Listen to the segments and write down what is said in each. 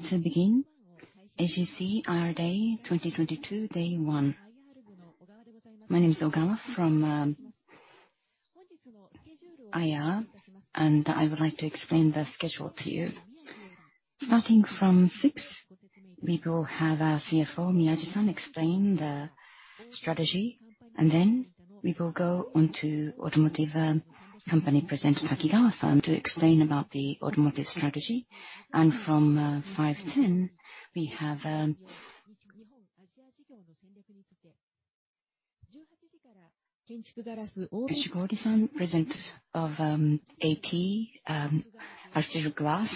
Time to begin AGC IR Day 2022, day one. My name is Ogawa from IR, and I would like to explain the schedule to you. Starting from 5:00, we will have our CFO, Miyaji-san, explain the strategy, and then we will go on to Automotive Company President Takegawa-san to explain about the automotive strategy. From 5:10, we have Yoshiba-san, President of AP Architectural Glass,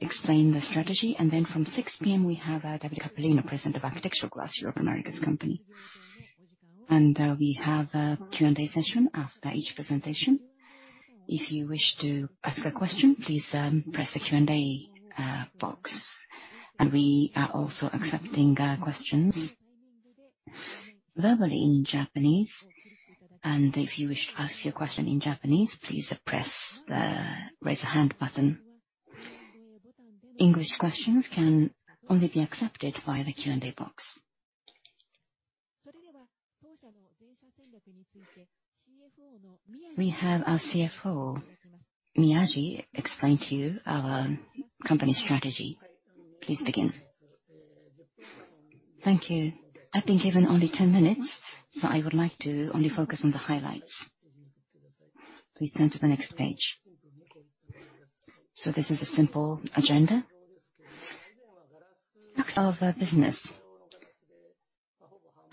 explain the strategy. From 6:00 P.M. we have Davide Cappellino, President of Architectural Glass Europe & Americas Company. We have a Q&A session after each presentation. If you wish to ask a question, please press the Q&A box. We are also accepting questions verbally in Japanese. If you wish to ask your question in Japanese, please press the Raise a Hand button. English questions can only be accepted via the Q&A box. We have our CFO, Miyaji, explain to you our company strategy. Please begin. Thank you. I've been given only 10 minutes, so I would like to only focus on the highlights. Please turn to the next page. This is a simple agenda. Facts of our business.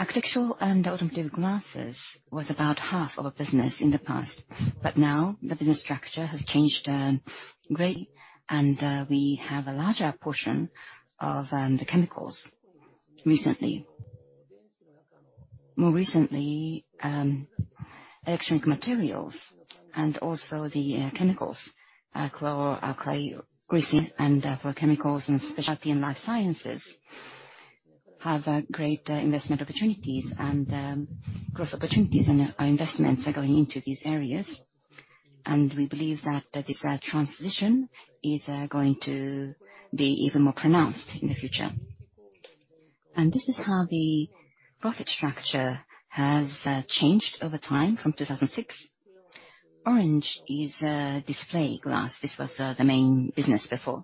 Architectural and automotive glasses was about half of our business in the past, but now the business structure has changed greatly, and we have a larger portion of the chemicals recently. More recently, electronic materials and also the chemicals, chlor-alkali, glass and chemicals, and specialty and life sciences have great investment opportunities and growth opportunities and our investments are going into these areas. We believe that this transition is going to be even more pronounced in the future. This is how the profit structure has changed over time from 2006. Orange is display glass. This was the main business before.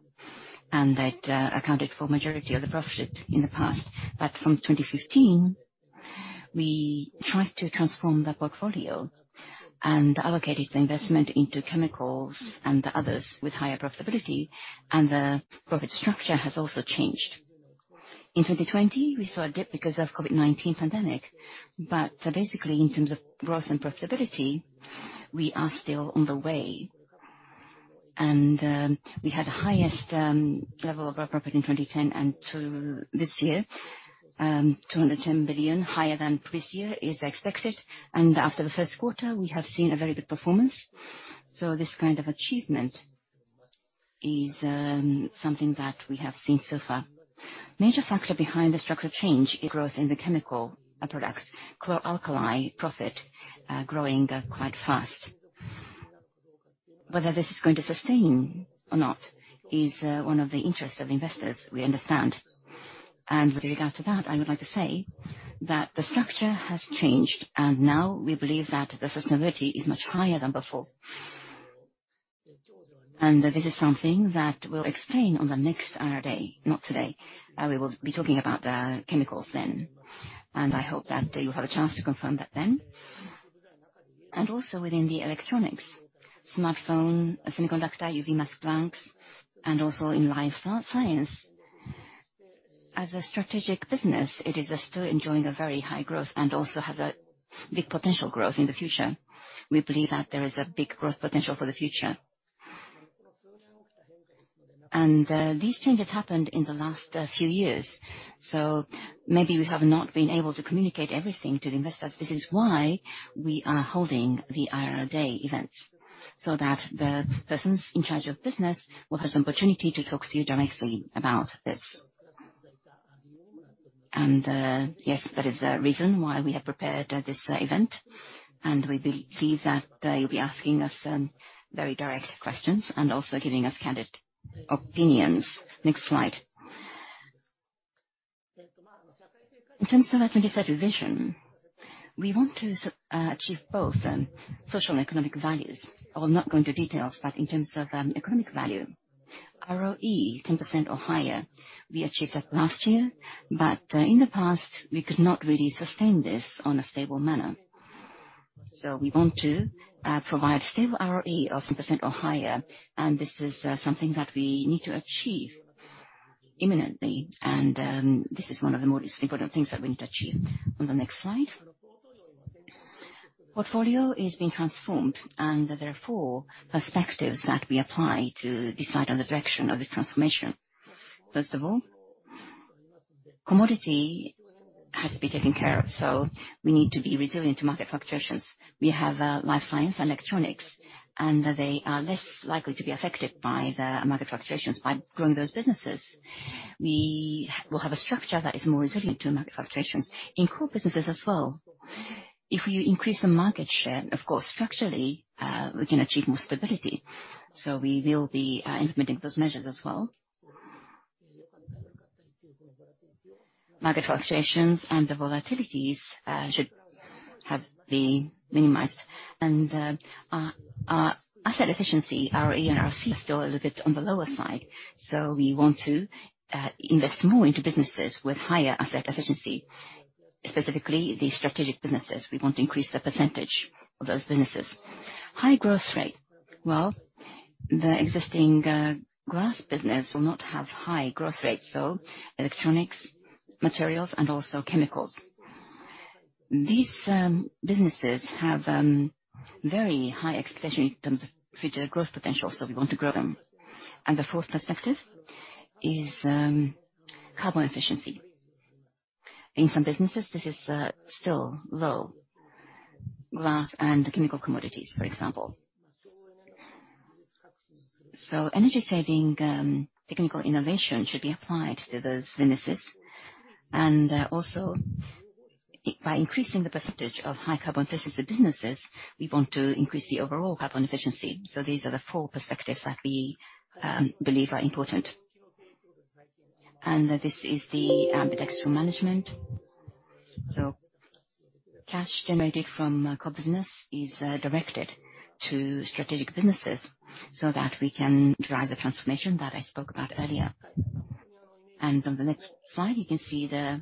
That accounted for majority of the profit in the past. From 2015, we tried to transform the portfolio and allocated the investment into chemicals and others with higher profitability, and the profit structure has also changed. In 2020, we saw a dip because of COVID-19 pandemic. Basically, in terms of growth and profitability, we are still on the way. We had the highest level of our profit in 2010, and to this year, 210 billion, higher than this year, is expected. After the first quarter, we have seen a very good performance. This kind of achievement is something that we have seen so far. Major factor behind the structure change is growth in the chemical products. Chlor-alkali profit, growing, quite fast. Whether this is going to sustain or not is, one of the interests of investors, we understand. With regard to that, I would like to say that the structure has changed, and now we believe that the sustainability is much higher than before. This is something that we'll explain on the next IR Day, not today. We will be talking about chemicals then. I hope that you have a chance to confirm that then. Also within the electronics, smartphone, semiconductor, EUV mask blanks, and also in life science. As a strategic business, it is, still enjoying a very high growth and also has a big potential growth in the future. We believe that there is a big growth potential for the future. These changes happened in the last few years, so maybe we have not been able to communicate everything to the investors. This is why we are holding the IR Day event, so that the persons in charge of business will have the opportunity to talk to you directly about this. Yes, that is the reason why we have prepared this event. We see that you'll be asking us very direct questions and also giving us candid opinions. Next slide. In terms of our 2030 vision, we want to achieve both social and economic values. I will not go into details, but in terms of economic value, ROE 10% or higher, we achieved that last year. In the past, we could not really sustain this in a stable manner. We want to provide stable ROE of 10% or higher, and this is something that we need to achieve imminently. This is one of the most important things that we need to achieve. On the next slide. Portfolio is being transformed, and there are four perspectives that we apply to decide on the direction of the transformation. First of all, commodity has to be taken care of, so we need to be resilient to market fluctuations. We have life science, electronics, and they are less likely to be affected by the market fluctuations. By growing those businesses, we will have a structure that is more resilient to market fluctuations. In core businesses as well. If you increase the market share, of course, structurally, we can achieve more stability. We will be implementing those measures as well. Market fluctuations and the volatilities should have been minimized. Our asset efficiency, our ROA and our ROCE still a little bit on the lower side. We want to invest more into businesses with higher asset efficiency, specifically the strategic businesses. We want to increase the percentage of those businesses. High growth rate. Well, the existing glass business will not have high growth rates, so electronics, materials and also chemicals. These businesses have very high expectation in terms of future growth potential, so we want to grow them. The fourth perspective is carbon efficiency. In some businesses, this is still low. Glass and chemical commodities, for example. Energy saving technical innovation should be applied to those businesses. Also by increasing the percentage of high carbon efficiency businesses, we want to increase the overall carbon efficiency. These are the four perspectives that we believe are important. This is the ambidextrous management. Cash generated from core business is directed to strategic businesses so that we can drive the transformation that I spoke about earlier. On the next slide, you can see the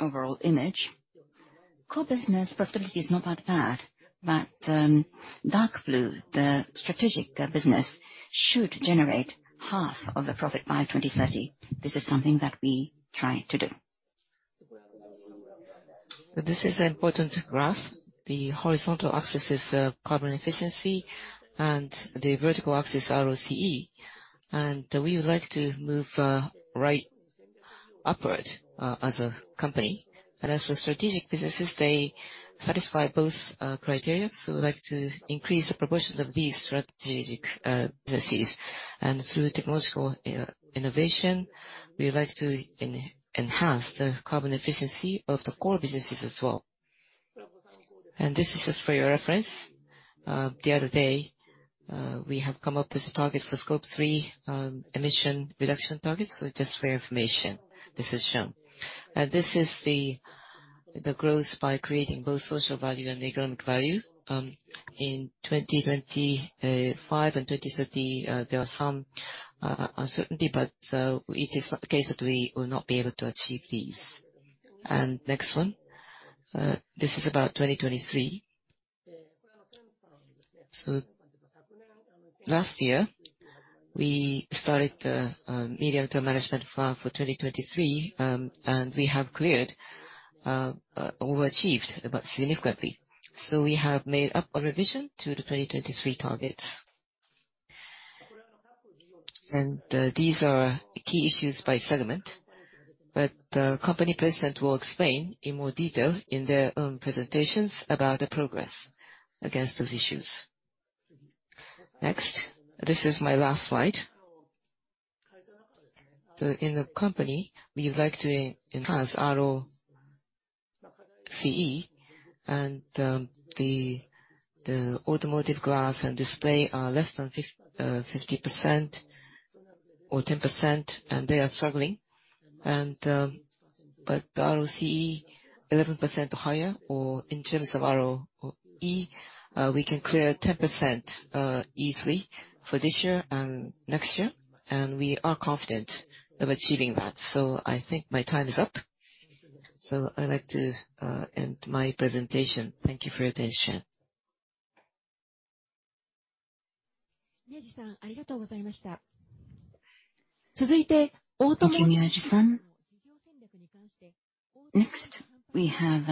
overall image. Core business profitability is not that bad, but dark blue, the strategic business should generate half of the profit by 2030. This is something that we try to do. This is an important graph. The horizontal axis is carbon efficiency and the vertical axis ROCE. We would like to move right upward as a company. As for strategic businesses, they satisfy both criteria. We'd like to increase the proportion of these strategic businesses. Through technological innovation, we would like to enhance the carbon efficiency of the core businesses as well. This is just for your reference. The other day, we have come up with a target for Scope three emission reduction targets. Just for your information, this is shown. This is the growth by creating both social value and economic value. In 2025 and 2030, there are some uncertainty, but it is not the case that we will not be able to achieve these. Next one, this is about 2023. Last year, we started a medium-term management plan for 2023, and we have cleared and overachieved significantly. We have made a revision to the 2023 targets. These are key issues by segment, but company president will explain in more detail in their own presentations about the progress against those issues. Next. This is my last slide. In the company, we would like to enhance ROCE and the automotive glass and display are less than 50% or 10%, and they are struggling. The ROCE 11% higher, or in terms of ROE, we can clear 10% easily for this year and next year, and we are confident of achieving that. I think my time is up. I'd like to end my presentation. Thank you for your attention. Thank you, Miyaji-san. Next, we have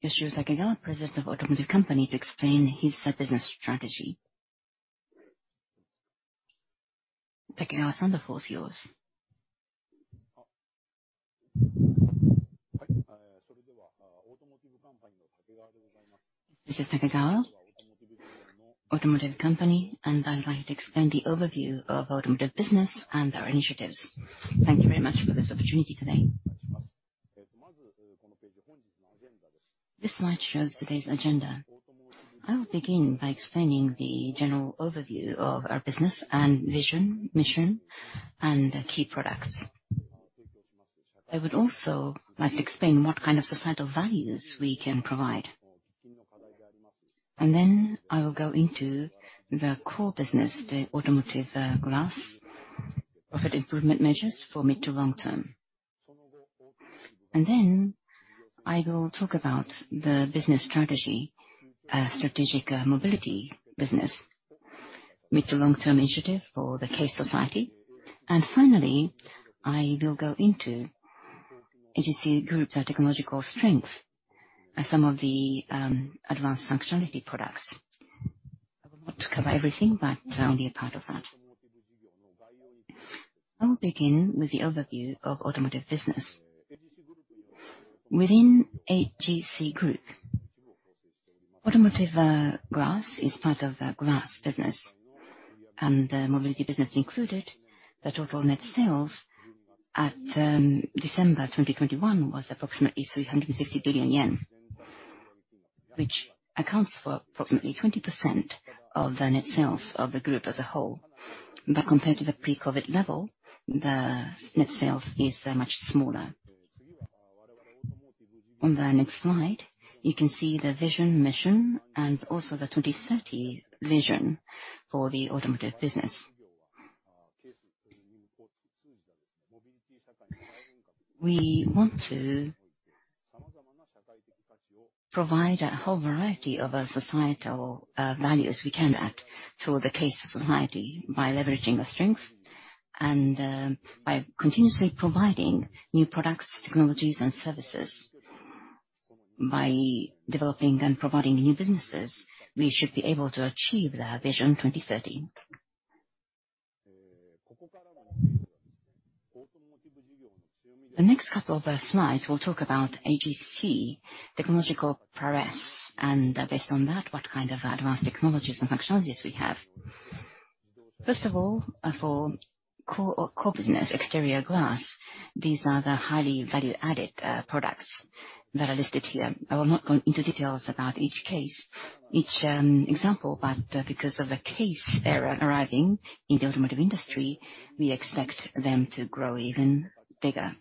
Yoshio Takegawa, President of Automotive Company, to explain his business strategy. Takegawa-san, the floor is yours. This is Takegawa, Automotive Company, and I'd like to explain the overview of automotive business and our initiatives. Thank you very much for this opportunity today. This slide shows today's agenda. I will begin by explaining the general overview of our business and vision, mission, and key products. I would also like to explain what kind of societal values we can provide. Then I will go into the core business, the automotive glass, profit improvement measures for mid- to long-term. Then I will talk about the business strategy, strategic mobility business, mid- to long-term initiative for the CASE society. Finally, I will go into AGC Group's technological strength and some of the advanced functionality products. I won't cover everything, but only a part of that. I'll begin with the overview of automotive business. Within AGC Group Automotive, glass is part of the glass business, and the mobility business included. The total net sales at December 2021 was approximately 350 billion yen, which accounts for approximately 20% of the net sales of the group as a whole. Compared to the pre-COVID level, the net sales is much smaller. On the next slide, you can see the vision, mission, and also the 2030 vision for the automotive business. We want to provide a whole variety of societal values we can add to the CASE society by leveraging our strengths and by continuously providing new products, technologies and services. By developing and providing new businesses, we should be able to achieve the 2030 vision. The next couple of slides, we'll talk about AGC technological progress and, based on that, what kind of advanced technologies and functionalities we have. First of all, for core business, exterior glass. These are the highly value-added products that are listed here. I will not go into details about each case, example, but, because of the CASE era arriving in the automotive industry, we expect them to grow even bigger.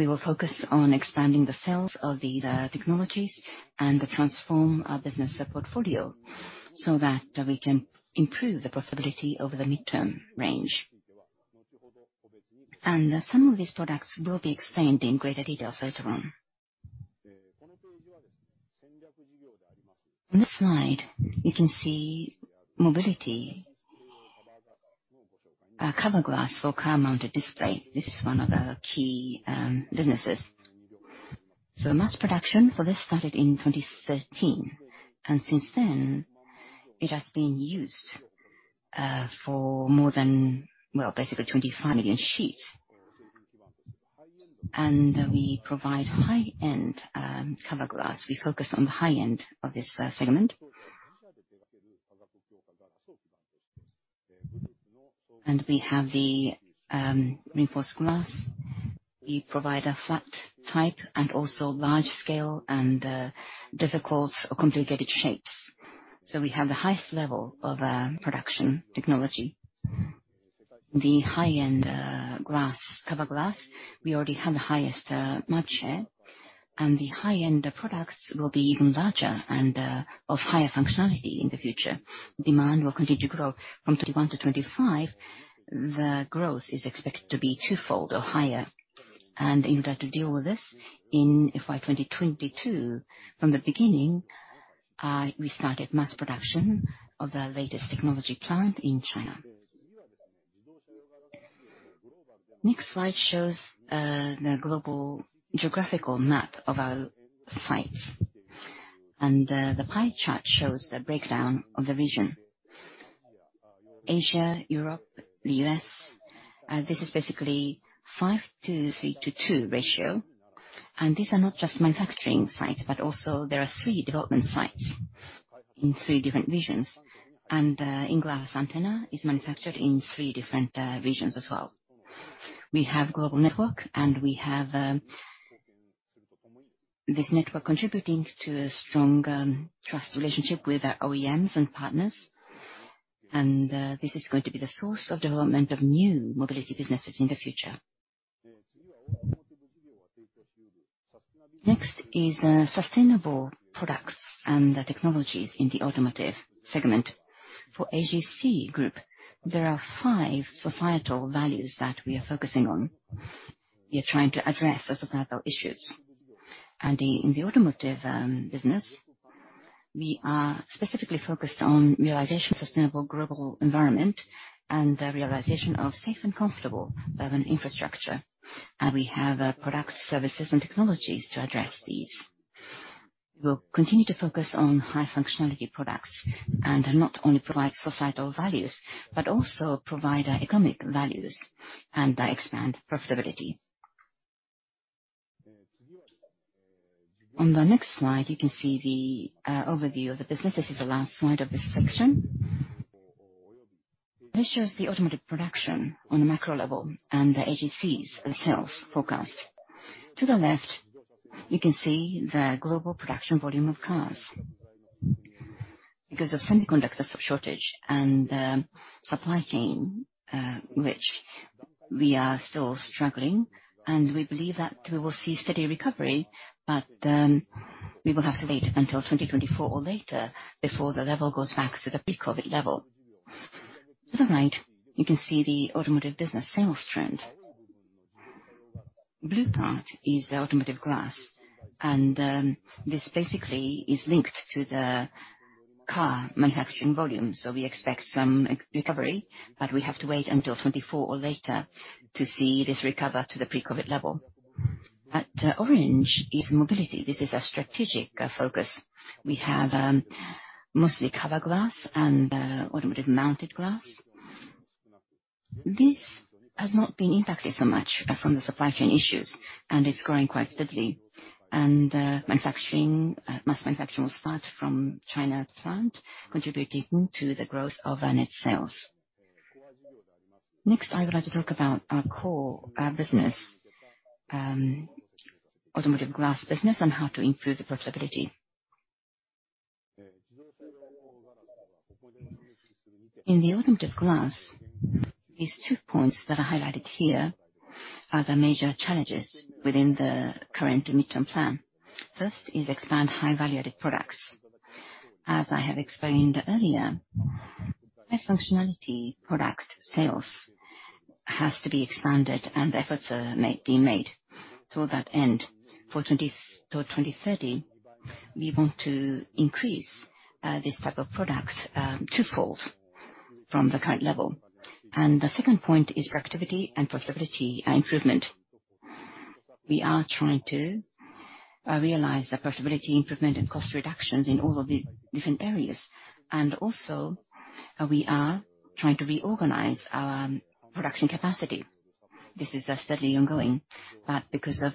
We will focus on expanding the sales of these technologies and transform our business portfolio so that we can improve the profitability over the mid-term range. Some of these products will be explained in greater detail later on. On this slide, you can see mobility. Cover glass for car mounted display. This is one of our key businesses. Mass production for this started in 2013, and since then it has been used for more than basically 25 million sheets. We provide high-end cover glass. We focus on the high-end of this segment. We have the reinforced glass. We provide a flat type and also large scale and difficult or complicated shapes. We have the highest level of production technology. The high-end glass, cover glass, we already have the highest market share, and the high-end products will be even larger and of higher functionality in the future. Demand will continue to grow from 2021 to 2025. The growth is expected to be twofold or higher. In order to deal with this, in FY 2022, from the beginning, we started mass production of the latest technology plant in China. Next slide shows the global geographical map of our sites, and the pie chart shows the breakdown of the region. Asia, Europe, the U.S. This is basically five to three to two ratio. These are not just manufacturing sites, but also there are three development sites in three different regions. In-glass antenna is manufactured in three different regions as well. We have global network, and we have this network contributing to a strong trust relationship with our OEMs and partners. This is going to be the source of development of new mobility businesses in the future. Next is the sustainable products and the technologies in the automotive segment. For AGC Group, there are five societal values that we are focusing on. We are trying to address the societal issues. In the automotive business, we are specifically focused on realization of sustainable global environment and the realization of safe and comfortable urban infrastructure. We have products, services, and technologies to address these. We will continue to focus on high functionality products and not only provide societal values, but also provide economic values and expand profitability. On the next slide, you can see the overview of the business. This is the last slide of this section. This shows the automotive production on a macro level and the AGC's sales forecast. To the left, you can see the global production volume of cars. Because of semiconductor shortage and supply chain, which we are still struggling and we believe that we will see steady recovery, but we will have to wait until 2024 or later before the level goes back to the pre-COVID level. To the right, you can see the automotive business sales trend. Blue part is the automotive glass, and this basically is linked to the car manufacturing volume. We expect some recovery, but we have to wait until 2024 or later to see this recover to the pre-COVID level. The orange is mobility. This is a strategic focus. We have mostly cover glass and automotive mounted glass. This has not been impacted so much from the supply chain issues, and it's growing quite steadily. Manufacturing mass manufacturing will start from China plant, contributing to the growth of our net sales. Next, I would like to talk about our core business, automotive glass business, and how to improve the profitability. In the automotive glass, these two points that are highlighted here are the major challenges within the current midterm plan. First is expand high-value-added products. As I have explained earlier, high functionality product sales has to be expanded, and efforts are made, being made to that end. For 20 till 2030, we want to increase this type of products two-fold from the current level. The second point is productivity and profitability improvement. We are trying to realize the profitability improvement and cost reductions in all of the different areas. We are also trying to reorganize our production capacity. This is steadily ongoing. Because of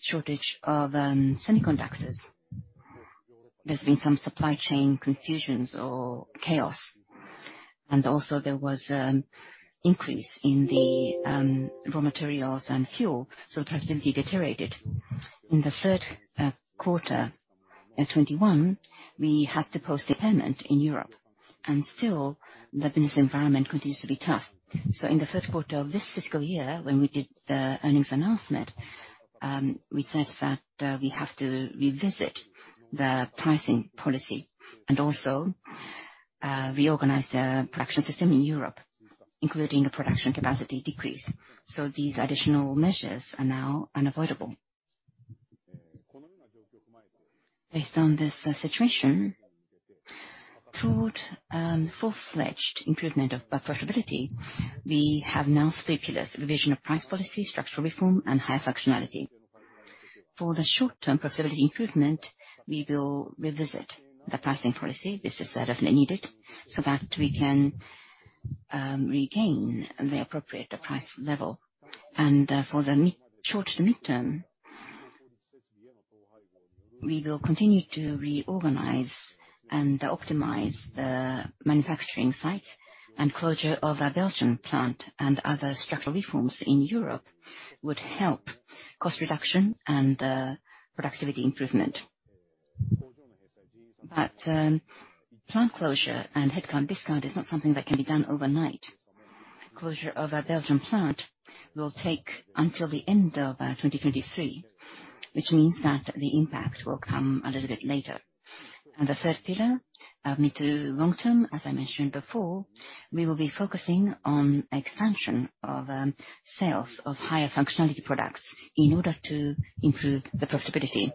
shortage of semiconductors, there's been some supply chain confusions or chaos. There was increase in the raw materials and fuel, so profitability deteriorated. In the third quarter 2021, we had to post impairment in Europe, and still the business environment continues to be tough. In the first quarter of this fiscal year, when we did the earnings announcement, we said that we have to revisit the pricing policy and also reorganize the production system in Europe, including a production capacity decrease. These additional measures are now unavoidable. Based on this situation, toward full-fledged improvement of profitability, we have now stipulated revision of price policy, structural reform, and high functionality. For the short-term profitability improvement, we will revisit the pricing policy. This is definitely needed so that we can regain the appropriate price level. For the short to midterm, we will continue to reorganize and optimize the manufacturing site. Closure of our Belgium plant and other structural reforms in Europe would help cost reduction and productivity improvement. Plant closure and headcount reduction is not something that can be done overnight. Closure of our Belgium plant will take until the end of 2023, which means that the impact will come a little bit later. The third pillar, mid to long-term, as I mentioned before, we will be focusing on expansion of sales of higher functionality products in order to improve the profitability.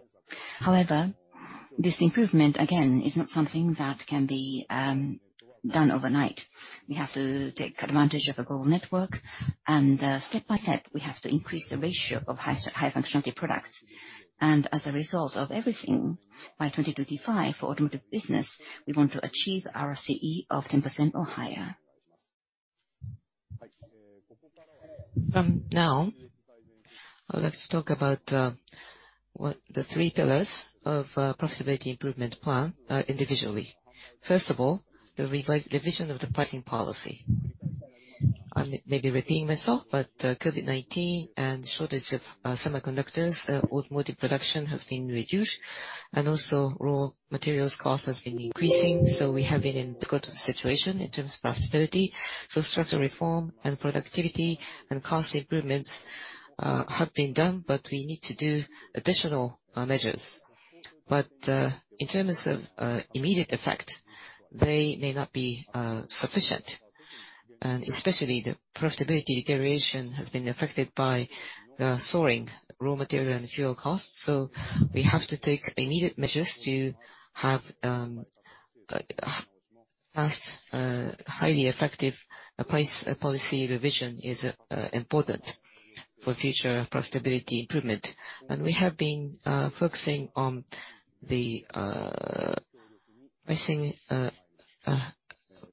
This improvement, again, is not something that can be done overnight. We have to take advantage of a global network, and step by step, we have to increase the ratio of high functionality products. As a result of everything, by 2025, for automotive business, we want to achieve ROCE of 10% or higher. From now, I would like to talk about the three pillars of profitability improvement plan individually. First of all, the revision of the pricing policy. I'm maybe repeating myself, but COVID-19 and shortage of semiconductors automotive production has been reduced, and also raw materials cost has been increasing, so we have been in difficult situation in terms of profitability. Structural reform and productivity and cost improvements have been done, but we need to do additional measures. In terms of immediate effect, they may not be sufficient. Especially the profitability deterioration has been affected by the soaring raw material and fuel costs. We have to take immediate measures to have a fast, highly effective price policy revision is important for future profitability improvement. We have been focusing on the pricing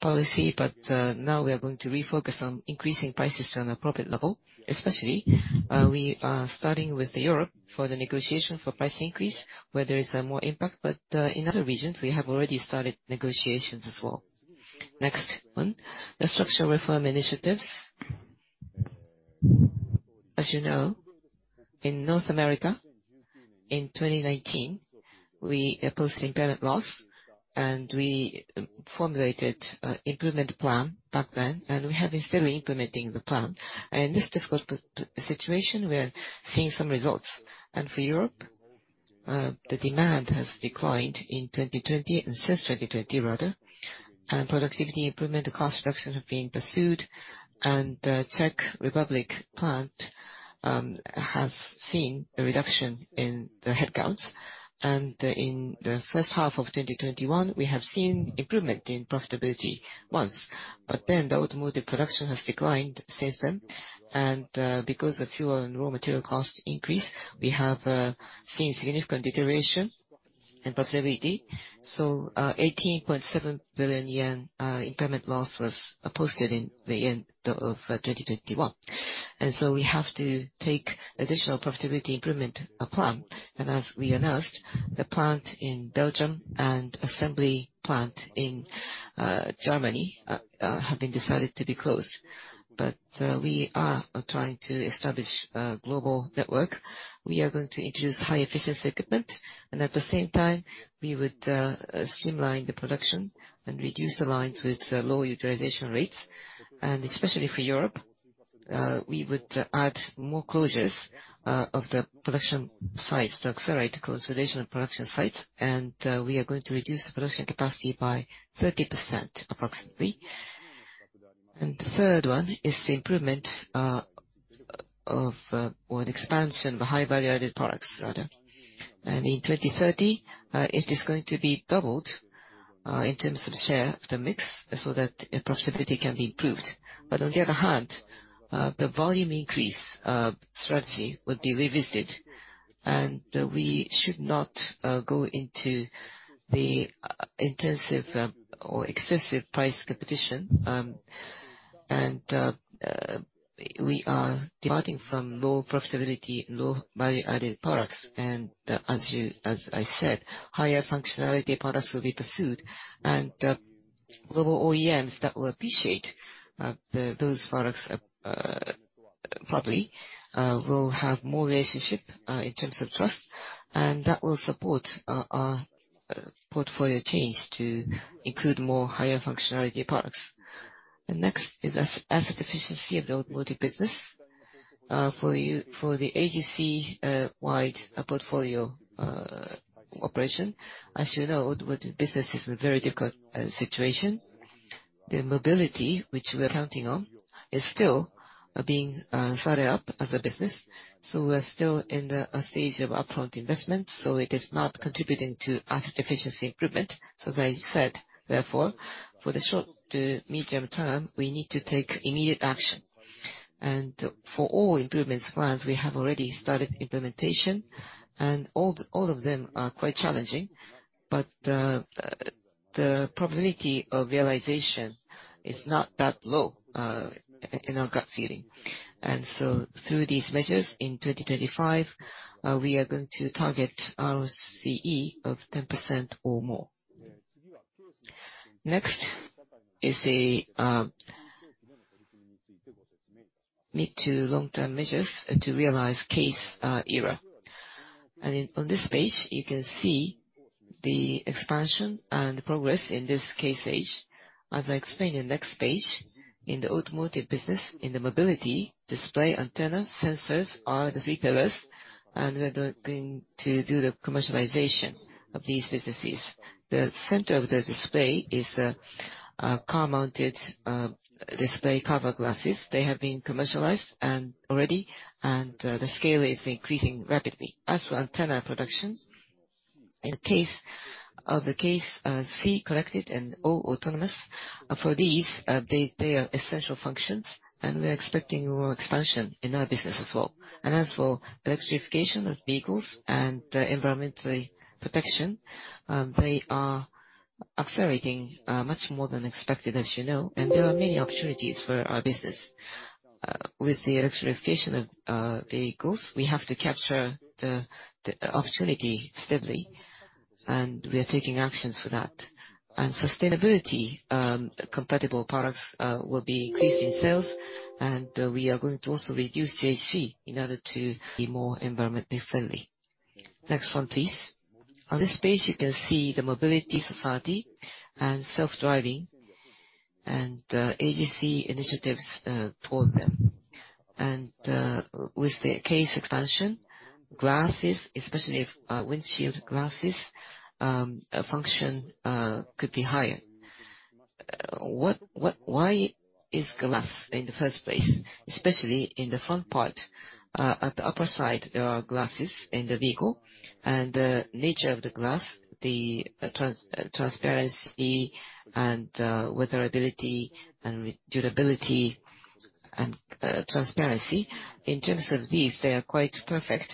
policy, but now we are going to refocus on increasing prices to an appropriate level. Especially, we are starting with Europe for the negotiation for price increase, where there is more impact. In other regions, we have already started negotiations as well. Next one, the structural reform initiatives. As you know, in North America, in 2019, we posted impairment loss, and we formulated an improvement plan back then, and we have been still implementing the plan. In this difficult pandemic situation, we are seeing some results. For Europe, the demand has declined in 2020, and since 2020 rather. Productivity improvement and cost reduction have been pursued. The Czech Republic plant has seen a reduction in the headcounts. In the first half of 2021, we have seen improvement in profitability once. Then the automotive production has declined since then. Because of fuel and raw material cost increase, we have seen significant deterioration. Profitability. Eighteen point seven billion yen impairment loss was posted in the end of 2021. We have to take additional profitability improvement plan. As we announced, the plant in Belgium and assembly plant in Germany have been decided to be closed. We are trying to establish a global network. We are going to introduce high-efficiency equipment, and at the same time, we would streamline the production and reduce the lines with low utilization rates. Especially for Europe, we would add more closures of the production sites to accelerate the consolidation of production sites. We are going to reduce production capacity by 30% approximately. The third one is the improvement of, or the expansion of the high-value added products rather. In 2030, it is going to be doubled in terms of share of the mix so that profitability can be improved. But on the other hand, the volume increase strategy would be revisited, and we should not go into the intensive or excessive price competition. We are departing from low profitability, low value-added products. As I said, higher functionality products will be pursued. Global OEMs that will appreciate those products probably will have more relationship in terms of trust, and that will support our portfolio change to include more higher functionality products. The next is asset efficiency of the automotive business for the AGC-wide portfolio operation. As you know, automotive business is a very difficult situation. The mobility, which we are counting on, is still being started up as a business, so we're still in a stage of upfront investment, so it is not contributing to asset efficiency improvement. As I said, therefore, for the short to medium term, we need to take immediate action. For all improvements plans, we have already started implementation, and all of them are quite challenging. The probability of realization is not that low in our gut feeling. Through these measures in 2025, we are going to target our ROCE of 10% or more. Next is mid to long-term measures and to realize CASE era. On this page, you can see the expansion and progress in this CASE era. As I explained in the next page, in the automotive business, in the mobility display, antenna, sensors are the three pillars, and we are going to do the commercialization of these businesses. The center of the display is a car-mounted display cover glasses. They have been commercialized already, and the scale is increasing rapidly. As for antenna production, in the case of CASE, C, connected, and A, autonomous, for these, they are essential functions, and we're expecting more expansion in our business as well. As for electrification of vehicles and environmental protection, they are accelerating much more than expected, as you know, and there are many opportunities for our business. With the electrification of vehicles, we have to capture the opportunity steadily, and we are taking actions for that. Sustainability compatible products will be increased in sales, and we are going to also reduce GHG in order to be more environmentally friendly. Next one, please. On this page, you can see the mobility society and self-driving, and AGC initiatives toward them. With the CASE expansion, glasses, especially if windshield glasses function could be higher. Why is glass in the first place, especially in the front part? At the upper side, there are glasses in the vehicle, and the nature of the glass, the transparency and weatherability and durability and transparency, in terms of these, they are quite perfect.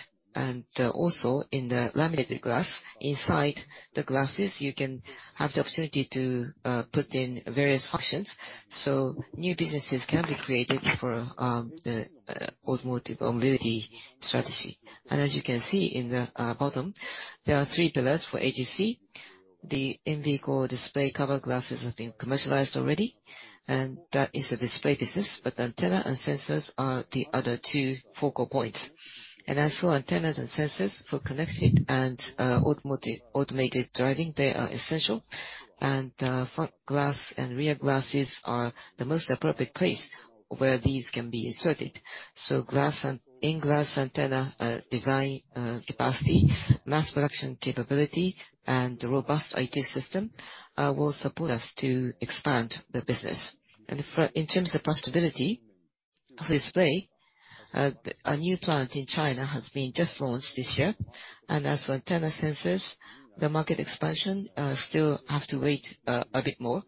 Also in the laminated glass, inside the glasses, you can have the opportunity to put in various functions, so new businesses can be created for the automotive mobility strategy. As you can see in the bottom, there are three pillars for AGC. The in-vehicle display cover glasses have been commercialized already, and that is a display business. Antenna and sensors are the other two focal points. As for antennas and sensors for connected and automated driving, they are essential. Front glass and rear glasses are the most appropriate place where these can be inserted. Glass in-glass antenna design, capacity, mass production capability, and robust IT system will support us to expand the business. In terms of profitability, for display, a new plant in China has been just launched this year. As for antenna sensors, the market expansion still have to wait a bit more.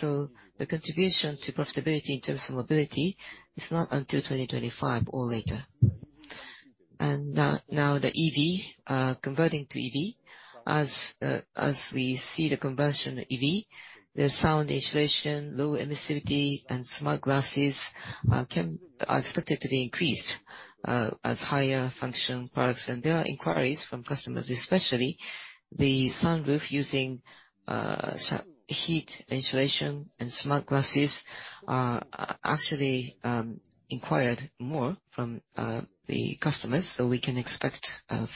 The contribution to profitability in terms of mobility is not until 2025 or later. Now the EV converting to EV. As we see the conversion to EV, the sound insulation, low emissivity and smart glasses are expected to be increased as higher function products. There are inquiries from customers, especially the sunroof using heat insulation and smart glasses are actually inquired more from the customers, so we can expect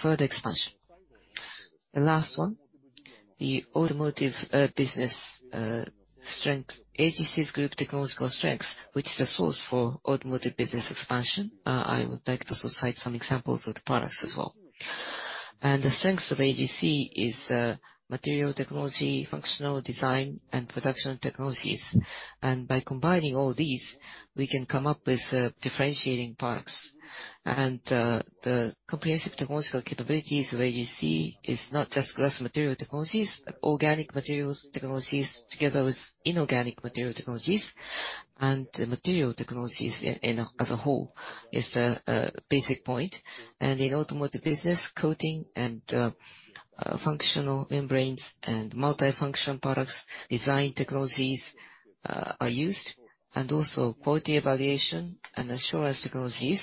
further expansion. The last one, the automotive business strength. AGC Group's technological strengths, which is a source for automotive business expansion. I would like to cite some examples of the products as well. The strengths of AGC is material technology, functional design and production technologies. By combining all these, we can come up with differentiating products. The comprehensive technological capabilities of AGC is not just glass material technologies, but organic materials technologies together with inorganic material technologies. Material technologies as a whole is the basic point. In automotive business, coating and functional membranes and multifunction products, design technologies are used, and also quality evaluation and assurance technologies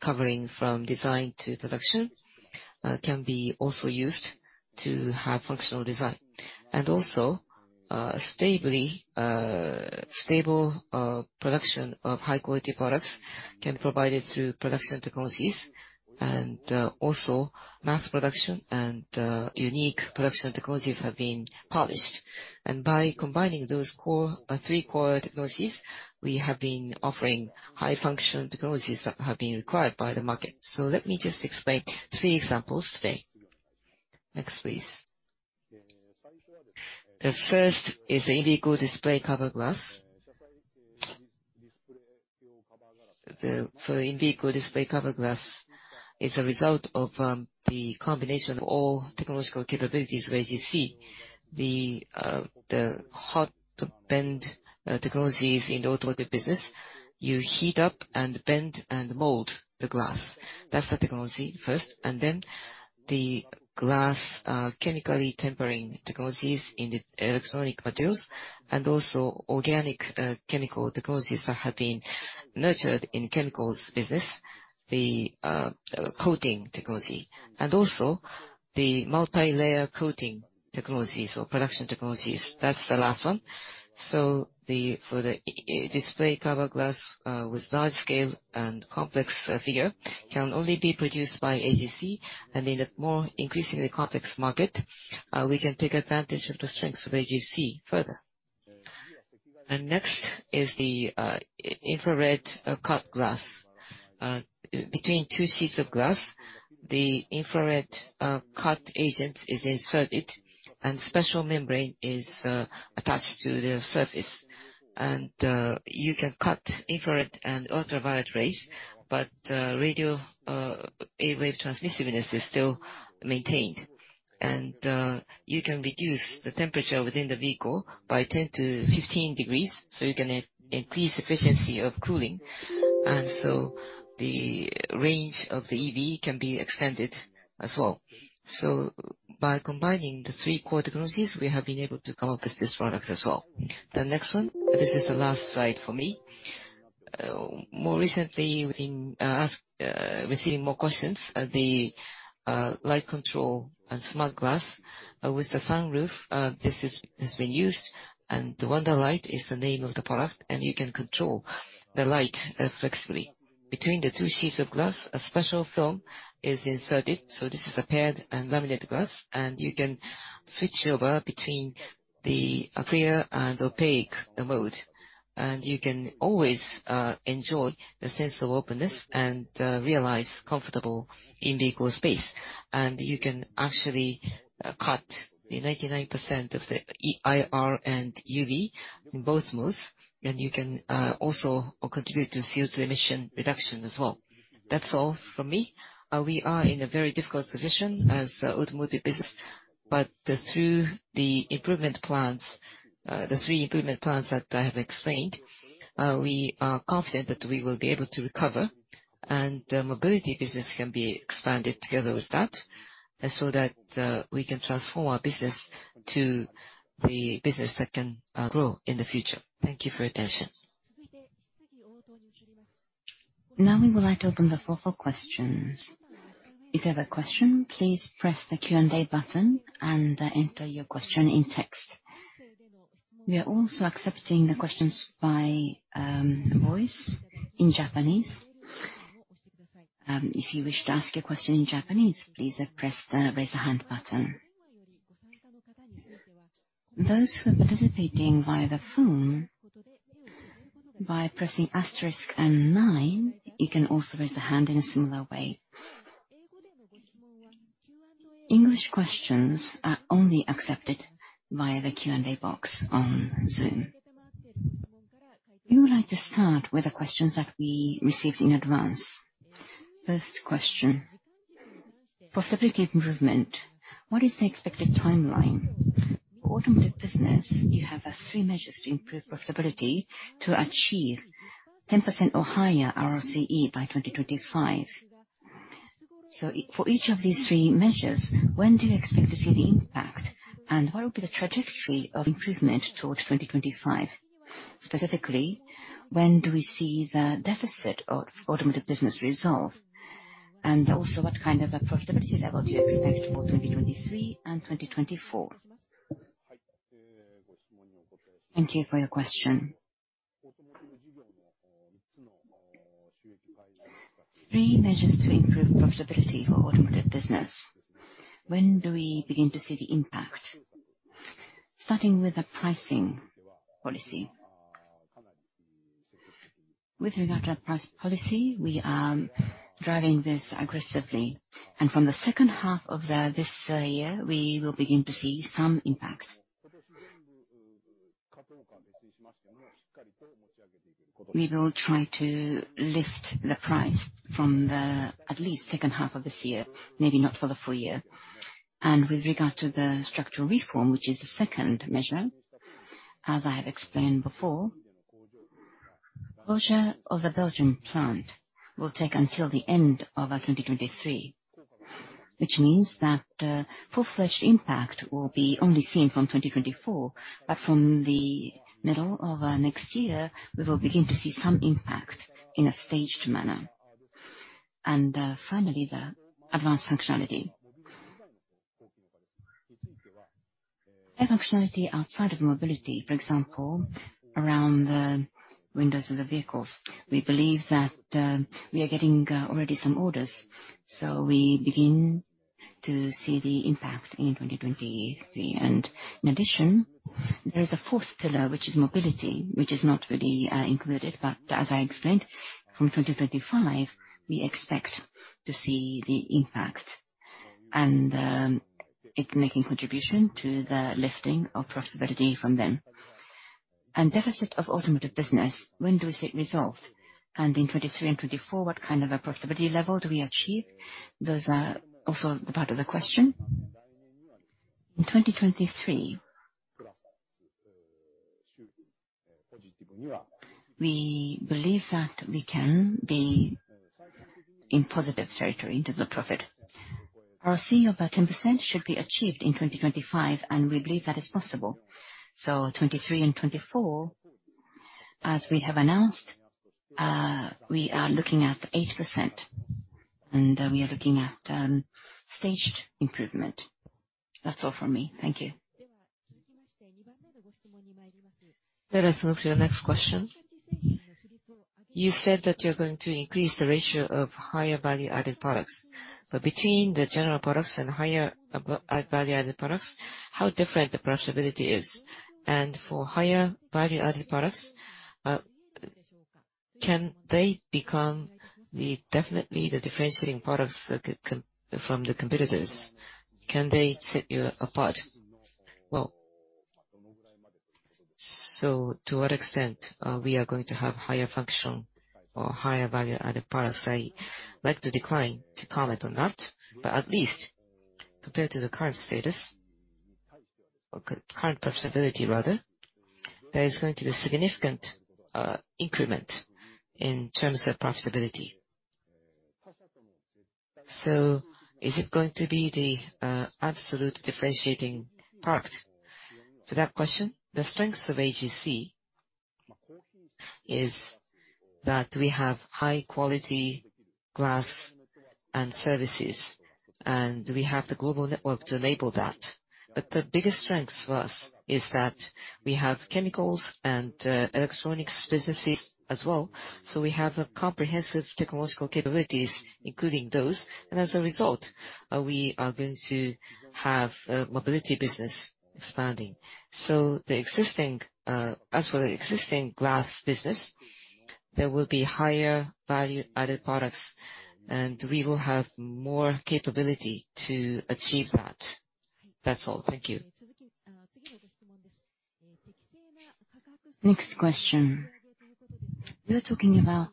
covering from design to production can be also used to have functional design. Stable production of high quality products can be provided through production technologies and also mass production and unique production technologies have been polished. By combining those three core technologies, we have been offering high function technologies that have been required by the market. Let me just explain three examples today. Next, please. The first is the in-vehicle display cover glass. For in-vehicle display cover glass is a result of the combination of all technological capabilities where you see the hot bend technologies in the automotive business. You heat up and bend and mold the glass. That's the technology first, and then the glass chemically tempering technologies in the electronic materials, and also organic chemical technologies that have been nurtured in chemicals business, the coating technology, and also the multilayer coating technologies or production technologies, that's the last one. For the display cover glass with large-scale and complex figure can only be produced by AGC. In a more increasingly complex market, we can take advantage of the strengths of AGC further. Next is the infrared cut glass. Between two sheets of glass, the infrared cut agent is inserted and special membrane is attached to the surface. You can cut infrared and ultraviolet rays, but radio wave transmissivity is still maintained. You can reduce the temperature within the vehicle by 10-15 degrees, so you can increase efficiency of cooling. The range of the EV can be extended as well. By combining the three core technologies, we have been able to come up with these products as well. The next one, this is the last slide for me. More recently, we've been receiving more questions. The light control and smart glass with the sunroof, this has been used, and the Wonderlite is the name of the product, and you can control the light flexibly. Between the two sheets of glass, a special film is inserted, so this is a paired and laminated glass, and you can switch over between the clear and opaque mode. You can always enjoy the sense of openness and realize comfortable in-vehicle space. You can actually cut the 99% of the IR and UV in both modes, and you can also contribute to CO2 emission reduction as well. That's all from me. We are in a very difficult position as automotive business, but through the improvement plans, the three improvement plans that I have explained, we are confident that we will be able to recover, and the mobility business can be expanded together with that, and so that we can transform our business to the business that can grow in the future. Thank you for your attention. Now we would like to open the floor for questions. If you have a question, please press the Q&A button and enter your question in text. We are also accepting the questions by voice in Japanese. If you wish to ask a question in Japanese, please press the Raise A Hand button. Those who are participating via the phone, by pressing asterisk and nine, you can also raise a hand in a similar way. English questions are only accepted via the Q&A box on Zoom. We would like to start with the questions that we received in advance. First question. For profitability improvement, what is the expected timeline? Automotive business, you have three measures to improve profitability to achieve 10% or higher ROCE by 2025. For each of these three measures, when do you expect to see the impact, and what will be the trajectory of improvement towards 2025? Specifically, when do we see the deficit of automotive business resolve? And also, what kind of a profitability level do you expect for 2023 and 2024? Thank you for your question. Three measures to improve profitability for automotive business. When do we begin to see the impact? Starting with the pricing policy. With regard to our price policy, we are driving this aggressively. From the second half of this year, we will begin to see some impacts. We will try to lift the price at least second half of this year, maybe not for the full year. With regard to the structural reform, which is the second measure, as I have explained before, closure of the Belgian plant will take until the end of 2023. Which means that full-fledged impact will be only seen from 2024. From the middle of next year, we will begin to see some impact in a staged manner. Finally, the advanced functionality. Add functionality outside of mobility, for example, around the windows of the vehicles. We believe that we are getting already some orders, so we begin to see the impact in 2023. In addition, there is a fourth pillar, which is mobility, which is not really included. As I explained, from 2025, we expect to see the impact and it making contribution to the lifting of profitability from then. Deficit of automotive business, when do we see it resolve? In 2023 and 2024, what kind of a profitability level do we achieve? Those are also part of the question. In 2023, we believe that we can be in positive territory into the profit. Our ROE of 10% should be achieved in 2025, and we believe that is possible. 2023 and 2024, as we have announced, we are looking at 8%, and we are looking at staged improvement. That's all from me. Thank you. Let us move to the next question. You said that you're going to increase the ratio of higher value-added products, but between the general products and higher value-added products, how different the profitability is? And for higher value-added products, can they become definitely the differentiating products that differentiate from the competitors? Can they set you apart? Well, to what extent we are going to have higher function or higher value-added products, I like to decline to comment on that. But at least compared to the current status, or current profitability rather, there is going to be significant increment in terms of profitability. Is it going to be the absolute differentiating product? To that question, the strengths of AGC is that we have high-quality glass and services, and we have the global network to enable that. But the biggest strength for us is that we have chemicals and electronics businesses as well. We have a comprehensive technological capabilities, including those, and as a result, we are going to have a mobility business expanding. As for the existing glass business, there will be higher value-added products, and we will have more capability to achieve that. That's all. Thank you. Next question. You're talking about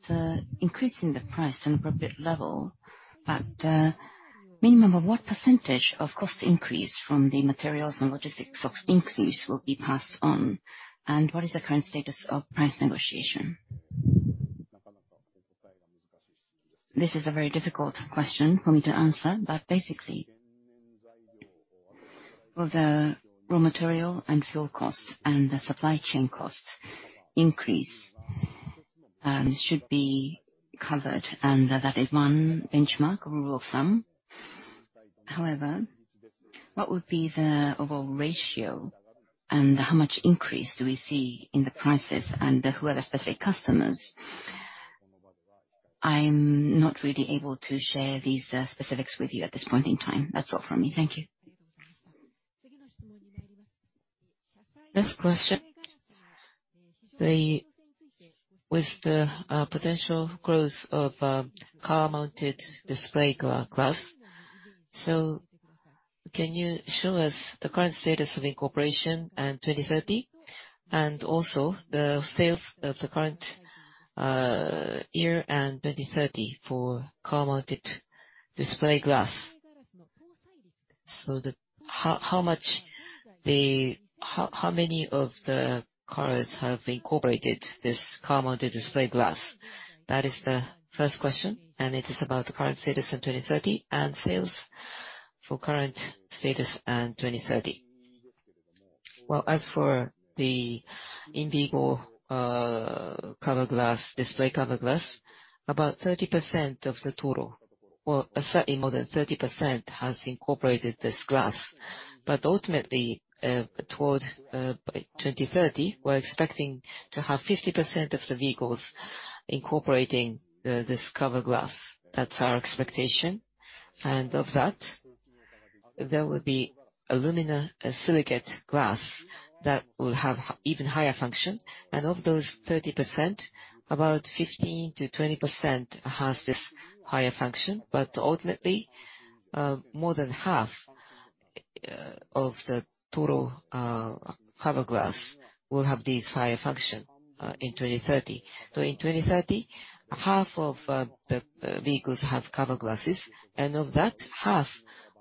increasing the price to an appropriate level, but minimum of what percentage of cost increase from the materials and logistics increase will be passed on? And what is the current status of price negotiation? This is a very difficult question for me to answer, but basically, for the raw material and fuel costs and the supply chain costs increase should be covered, and that is one benchmark or rule of thumb. However, what would be the overall ratio and how much increase do we see in the prices and who are the specific customers? I'm not really able to share these specifics with you at this point in time. That's all from me. Thank you. Next question. With the potential growth of car-mounted display glass. Can you show us the current status of incorporation in 2030, and also the sales of the current year and 2030 for car-mounted display glass? How many of the cars have incorporated this car-mounted display glass? That is the first question, and it is about the current status in 2030 and sales for current status and 2030. Well, as for the in-vehicle cover glass, display cover glass, about 30% of the total, or certainly more than 30%, has incorporated this glass. Ultimately, toward by 2030, we're expecting to have 50% of the vehicles incorporating this cover glass. That's our expectation. Of that, there will be aluminosilicate glass that will have even higher function. Of those 30%, about 15%-20% has this higher function. Ultimately, more than half of the total cover glass will have this higher function in 2030. In 2030, half of the vehicles have cover glasses, and of that, half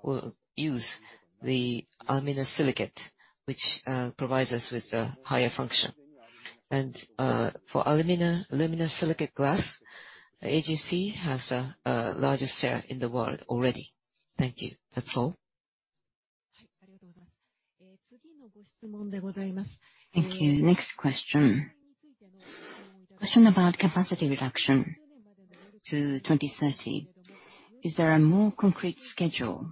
will use the aluminosilicate, which provides us with a higher function. For aluminosilicate glass, AGC has the largest share in the world already. Thank you. That's all. Thank you. Next question. Question about capacity reduction to 2030. Is there a more concrete schedule?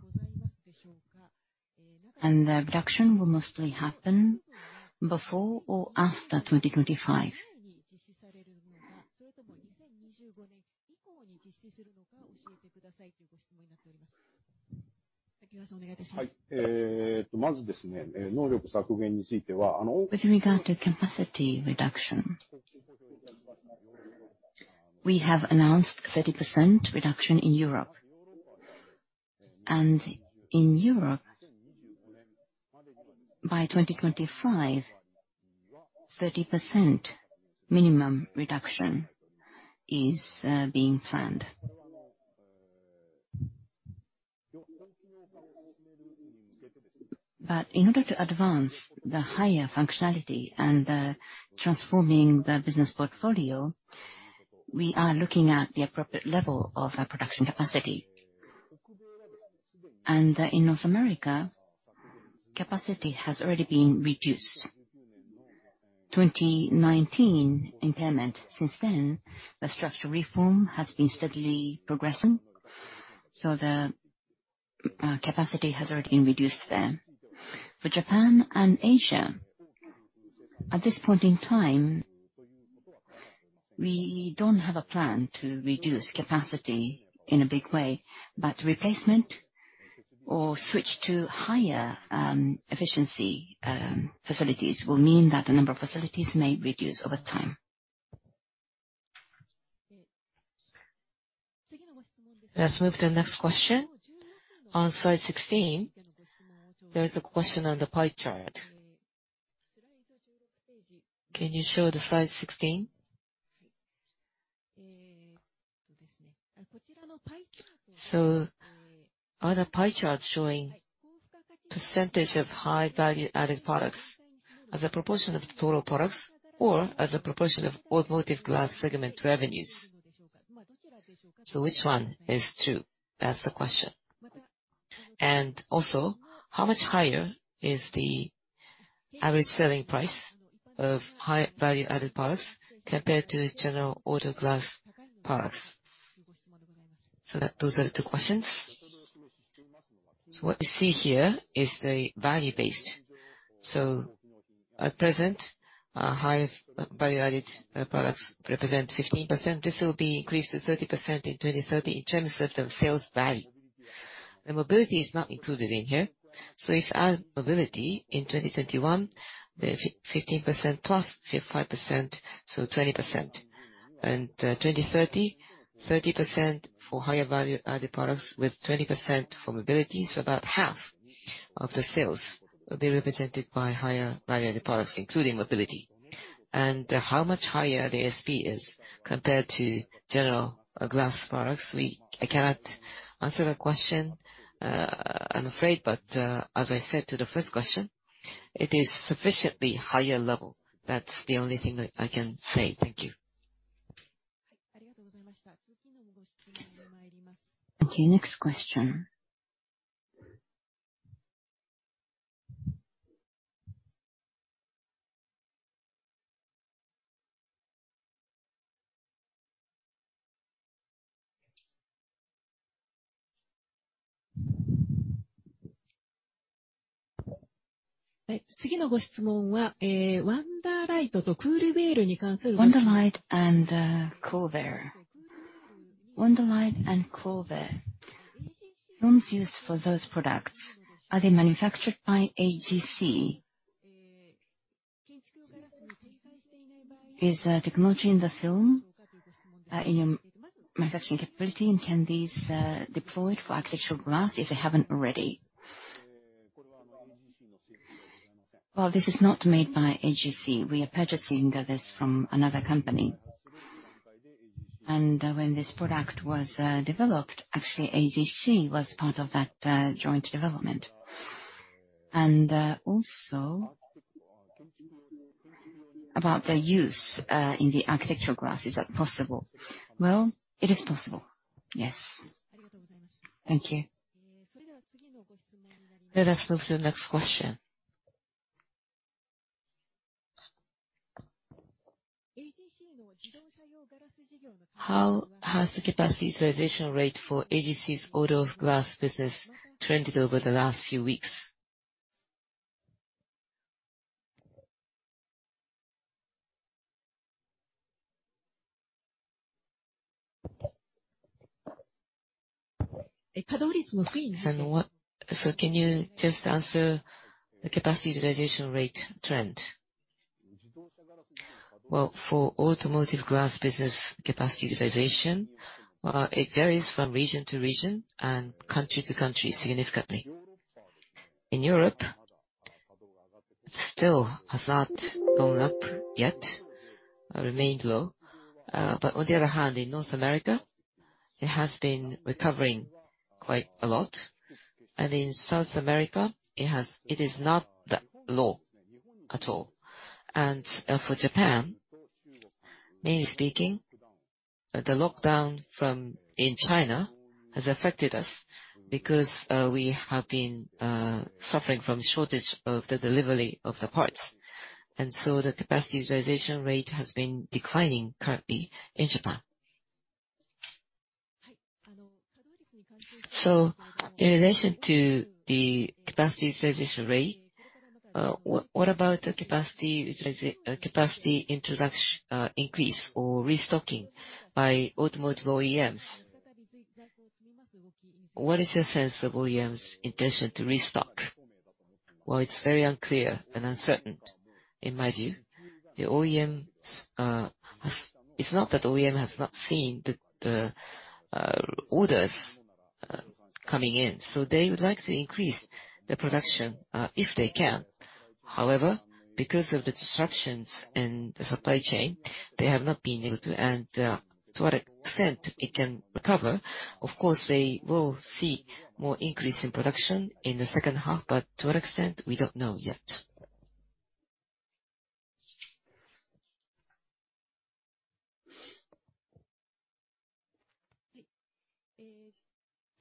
The reduction will mostly happen before or after 2025? With regard to capacity reduction, we have announced 30% reduction in Europe. In Europe, by 2025, 30% minimum reduction is being planned. In order to advance the higher functionality and transforming the business portfolio, we are looking at the appropriate level of our production capacity. In North America, capacity has already been reduced. 2019 impairment, since then, the structural reform has been steadily progressing, so the capacity has already been reduced there. For Japan and Asia, at this point in time, we don't have a plan to reduce capacity in a big way. Replacement or switch to higher efficiency facilities will mean that the number of facilities may reduce over time. Let's move to the next question. On slide 16, there is a question on the pie chart. Can you show the slide 16? Are the pie charts showing percentage of high value-added products as a proportion of the total products or as a proportion of automotive glass segment revenues? Which one is true? That's the question. Also, how much higher is the average selling price of high value-added products compared to general auto glass products? That, those are the two questions. What you see here is the value-based. At present, our high value-added products represent 15%. This will be increased to 30% in 2030 in terms of the sales value. The mobility is not included in here. If add mobility in 2021, the 15% plus 5%, so 20%. 2030, 30% for higher value-added products with 20% for mobility. About half of the sales will be represented by higher value-added products, including mobility. How much higher the ASP is compared to general glass products, I cannot answer that question, I'm afraid. As I said to the first question, it is sufficiently higher level. That's the only thing that I can say. Thank you. Okay, next question. Wonderlite and Coolverre. Films used for those products, are they manufactured by AGC? Is technology in the film in your manufacturing capability, and can these deployed for architectural glass if they haven't already? Well, this is not made by AGC. We are purchasing this from another company. When this product was developed, actually AGC was part of that joint development. Also about the use in the Architectural Glass, is that possible? Well, it is possible, yes. Thank you. Let us move to the next question. How has the capacity utilization rate for AGC's auto glass business trended over the last few weeks? Can you just answer the capacity utilization rate trend? Well, for automotive glass business capacity utilization, it varies from region to region and country to country significantly. In Europe, it still has not gone up yet, remained low. On the other hand, in North America, it has been recovering quite a lot. In South America, it is not that low at all. For Japan, mainly speaking, the lockdown in China has affected us because we have been suffering from shortage of the delivery of the parts. The capacity utilization rate has been declining currently in Japan. In relation to the capacity utilization rate, what about the capacity increase or restocking by automotive OEMs? What is your sense of OEM's intention to restock? Well, it's very unclear and uncertain in my view. It's not that OEM has not seen the orders coming in, so they would like to increase the production, if they can. However, because of the disruptions in the supply chain, they have not been able to. To what extent it can recover, of course they will see more increase in production in the second half, but to what extent, we don't know yet.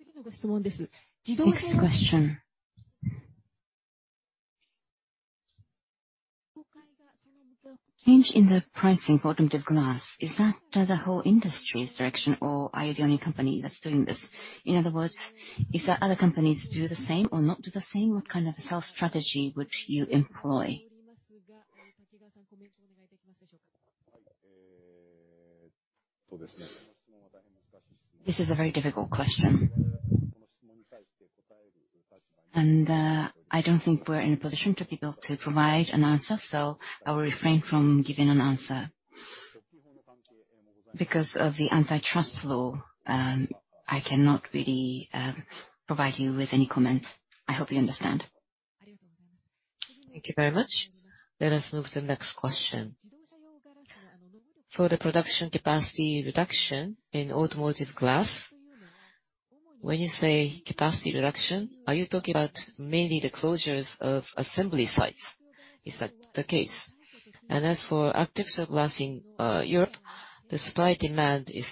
Next question. Change in the pricing for automotive glass, is that the whole industry's direction, or are you the only company that's doing this? In other words, if there are other companies who do the same or not do the same, what kind of sales strategy would you employ? This is a very difficult question. I don't think we're in a position to be able to provide an answer, so I will refrain from giving an answer. Because of the antitrust law, I cannot really provide you with any comments. I hope you understand. Thank you very much. Let us move to the next question. For the production capacity reduction in automotive glass, when you say capacity reduction, are you talking about mainly the closures of assembly sites? Is that the case? As for architectural glass in Europe, the supply demand is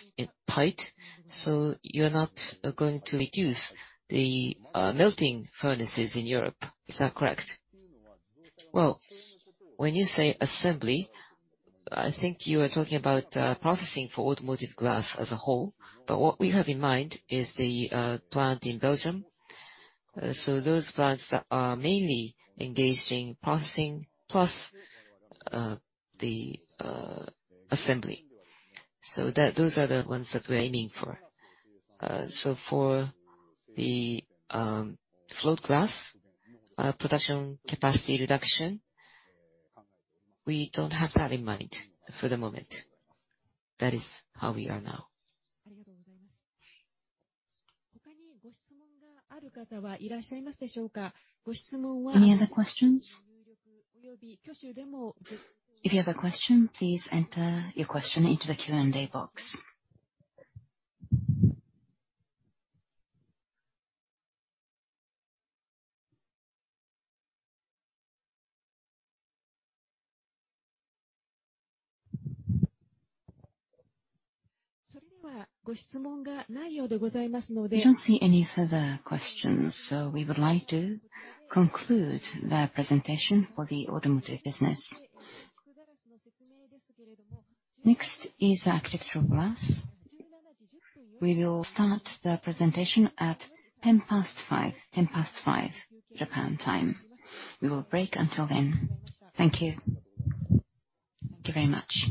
tight, so you're not going to reduce the melting furnaces in Europe. Is that correct? Well, when you say assembly, I think you are talking about processing for automotive glass as a whole. What we have in mind is the plant in Belgium. Those plants that are mainly engaged in processing plus the assembly. That, those are the ones that we're aiming for. For the float glass production capacity reduction, we don't have that in mind for the moment. That is how we are now. Any other questions? If you have a question, please enter your question into the Q&A box. We don't see any further questions, so we would like to conclude the presentation for the automotive business. Next is Architectural Glass. We will start the presentation at 5:10 P.M. Japan time. We will break until then. Thank you. Thank you very much.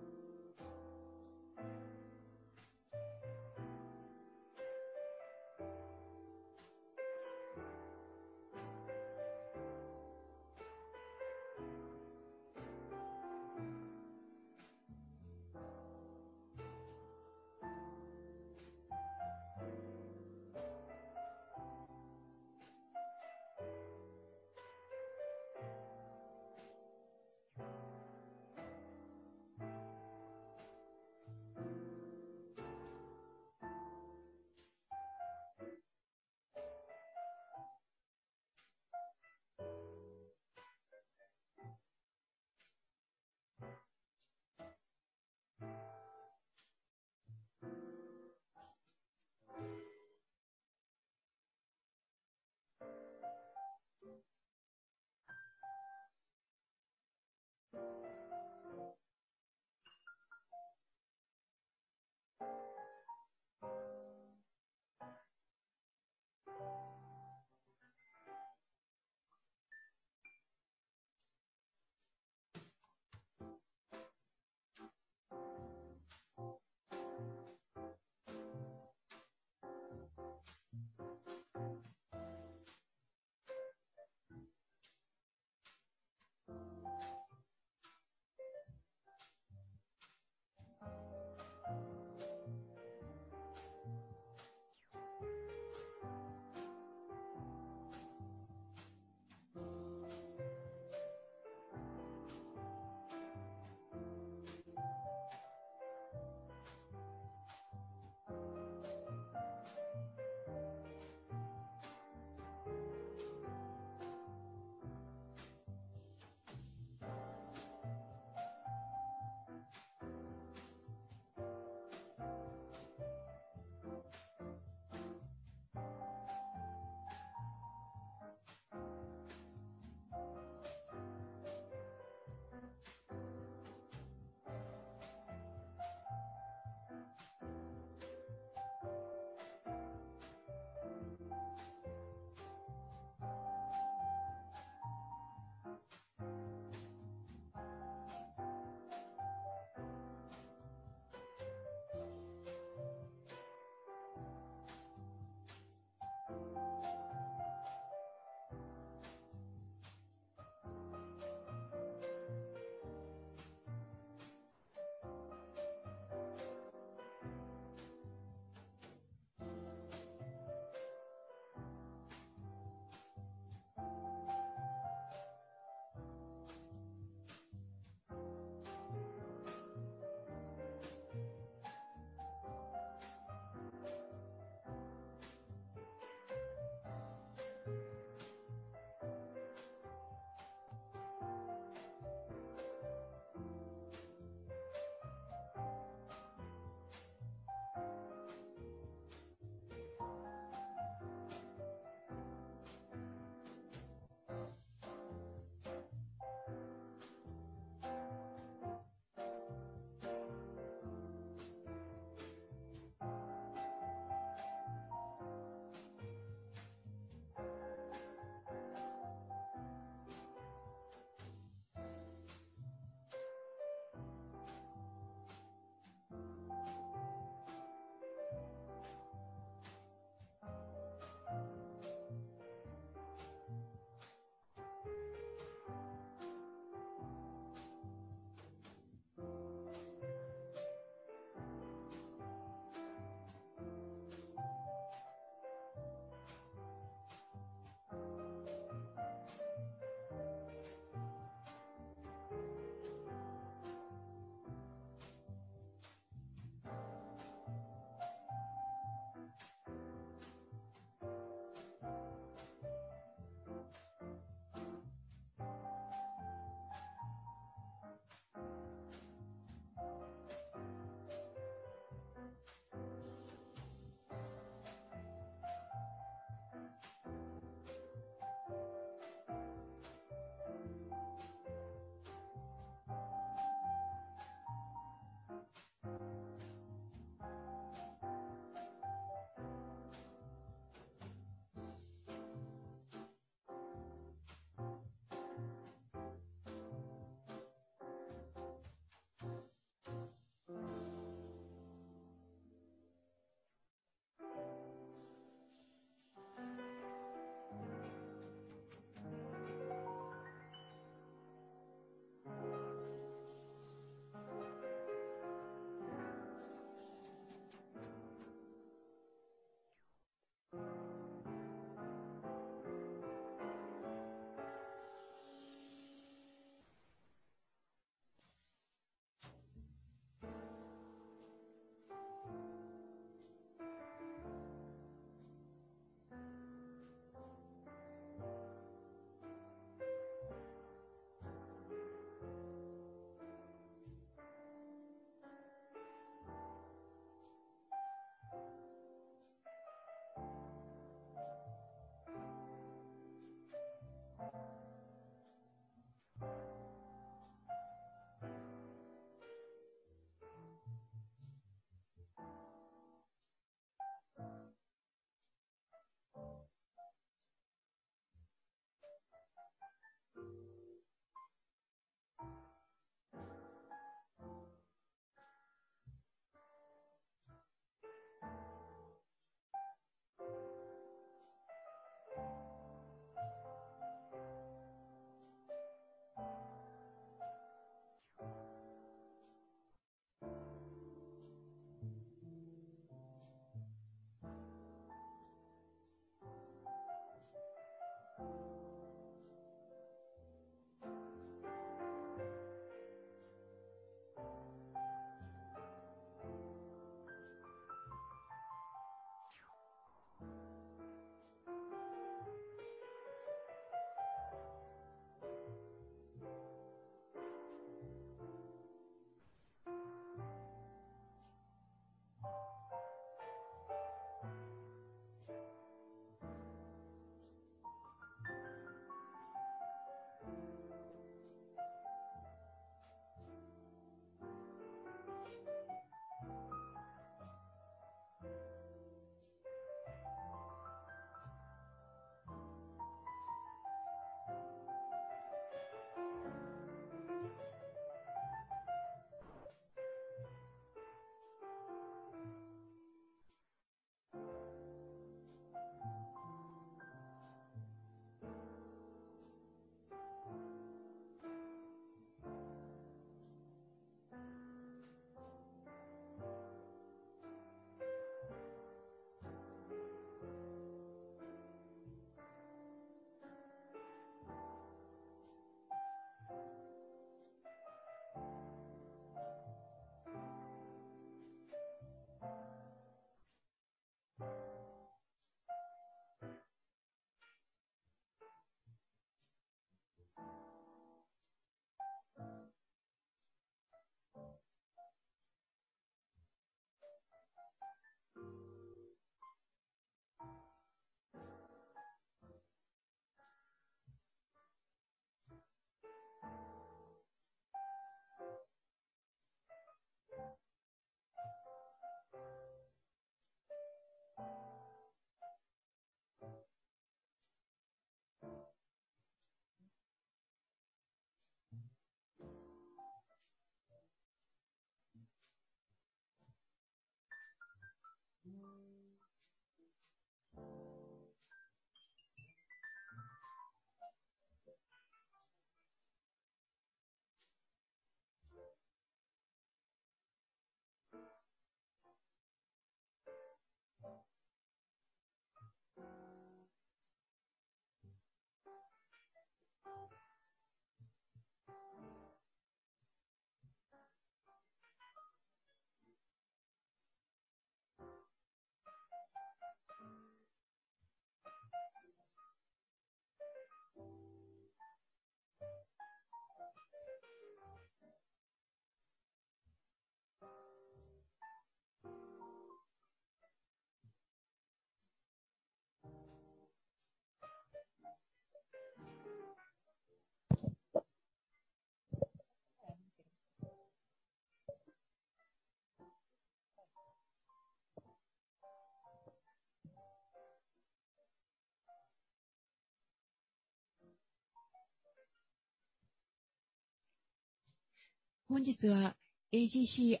Ladies and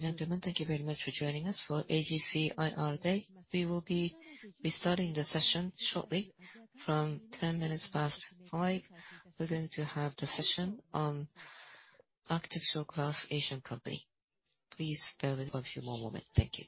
gentlemen, thank you very much for joining us for AGC IR Day. We will be restarting the session shortly. From 5:10 P.M., we're going to have the session on Architectural Glass Asia Company. Please bear with us a few more moments. Thank you.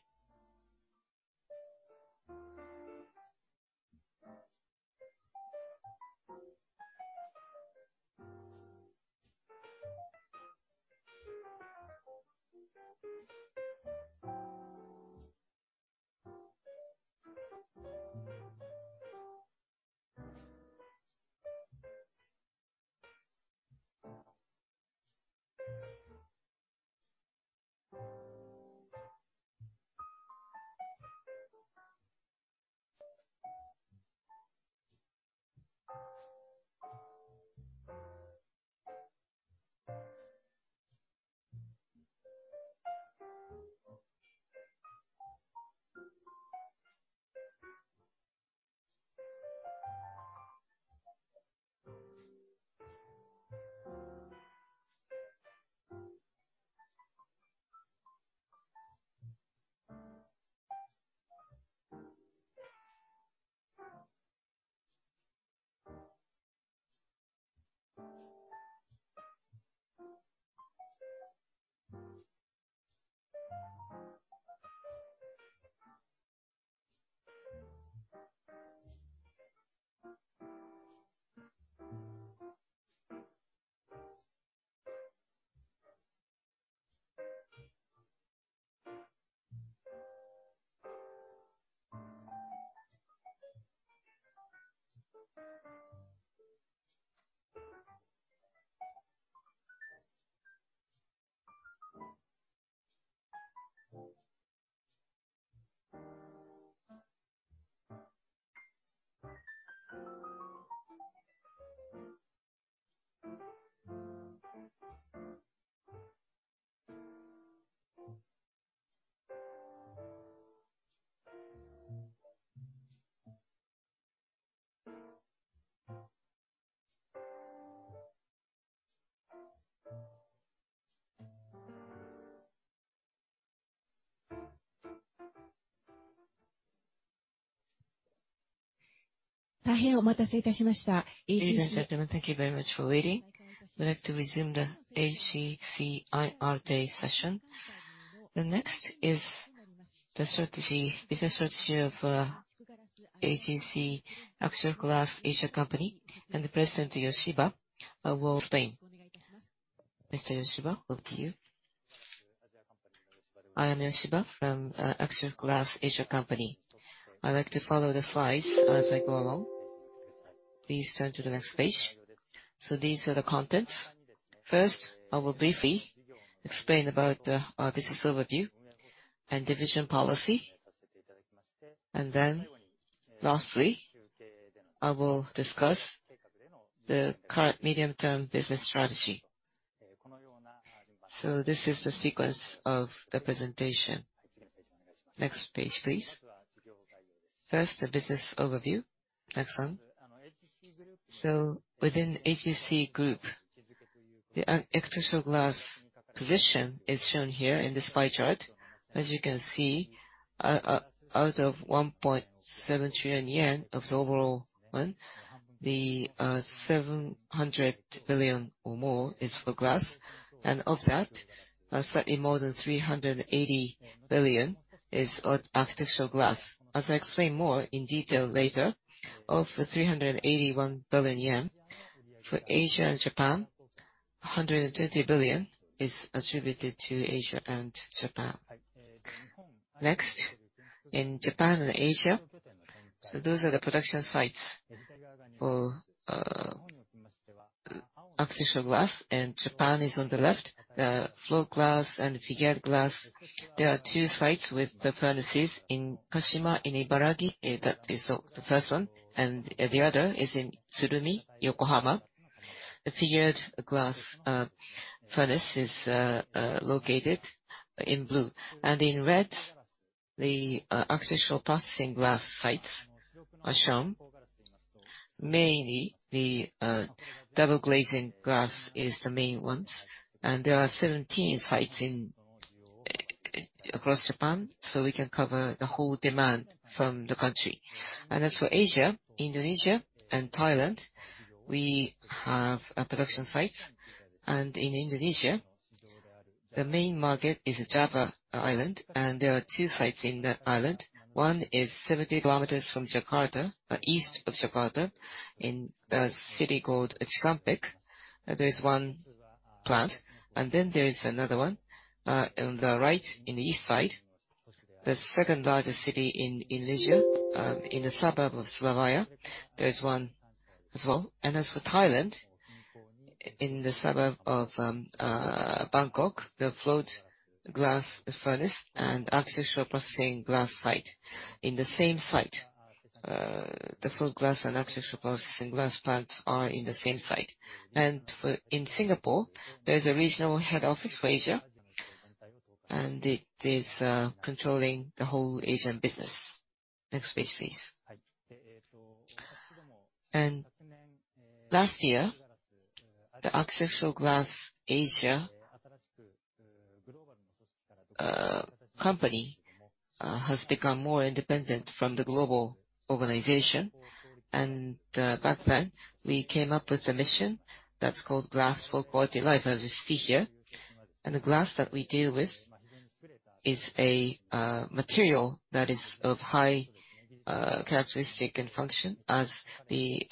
Ladies and gentlemen, thank you very much for waiting. We'd like to resume the AGC IR Day session. The next is the strategy, business strategy of AGC Architectural Glass Asia Company, and the President Yoshiba will explain. Mr. Yoshiba, over to you. I am Yoshiba from Architectural Glass Asia Company. I'd like to follow the slides as I go along. Please turn to the next page. These are the contents. First, I will briefly explain about our business overview and division policy. Then lastly, I will discuss the current medium-term business strategy. This is the sequence of the presentation. Next page, please. First, the business overview. Next one. Within AGC Group, the Architectural glass position is shown here in this pie chart. As you can see, out of 1.7 trillion yen of the overall one, the 700 billion or more is for glass, and of that, slightly more than 380 billion is architectural glass. As I explain more in detail later, of the 381 billion yen, for Asia and Japan, 120 billion is attributed to Asia and Japan. Next, in Japan and Asia, so those are the production sites for architectural glass, and Japan is on the left. The float glass and figured glass, there are two sites with the furnaces in Kashima, in Ibaraki, that is the first one, and the other is in Tsurumi, Yokohama. The figured glass furnace is located in blue. In red, the architectural processing glass sites are shown. Mainly the double glazing glass is the main ones, and there are 17 sites across Japan, so we can cover the whole demand from the country. As for Asia, Indonesia and Thailand, we have production sites. In Indonesia, the main market is Java Island, and there are two sites in that island. One is 70 kilometers from Jakarta, east of Jakarta, in a city called Cikampek. There is one plant. Then there is another one, on the right, in the east side. The second-largest city in Indonesia, in the suburb of Surabaya, there is one as well. As for Thailand, in the suburb of Bangkok, the float glass furnace and architectural processing glass site. In the same site, the float glass and architectural processing glass plants are in the same site. In Singapore, there's a regional head office for Asia, and it is controlling the whole Asian business. Next page, please. Last year, the Architectural Glass Asia Company has become more independent from the global organization. Back then, we came up with a mission that's called Glass for a Quality Life, as you see here. The glass that we deal with is a material that is of high characteristic and function. As the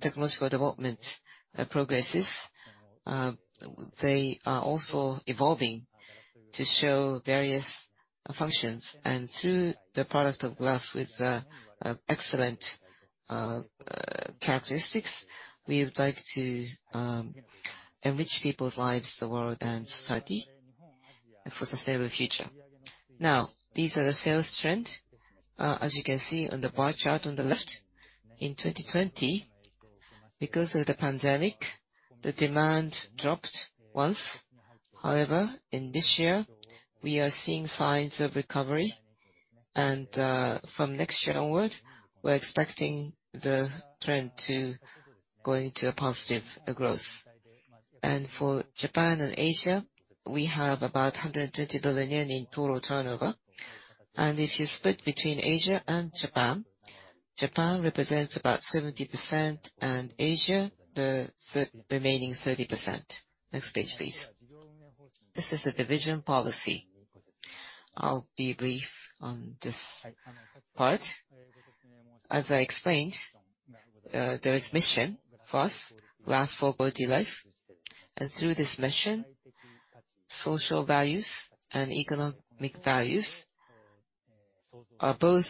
technological development progresses, they are also evolving to show various functions. Through the product of glass with excellent characteristics, we would like to enrich people's lives, the world, and society for sustainable future. Now, these are the sales trend. As you can see on the bar chart on the left, in 2020, because of the pandemic, the demand dropped once. However, in this year, we are seeing signs of recovery. From next year onward, we're expecting the trend to go into a positive growth. For Japan and Asia, we have about 120 billion yen in total turnover. If you split between Asia and Japan represents about 70%, and Asia, the remaining 30%. Next page, please. This is the division policy. I'll be brief on this part. As I explained, there is mission first, Glass for Quality Life. Through this mission, social values and economic values are both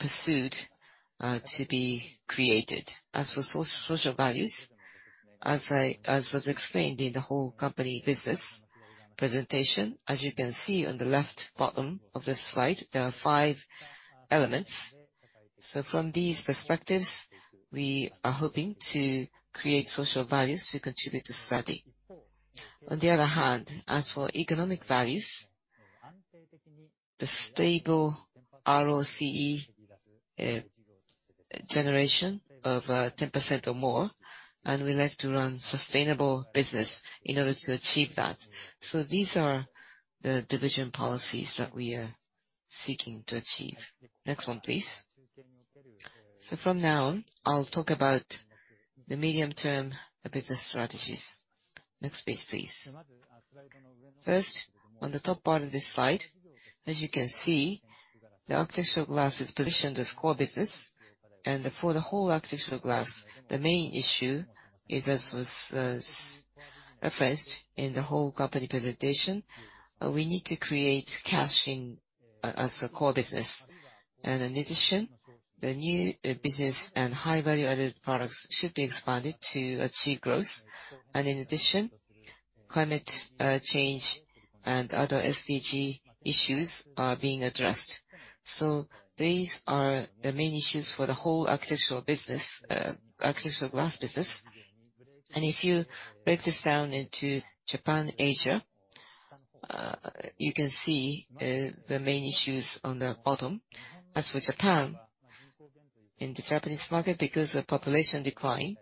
pursued to be created. As for social values, as was explained in the whole company business presentation, as you can see on the left bottom of this slide, there are five elements. From these perspectives, we are hoping to create social values to contribute to society. On the other hand, as for economic values, the stable ROCE generation of 10% or more, and we like to run sustainable business in order to achieve that. These are the division policies that we are seeking to achieve. Next one, please. From now on, I'll talk about the medium-term, the business strategies. Next page, please. First, on the top part of this slide, as you can see, the Architectural Glass is positioned as core business. For the whole Architectural Glass, the main issue is, as was referenced in the whole company presentation, we need to create cash in as a core business. In addition, the new business and high-value added products should be expanded to achieve growth. In addition, climate change and other SDG issues are being addressed. These are the main issues for the whole architectural business, architectural glass business. If you break this down into Japan, Asia, you can see the main issues on the bottom. As for Japan, in the Japanese market, because of population decline,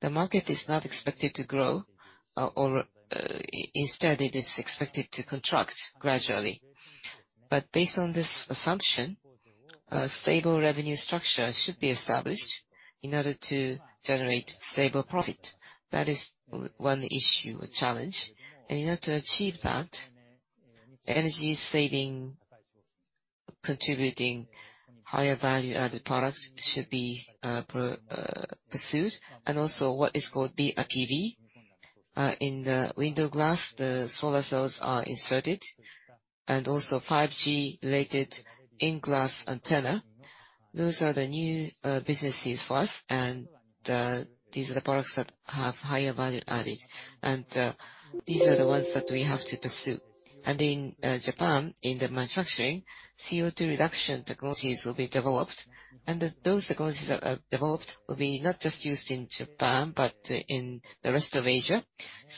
the market is not expected to grow or instead it is expected to contract gradually. Based on this assumption, a stable revenue structure should be established in order to generate stable profit. That is one issue, a challenge. In order to achieve that, energy-saving, contributing, higher value-added products should be pursued, and also what is called BIPV. In the window glass, the solar cells are inserted, and also 5G-related in-glass antenna. Those are the new businesses for us, and these are the products that have higher value added. These are the ones that we have to pursue. In Japan, in the manufacturing, CO2 reduction technologies will be developed, and those technologies that are developed will be not just used in Japan, but in the rest of Asia,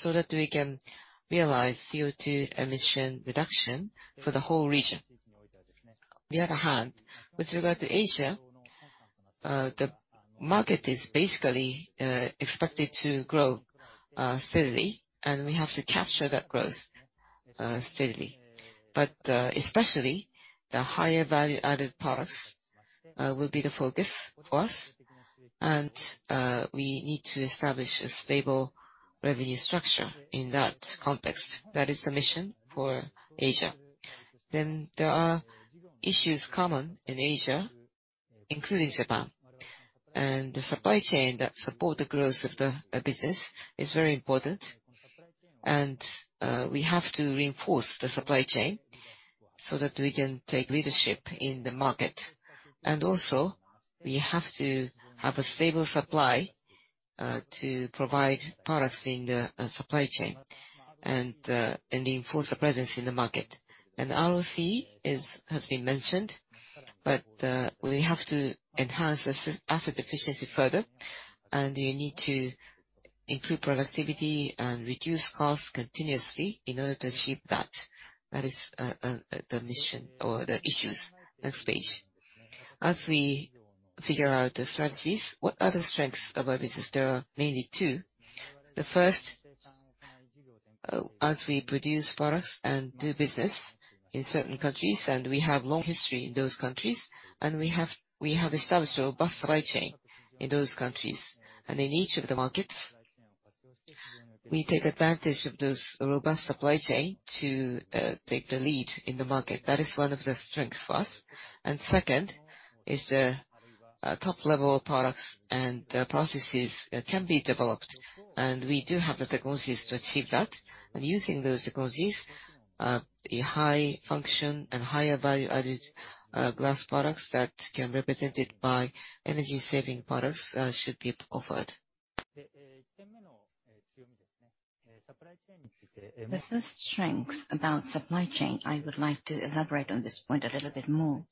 so that we can realize CO2 emission reduction for the whole region. On the other hand, with regard to Asia, the market is basically expected to grow steadily, and we have to capture that growth steadily. Especially the higher value-added products will be the focus for us, and we need to establish a stable revenue structure in that context. That is the mission for Asia. There are issues common in Asia, including Japan, and the supply chain that support the growth of the business is very important. We have to reinforce the supply chain so that we can take leadership in the market. We have to have a stable supply to provide products in the supply chain and reinforce our presence in the market. ROCE has been mentioned, but we have to enhance the asset efficiency further, and we need to improve productivity and reduce costs continuously in order to achieve that. That is, the mission or the issues. Next page. As we figure out the strategies. What are the strengths of our business? There are mainly two. The first, as we produce products and do business in certain countries, and we have long history in those countries, and we have established a robust supply chain in those countries. In each of the markets, we take advantage of this robust supply chain to take the lead in the market. That is one of the strengths for us. Second is the top-level products and processes can be developed, and we do have the technologies to achieve that. Using those technologies, a high function and higher value-added glass products that can represented by energy-saving products should be offered. The first strength about supply chain, I would like to elaborate on this point a little bit more.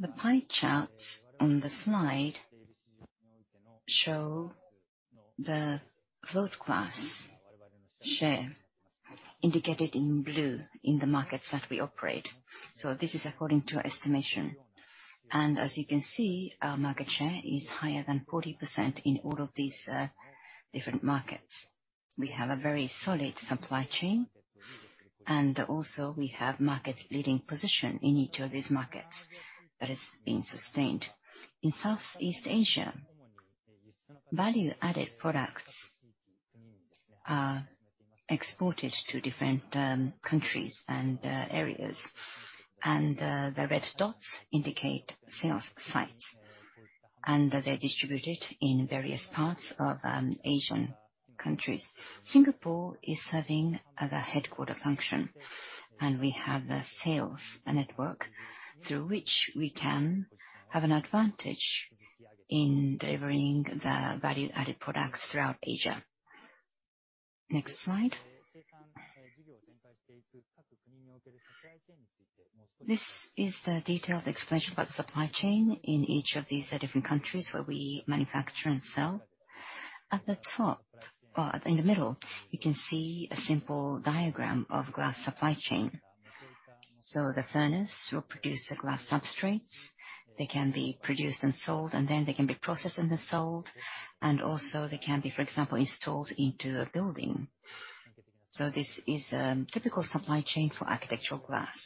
The pie charts on the slide show the float glass share indicated in blue in the markets that we operate. This is according to our estimation. As you can see, our market share is higher than 40% in all of these different markets. We have a very solid supply chain, and also we have market-leading position in each of these markets that is being sustained. In Southeast Asia, value-added products are exported to different countries and areas. The red dots indicate sales sites, and they're distributed in various parts of Asian countries. Singapore is serving as a headquarter function, and we have the sales network through which we can have an advantage in delivering the value-added products throughout Asia. Next slide. This is the detailed explanation about the supply chain in each of these different countries where we manufacture and sell. At the top, or in the middle, you can see a simple diagram of glass supply chain. The furnace will produce the glass substrates. They can be produced and sold, and then they can be processed and then sold. Also they can be, for example, installed into a building. This is a typical supply chain for architectural glass.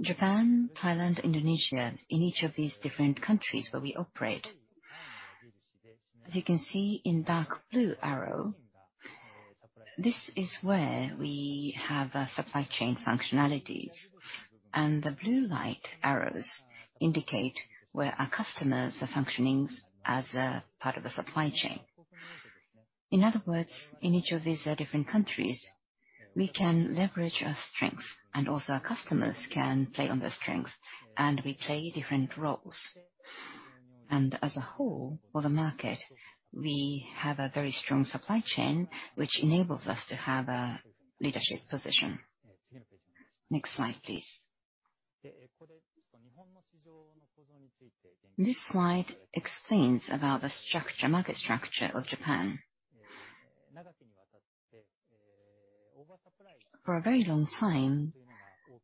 Japan, Thailand, Indonesia, in each of these different countries where we operate, as you can see in dark blue arrow, this is where we have a supply chain functionalities. The light blue arrows indicate where our customers are functioning as a part of the supply chain. In other words, in each of these, different countries, we can leverage our strength, and also our customers can play on their strength, and we play different roles. As a whole, for the market, we have a very strong supply chain, which enables us to have a leadership position. Next slide, please. This slide explains about the structure, market structure of Japan. For a very long time,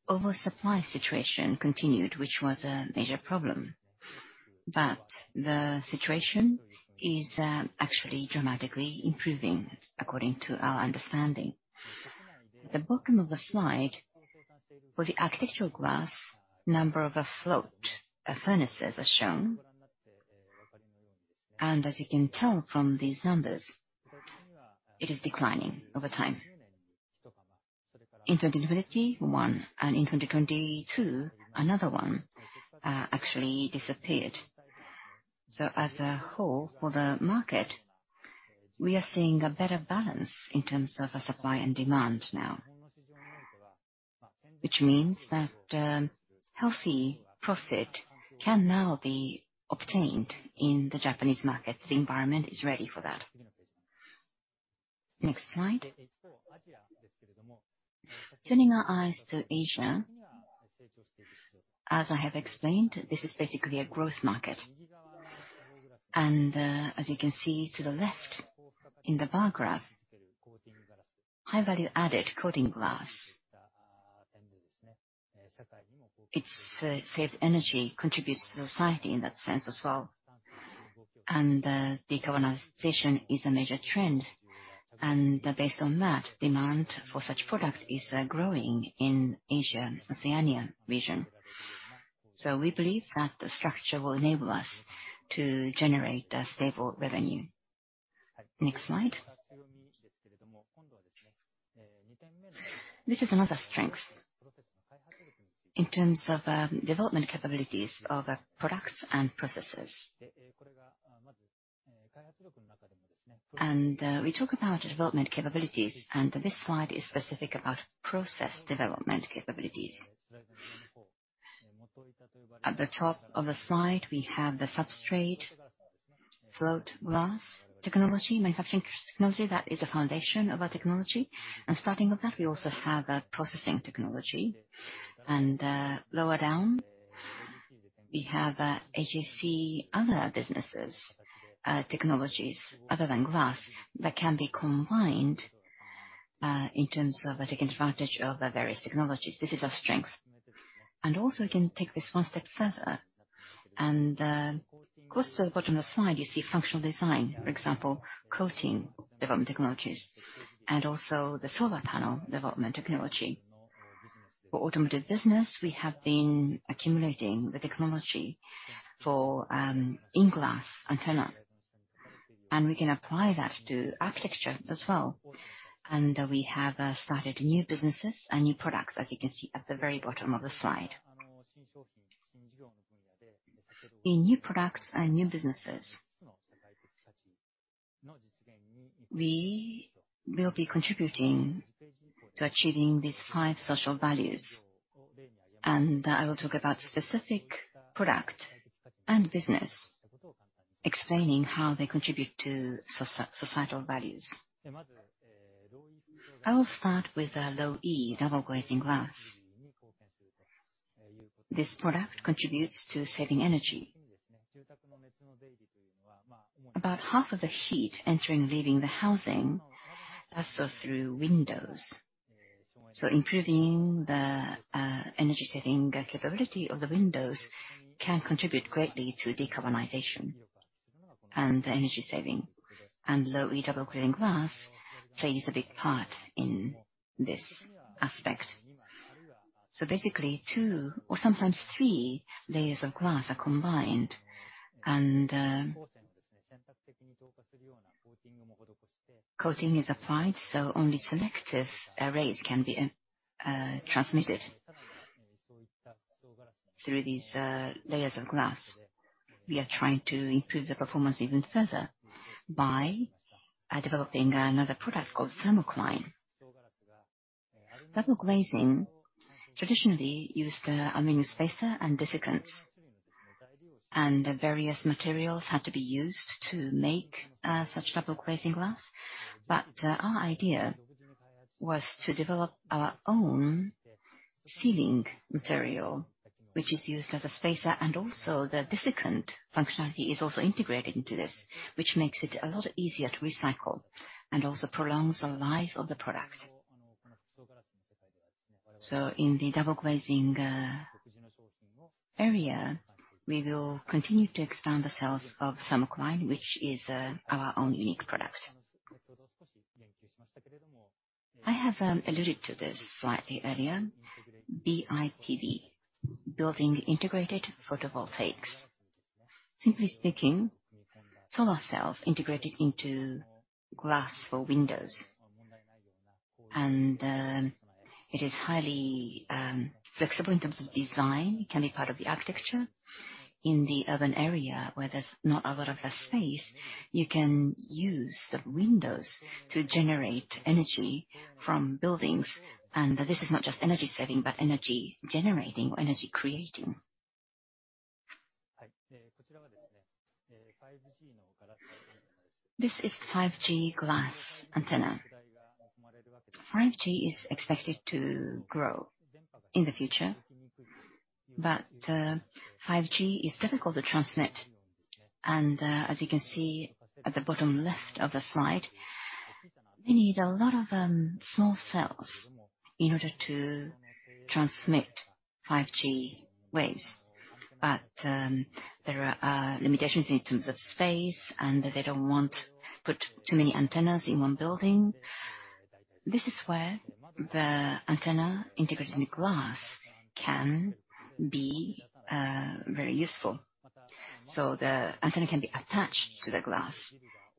oversupply situation continued, which was a major problem. The situation is, actually dramatically improving according to our understanding. The bottom of the slide, for the Architectural Glass, number of float furnaces are shown. As you can tell from these numbers, it is declining over time. In 2021, and in 2022, another one, actually disappeared. As a whole, for the market, we are seeing a better balance in terms of supply and demand now. Which means that, healthy profit can now be obtained in the Japanese market. The environment is ready for that. Next slide. Turning our eyes to Asia, as I have explained, this is basically a growth market. As you can see to the left in the bar graph, high-value-added coating glass. It saves energy, contributes to society in that sense as well. Decarbonization is a major trend. Based on that, demand for such product is growing in Asia, Oceania region. We believe that the structure will enable us to generate a stable revenue. Next slide. This is another strength in terms of development capabilities of products and processes. We talk about development capabilities, and this slide is specific about process development capabilities. At the top of the slide, we have the substrate float glass technology, manufacturing technology that is the foundation of our technology. Starting with that, we also have a processing technology. Lower down, we have AGC other businesses, technologies other than glass that can be combined. In terms of taking advantage of the various technologies, this is our strength. We can take this one step further. Towards the bottom of the slide, you see functional design. For example, coating development technologies and also the solar panel development technology. For automotive business, we have been accumulating the technology for in-glass antenna, and we can apply that to architecture as well. We have started new businesses and new products, as you can see at the very bottom of the slide. In new products and new businesses, we will be contributing to achieving these five social values. I will talk about specific product and business, explaining how they contribute to societal values. I will start with Low-E double glazing glass. This product contributes to saving energy. About half of the heat entering, leaving the housing passes through windows. Improving the energy-saving capability of the windows can contribute greatly to decarbonization and energy saving. Low-E double glazing glass plays a big part in this aspect. Basically, two or sometimes three layers of glass are combined and coating is applied, so only selective rays can be transmitted through these layers of glass. We are trying to improve the performance even further by developing another product called Thermoclean. Double glazing traditionally used aluminum spacer and desiccant. Various materials had to be used to make such double glazing glass. Our idea was to develop our own sealing material, which is used as a spacer and also the desiccant functionality is also integrated into this, which makes it a lot easier to recycle and also prolongs the life of the product. In the double glazing area, we will continue to expand the sales of Thermoclean, which is our own unique product. I have alluded to this slightly earlier. BIPV, Building-Integrated Photovoltaics. Simply speaking, solar cells integrated into glass for windows. It is highly flexible in terms of design, can be part of the architecture. In the urban area where there's not a lot of space, you can use the windows to generate energy from buildings. This is not just energy saving, but energy generating or energy creating. This is 5G glass antenna. 5G is expected to grow in the future, but 5G is difficult to transmit. As you can see at the bottom left of the slide, we need a lot of small cells in order to transmit 5G waves. There are limitations in terms of space, and they don't want to put too many antennas in one building. This is where the antenna integrated in glass can be very useful. The antenna can be attached to the glass.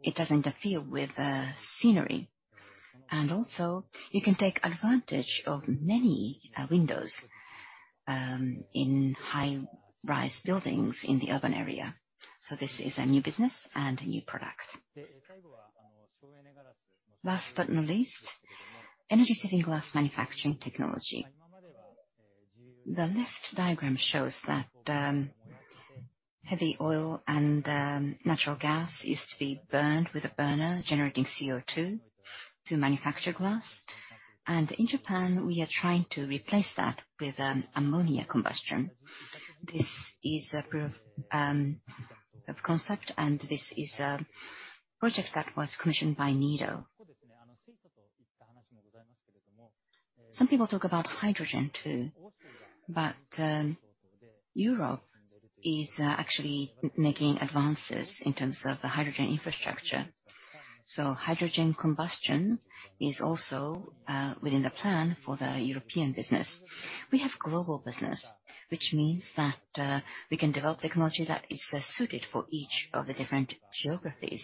It doesn't interfere with the scenery. You can take advantage of many windows in high-rise buildings in the urban area. This is a new business and a new product. Last but not least, energy-saving glass manufacturing technology. The left diagram shows that heavy oil and natural gas used to be burned with a burner, generating CO2 to manufacture glass. In Japan, we are trying to replace that with ammonia combustion. This is a proof of concept, and this is a project that was commissioned by NEDO. Some people talk about hydrogen too, but Europe is actually making advances in terms of the hydrogen infrastructure. Hydrogen combustion is also within the plan for the European business. We have global business, which means that we can develop technology that is suited for each of the different geographies.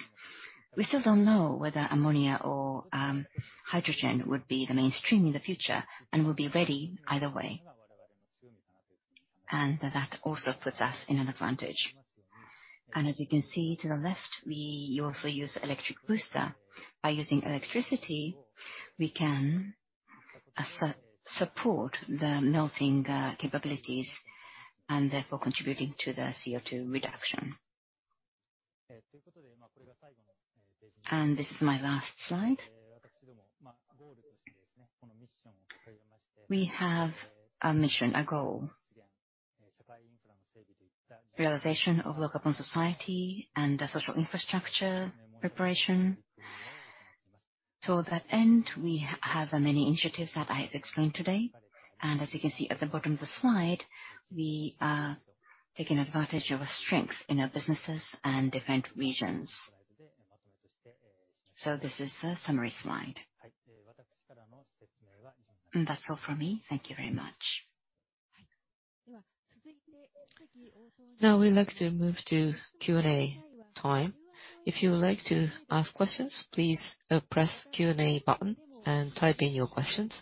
We still don't know whether ammonia or hydrogen would be the mainstream in the future, and we'll be ready either way. That also puts us in an advantage. To the left, we also use electric booster. By using electricity, we can support the melting capabilities and therefore contributing to the CO2 reduction. This is my last slide. We have a mission, a goal. Realization of low-carbon society and the social infrastructure preparation. To that end, we have many initiatives that I have explained today. As you can see at the bottom of the slide, we are taking advantage of our strength in our businesses and different regions. This is a summary slide. That's all from me. Thank you very much. Now we'd like to move to Q&A time. If you would like to ask questions, please, press Q&A button and type in your questions.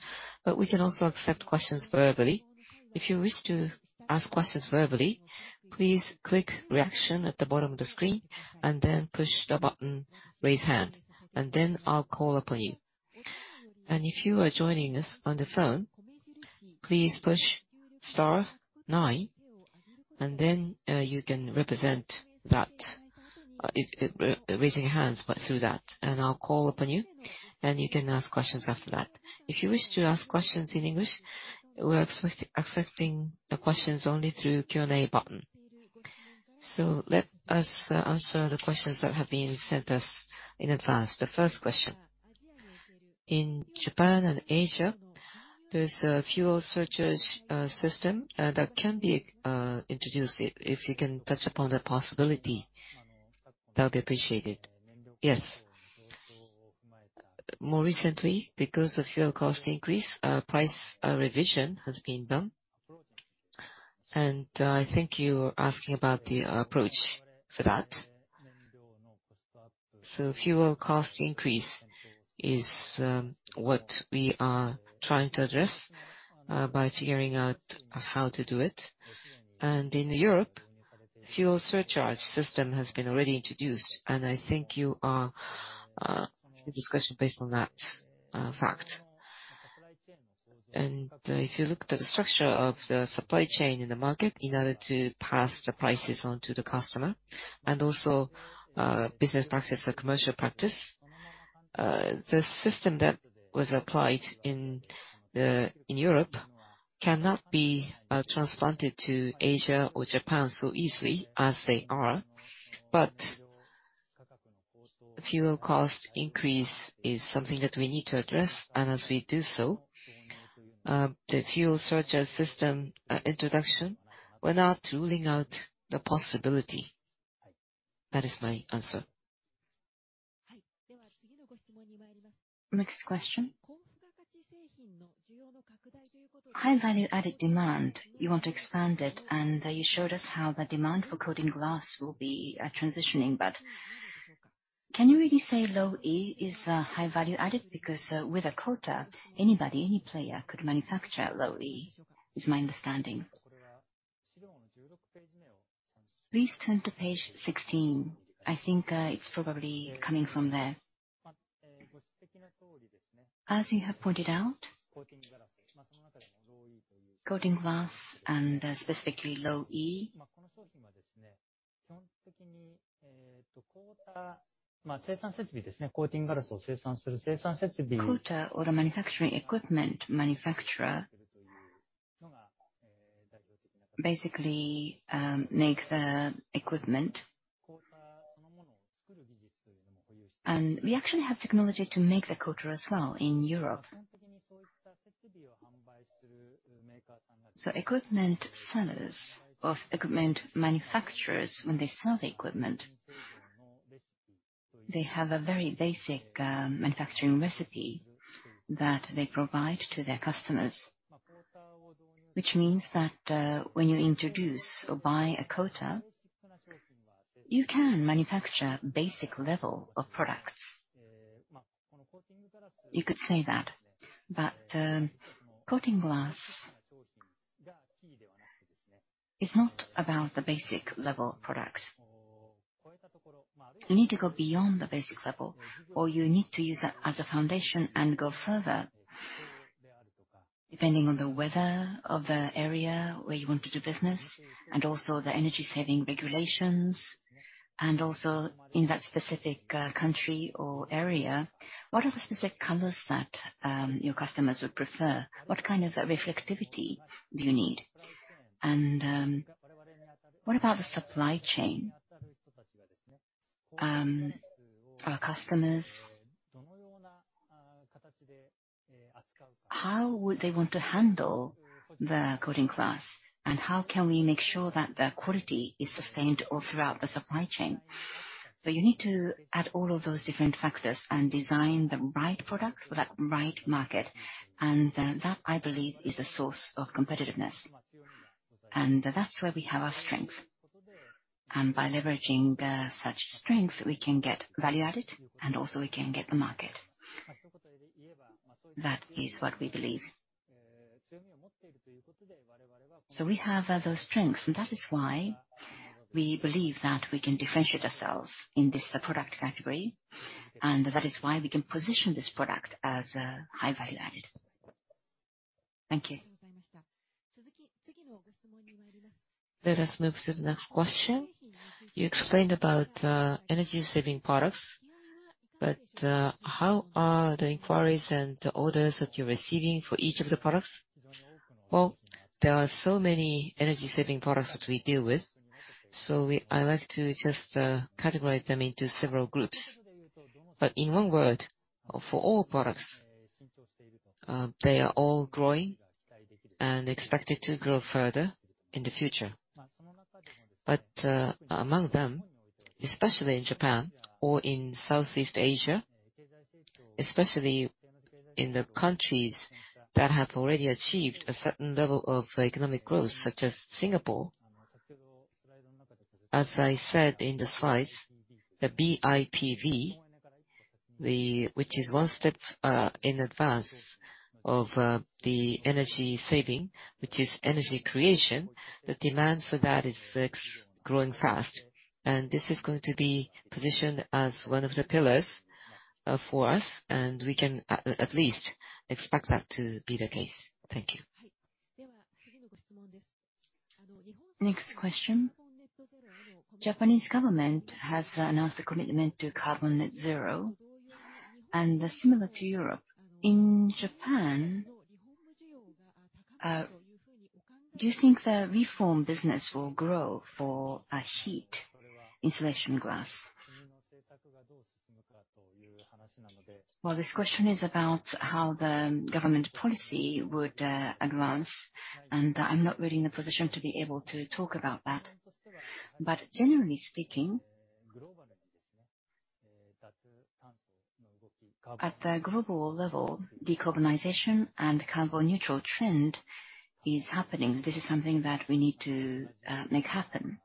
We can also accept questions verbally. If you wish to ask questions verbally, please click Reaction at the bottom of the screen, and then push the button Raise Hand, and then I'll call upon you. If you are joining us on the phone, please push star nine, and then, you can represent that, raising your hands, but through that, and I'll call upon you, and you can ask questions after that. If you wish to ask questions in English, we are accepting the questions only through Q&A button. Let us answer the questions that have been sent us in advance. The first question. In Japan and Asia, there's a fuel surcharge system that can be introduced. If you can touch upon the possibility, that would be appreciated. Yes. More recently, because of fuel cost increase, a price revision has been done, and I think you're asking about the approach for that. Fuel cost increase is what we are trying to address by figuring out how to do it. In Europe, fuel surcharge system has been already introduced, and I think it's a discussion based on that fact. If you look at the structure of the supply chain in the market, in order to pass the prices on to the customer, and also business practice or commercial practice, the system that was applied in Europe cannot be transplanted to Asia or Japan so easily as they are. Fuel cost increase is something that we need to address, and as we do so, the fuel surcharge system introduction, we're not ruling out the possibility. That is my answer. Next question. High value-added demand, you want to expand it, and you showed us how the demand for coating glass will be transitioning. Can you really say Low-E is high value-added? Because with a coater, anybody, any player could manufacture Low-E, is my understanding. Please turn to page 16. I think, it's probably coming from there. As you have pointed out, coating glass and specifically Low-E. Coater or the manufacturing equipment manufacturer basically make the equipment. We actually have technology to make the coater as well in Europe. Equipment sellers of equipment manufacturers, when they sell the equipment, they have a very basic, manufacturing recipe that they provide to their customers. Which means that, when you introduce or buy a coater, you can manufacture basic level of products. You could say that. Coating glass is not about the basic level products. You need to go beyond the basic level, or you need to use that as a foundation and go further depending on the weather of the area where you want to do business, and also the energy-saving regulations. In that specific country or area, what are the specific colors that your customers would prefer? What kind of reflectivity do you need? What about the supply chain? Our customers, how would they want to handle the coating glass, and how can we make sure that the quality is sustained all throughout the supply chain? You need to add all of those different factors and design the right product for that right market. That, I believe, is a source of competitiveness, and that's where we have our strength. By leveraging such strength, we can get value-added and also we can get the market. That is what we believe. We have those strengths, and that is why we believe that we can differentiate ourselves in this product category, and that is why we can position this product as high value-added. Thank you. Let us move to the next question. You explained about energy-saving products. How are the inquiries and the orders that you're receiving for each of the products? Well, there are so many energy-saving products that we deal with. I like to just categorize them into several groups. In one word, for all products, they are all growing and expected to grow further in the future. Among them, especially in Japan or in Southeast Asia, especially in the countries that have already achieved a certain level of economic growth, such as Singapore, as I said in the slides, the BIPV, which is one step in advance of the energy saving, which is energy creation, the demand for that is growing fast. This is going to be positioned as one of the pillars for us, and we can at least expect that to be the case. Thank you. Next question. Japanese government has announced a commitment to carbon net zero, and similar to Europe, in Japan, do you think the thermal business will grow for heat insulation glass? Well, this question is about how the government policy would advance, and I'm not really in a position to be able to talk about that. Generally speaking, at the global level, decarbonization and carbon-neutral trend is happening. This is something that we need to make happen.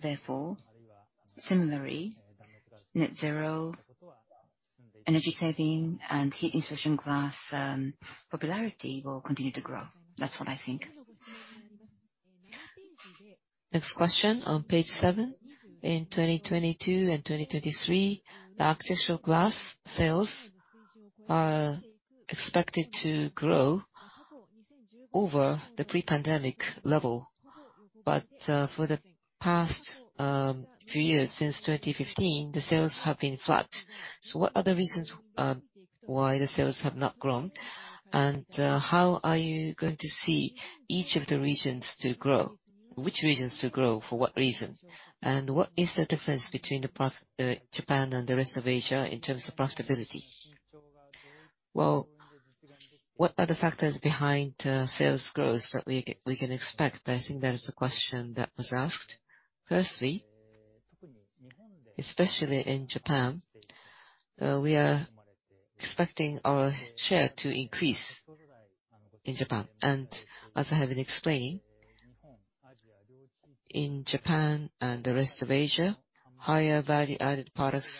Therefore, similarly, net-zero energy saving and heat insulation glass popularity will continue to grow. That's what I think. Next question on page seven. In 2022 and 2023, the Architectural Glass sales are expected to grow over the pre-pandemic level. For the past few years since 2015, the sales have been flat. What are the reasons why the sales have not grown? How are you going to see each of the regions to grow? Which regions to grow for what reason? What is the difference between Japan and the rest of Asia in terms of profitability? Well, what are the factors behind sales growth that we can expect? I think that is the question that was asked. Firstly, especially in Japan, we are expecting our share to increase in Japan. As I have been explaining, in Japan and the rest of Asia, higher value-added products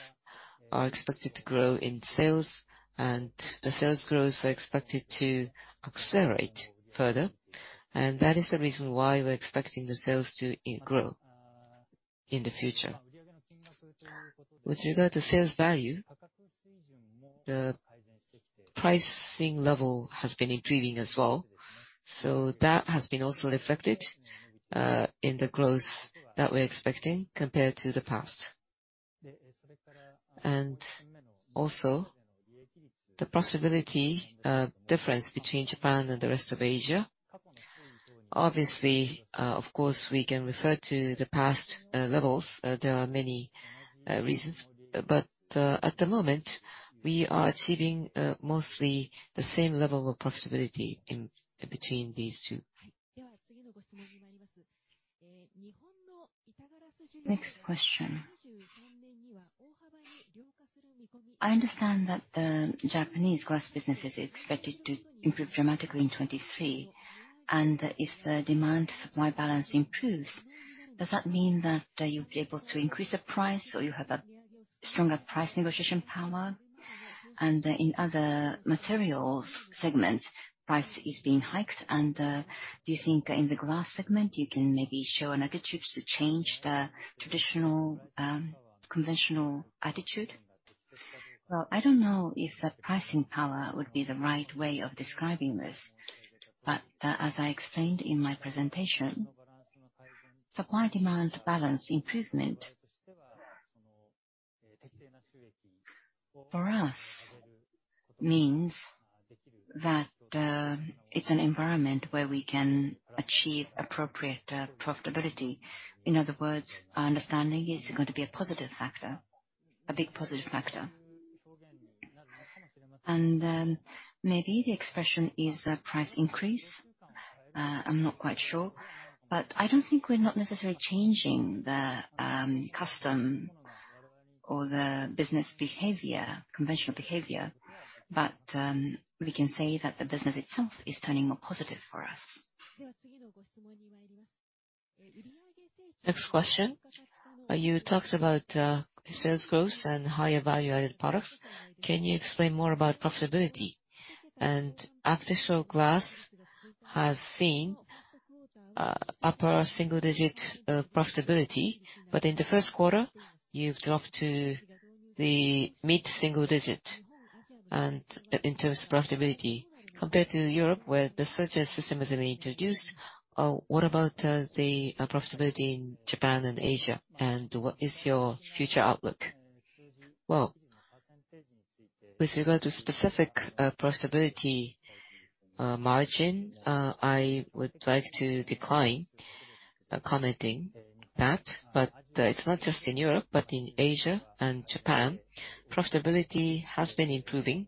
are expected to grow in sales, and the sales growth are expected to accelerate further. That is the reason why we're expecting the sales to grow in the future. With regard to sales value, the pricing level has been improving as well, so that has been also reflected in the growth that we're expecting compared to the past. Also, the profitability difference between Japan and the rest of Asia, obviously, of course, we can refer to the past levels. There are many reasons, but at the moment, we are achieving mostly the same level of profitability in between these two. Next question. I understand that the Japanese glass business is expected to improve dramatically in 2023. If the demand-supply balance improves, does that mean that you'll be able to increase the price, or you have a stronger price negotiation power? In other materials segments, price is being hiked. Do you think in the glass segment you can maybe show an attitude to change the traditional, conventional attitude? Well, I don't know if the pricing power would be the right way of describing this. As I explained in my presentation, supply-demand balance improvement for us means that it's an environment where we can achieve appropriate profitability. In other words, our understanding is going to be a positive factor, a big positive factor. Maybe the expression is a price increase. I'm not quite sure. I don't think we're not necessarily changing the customary or the business behavior, conventional behavior. We can say that the business itself is turning more positive for us. Next question. You talked about sales growth and higher value-added products. Can you explain more about profitability? Architectural Glass has seen upper single-digit% profitability, but in the first quarter, you've dropped to the mid-single-digit%. In terms of profitability, compared to Europe where the such a system has been introduced, what about the profitability in Japan and Asia, and what is your future outlook? Well, with regard to specific profitability margin, I would like to decline commenting that. It's not just in Europe, but in Asia and Japan, profitability has been improving.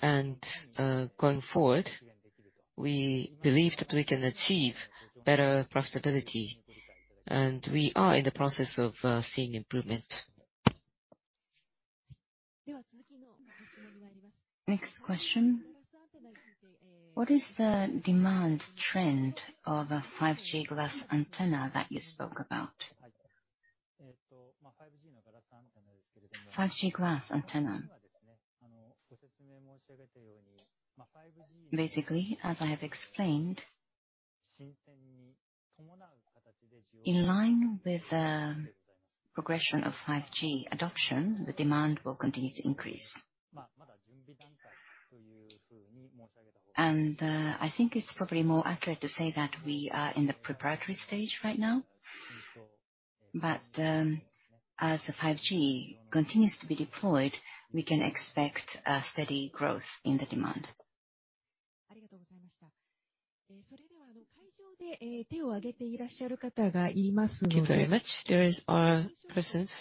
Going forward, we believe that we can achieve better profitability, and we are in the process of seeing improvement. Next question. What is the demand trend of a 5G glass antenna that you spoke about? 5G glass antenna. Basically, as I have explained, in line with the progression of 5G adoption, the demand will continue to increase. I think it's probably more accurate to say that we are in the preparatory stage right now. As the 5G continues to be deployed, we can expect a steady growth in the demand. Thank you very much. There is persons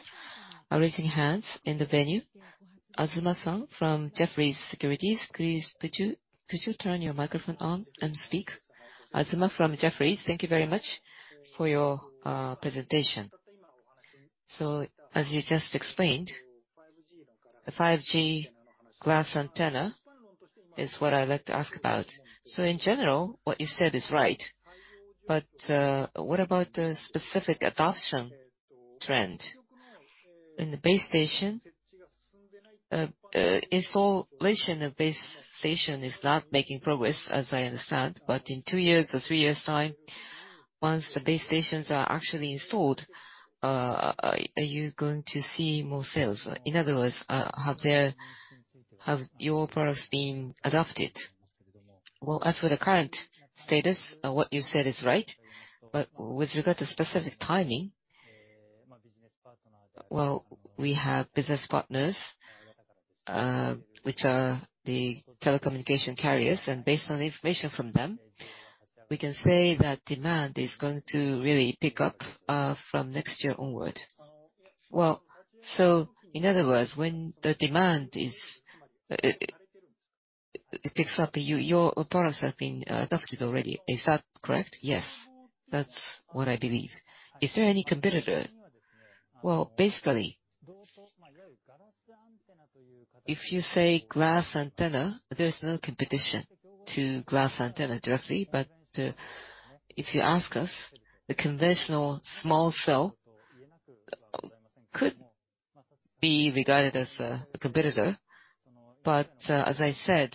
raising hands in the venue. Azuma-san from Jefferies Securities, please could you turn your microphone on and speak? Azuma from Jefferies. Thank you very much for your presentation. As you just explained, the 5G glass antenna is what I'd like to ask about. In general, what you said is right, but what about the specific adoption trend? In the base station installation of base station is not making progress, as I understand. In two years' or three years' time, once the base stations are actually installed, are you going to see more sales? In other words, have your products been adopted? As for the current status, what you said is right. With regard to specific timing, we have business partners, which are the telecommunication carriers. Based on information from them, we can say that demand is going to really pick up from next year onward. Well, in other words, when the demand is, it picks up, your products have been adopted already. Is that correct? Yes. That's what I believe. Is there any competitor? Well, basically, if you say glass antenna, there's no competition to glass antenna directly. But if you ask us, the conventional small cell could be regarded as a competitor. But as I said,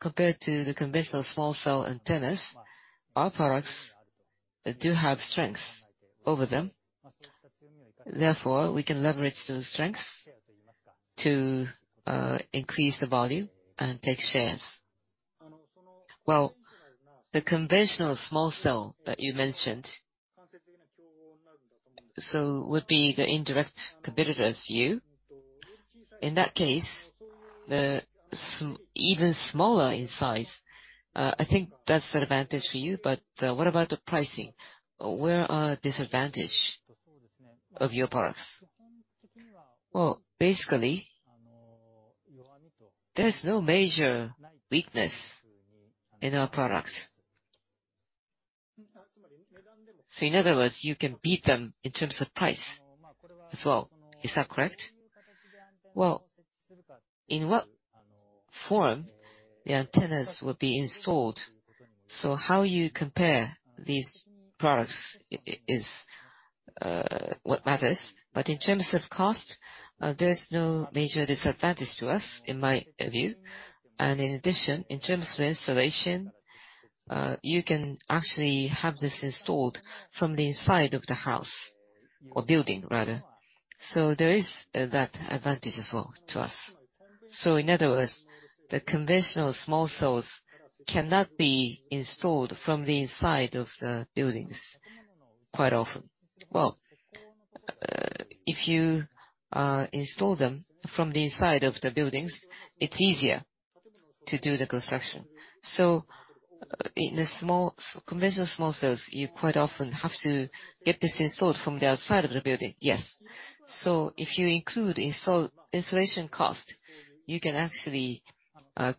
compared to the conventional small cell antennas, our products, they do have strengths over them. Therefore, we can leverage those strengths to increase the value and take shares. Well, the conventional small cell that you mentioned, so would be the indirect competitor as you. In that case, even smaller in size, I think that's an advantage for you, but what about the pricing? What are disadvantages of your products? Well, basically, there's no major weakness in our products. In other words, you can beat them in terms of price as well. Is that correct? Well, in what form the antennas will be installed, so how you compare these products is what matters. In terms of cost, there's no major disadvantage to us, in my view. In addition, in terms of installation, you can actually have this installed from the inside of the house or building rather. There is that advantage as well to us. In other words, the conventional small cells cannot be installed from the inside of the buildings quite often. Well, if you install them from the inside of the buildings, it's easier to do the construction. In a small, conventional small cells, you quite often have to get this installed from the outside of the building. Yes. If you include install, installation cost, you can actually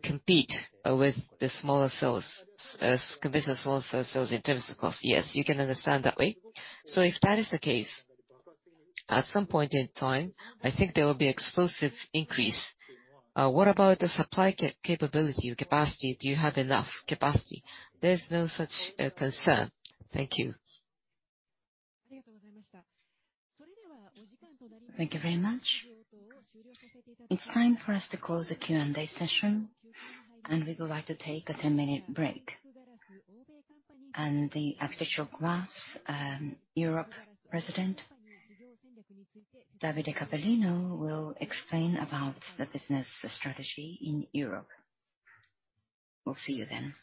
compete with the smaller cells, conventional smaller cells in terms of cost. Yes, you can understand that way. If that is the case, at some point in time, I think there will be explosive increase. What about the supply capability or capacity? Do you have enough capacity? There's no such concern. Thank you. Thank you very much. It's time for us to close the Q&A session, and we go back to take a 10-minute break. The Architectural Glass Europe President, Davide Cappellino, will explain about the business strategy in Europe. We'll see you then.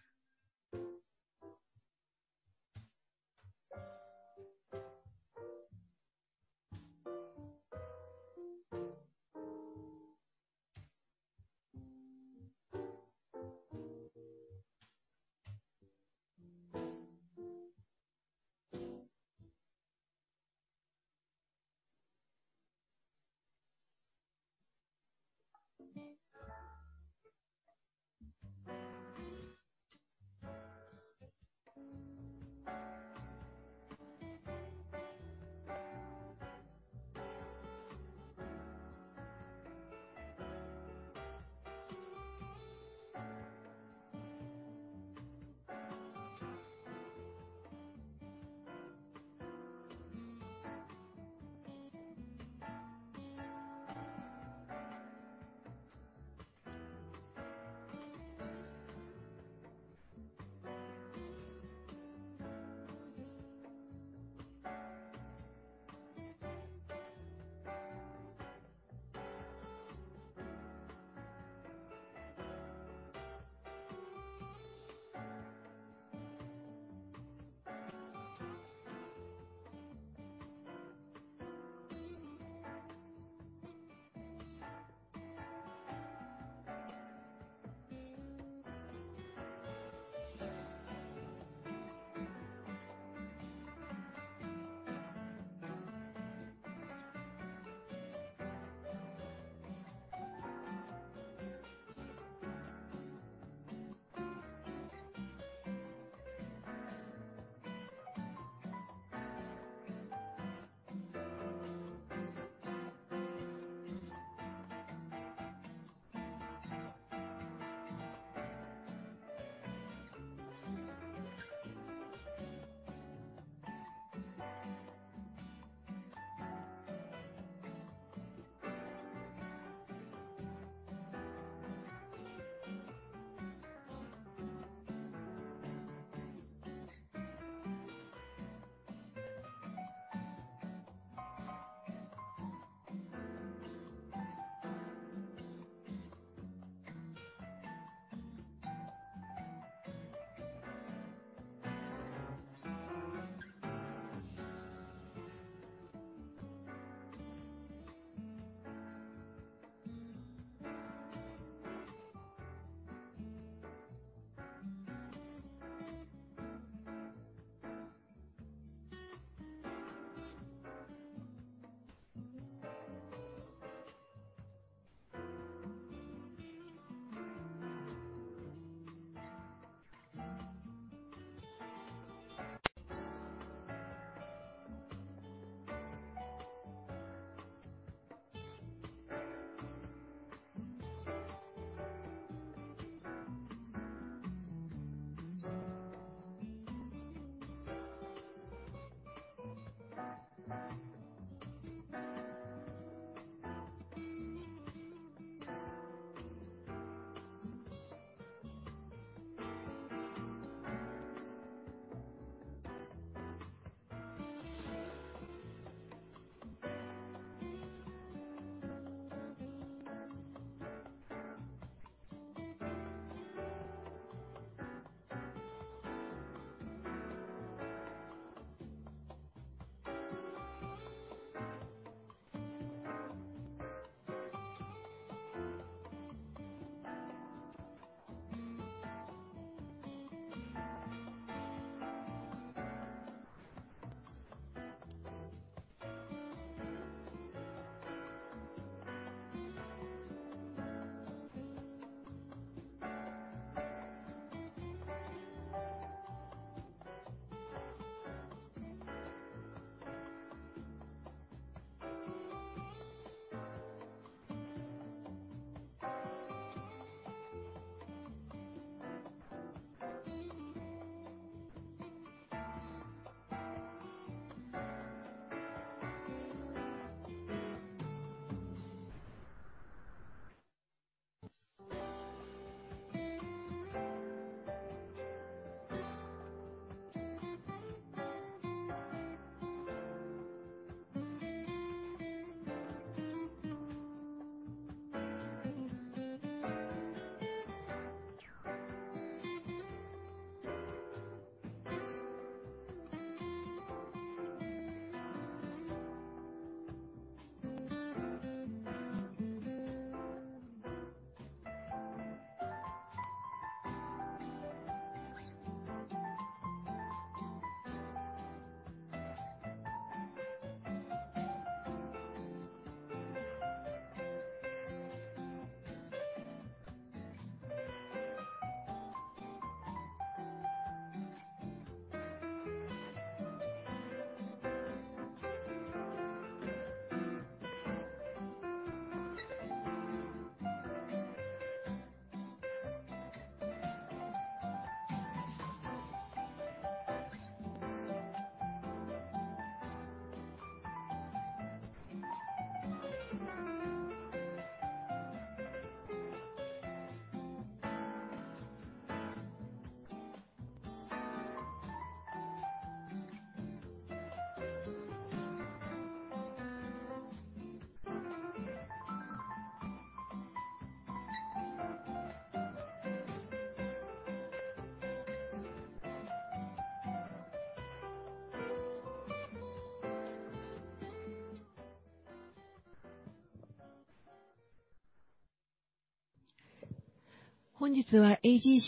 Ladies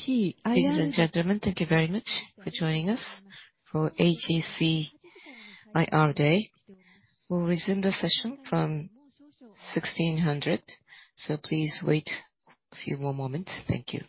and gentlemen, thank you very much for joining us for AGC IR Day. We'll resume the session from 4:00 P.M., so please wait a few more moments. Thank you.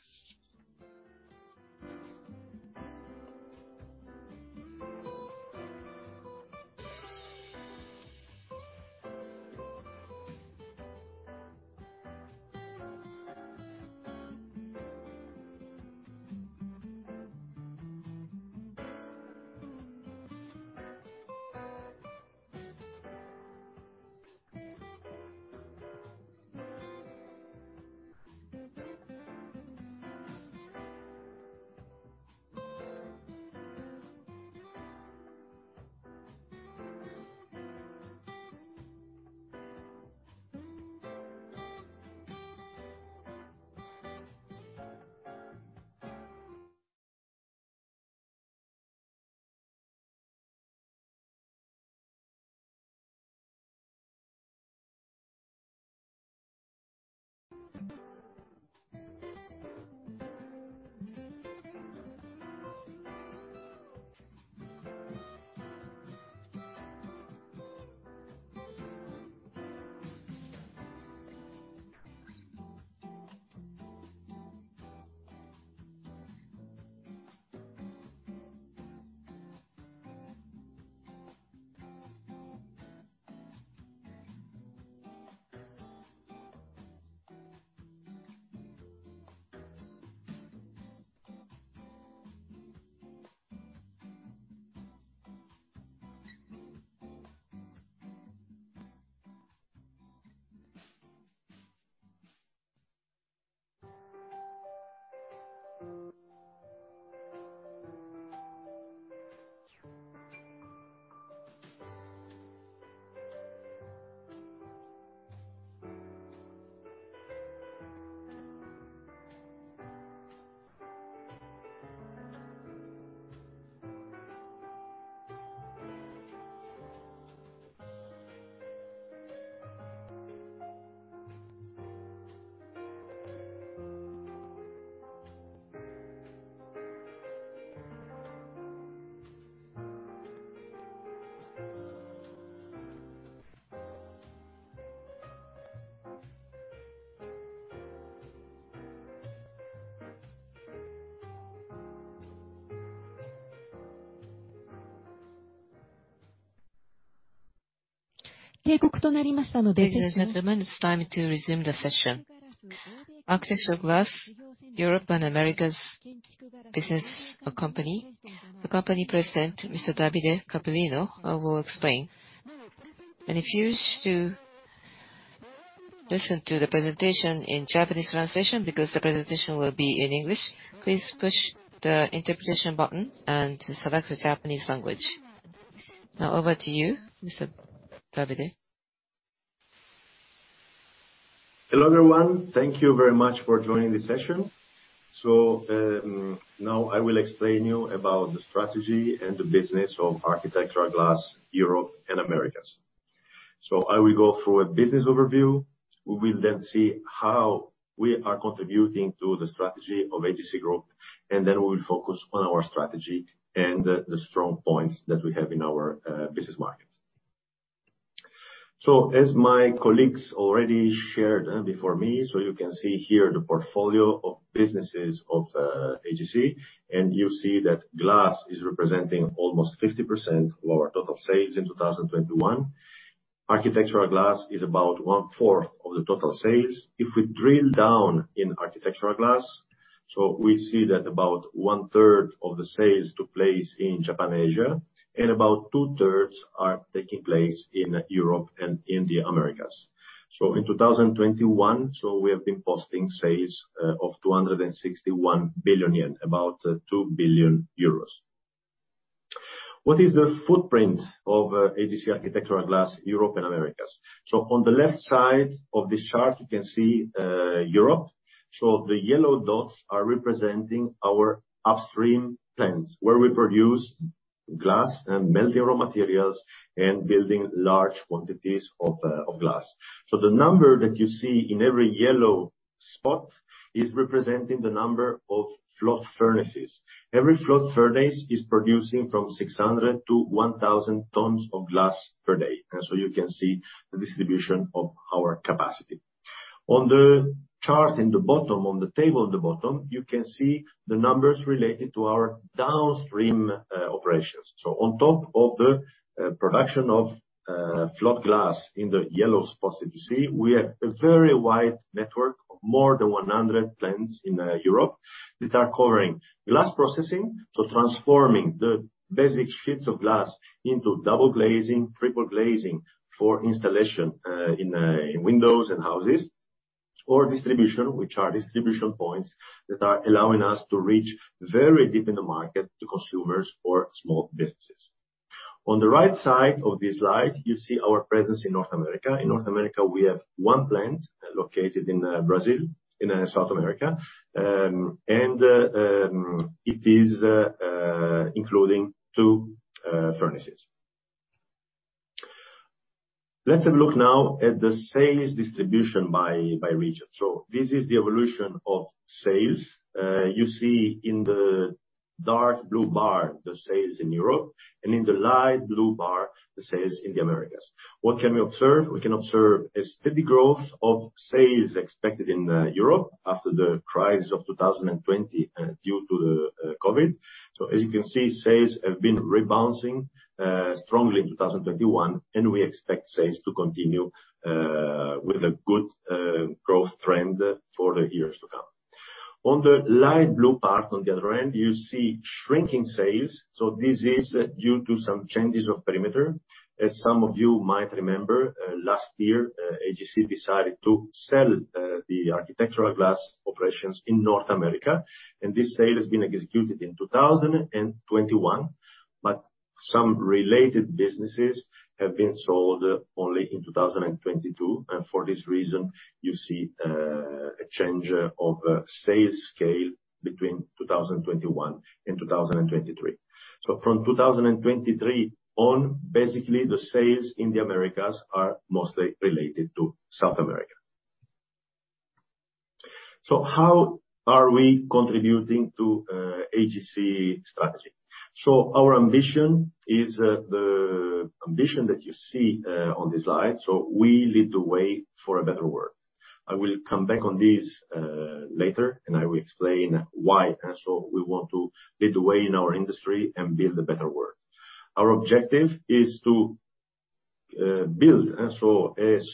Ladies and gentlemen, it's time to resume the session. Architectural Glass Europe & Americas Company. The company president, Mr. Davide Cappellino, will explain. If you wish to listen to the presentation in Japanese translation because the presentation will be in English, please push the interpretation button and select the Japanese language. Now over to you, Mr. Cappellino. Hello, everyone. Thank you very much for joining this session. Now I will explain you about the strategy and the business of Architectural Glass Europe and Americas. I will go through a business overview. We will then see how we are contributing to the strategy of AGC Group, and then we will focus on our strategy and the strong points that we have in our business market. As my colleagues already shared before me, you can see here the portfolio of businesses of AGC, and you see that glass is representing almost 50% of our total sales in 2021. Architectural Glass is about one-fourth of the total sales. If we drill down in architectural glass, we see that about one-third of the sales took place in Japan, Asia, and about two-thirds are taking place in Europe and in the Americas. In 2021, we have been posting sales of 261 billion yen, about 2 billion euros. What is the footprint of AGC Architectural Glass Europe & Americas? On the left side of this chart you can see Europe. The yellow dots are representing our upstream plants, where we produce glass and melting raw materials and building large quantities of glass. The number that you see in every yellow spot is representing the number of float furnaces. Every float furnace is producing from 600 to 1,000 tons of glass per day. You can see the distribution of our capacity. On the chart in the bottom, on the table on the bottom, you can see the numbers related to our downstream operations. On top of the production of float glass in the yellow spots that you see, we have a very wide network of more than 100 plants in Europe that are covering glass processing, so transforming the basic sheets of glass into double glazing, triple glazing for installation in windows and houses. Distribution, which are distribution points that are allowing us to reach very deep in the market to consumers or small businesses. On the right side of this slide, you see our presence in North America. In North America, we have one plant located in Brazil, in South America. It is including two furnaces. Let's have a look now at the sales distribution by region. This is the evolution of sales. You see in the dark blue bar, the sales in Europe, and in the light blue bar, the sales in the Americas. What can we observe? We can observe a steady growth of sales expected in Europe after the crisis of 2020 due to the COVID. As you can see, sales have been rebounding strongly in 2021, and we expect sales to continue with a good growth trend for the years to come. On the light blue part on the other end, you see shrinking sales, so this is due to some changes of perimeter. As some of you might remember, last year, AGC decided to sell the architectural glass operations in North America, and this sale has been executed in 2021. Some related businesses have been sold only in 2022, and for this reason, you see a change of sales scale between 2021 and 2023. From 2023 on, basically, the sales in the Americas are mostly related to South America. How are we contributing to AGC strategy? Our ambition is the ambition that you see on this slide. We lead the way for a better world. I will come back on this later and I will explain why. We want to lead the way in our industry and build a better world. Our objective is to build a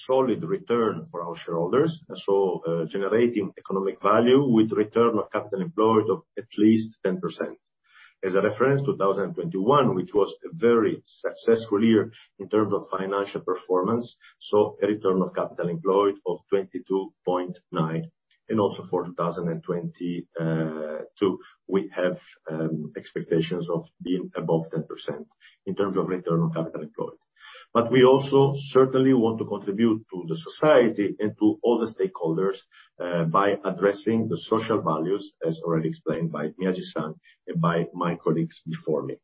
solid return for our shareholders. Generating economic value with return on capital employed of at least 10%. As a reference, 2021, which was a very successful year in terms of financial performance, a return on capital employed of 22.9. For 2022, we have expectations of being above 10% in terms of return on capital employed. We certainly want to contribute to society and to all the stakeholders by addressing the social values, as already explained by Miyaji-san and by my colleagues before me.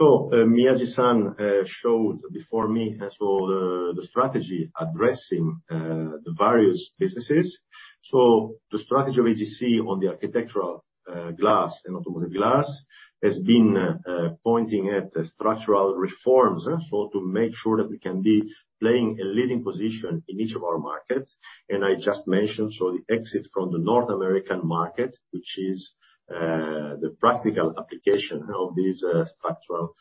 Miyaji-san showed, before me, the strategy addressing the various businesses. The strategy of AGC on the Architectural Glass and automotive glass has been pointing at structural reforms, so to make sure that we can be playing a leading position in each of our markets. I just mentioned, so the exit from the North American market, which is the practical application of these structural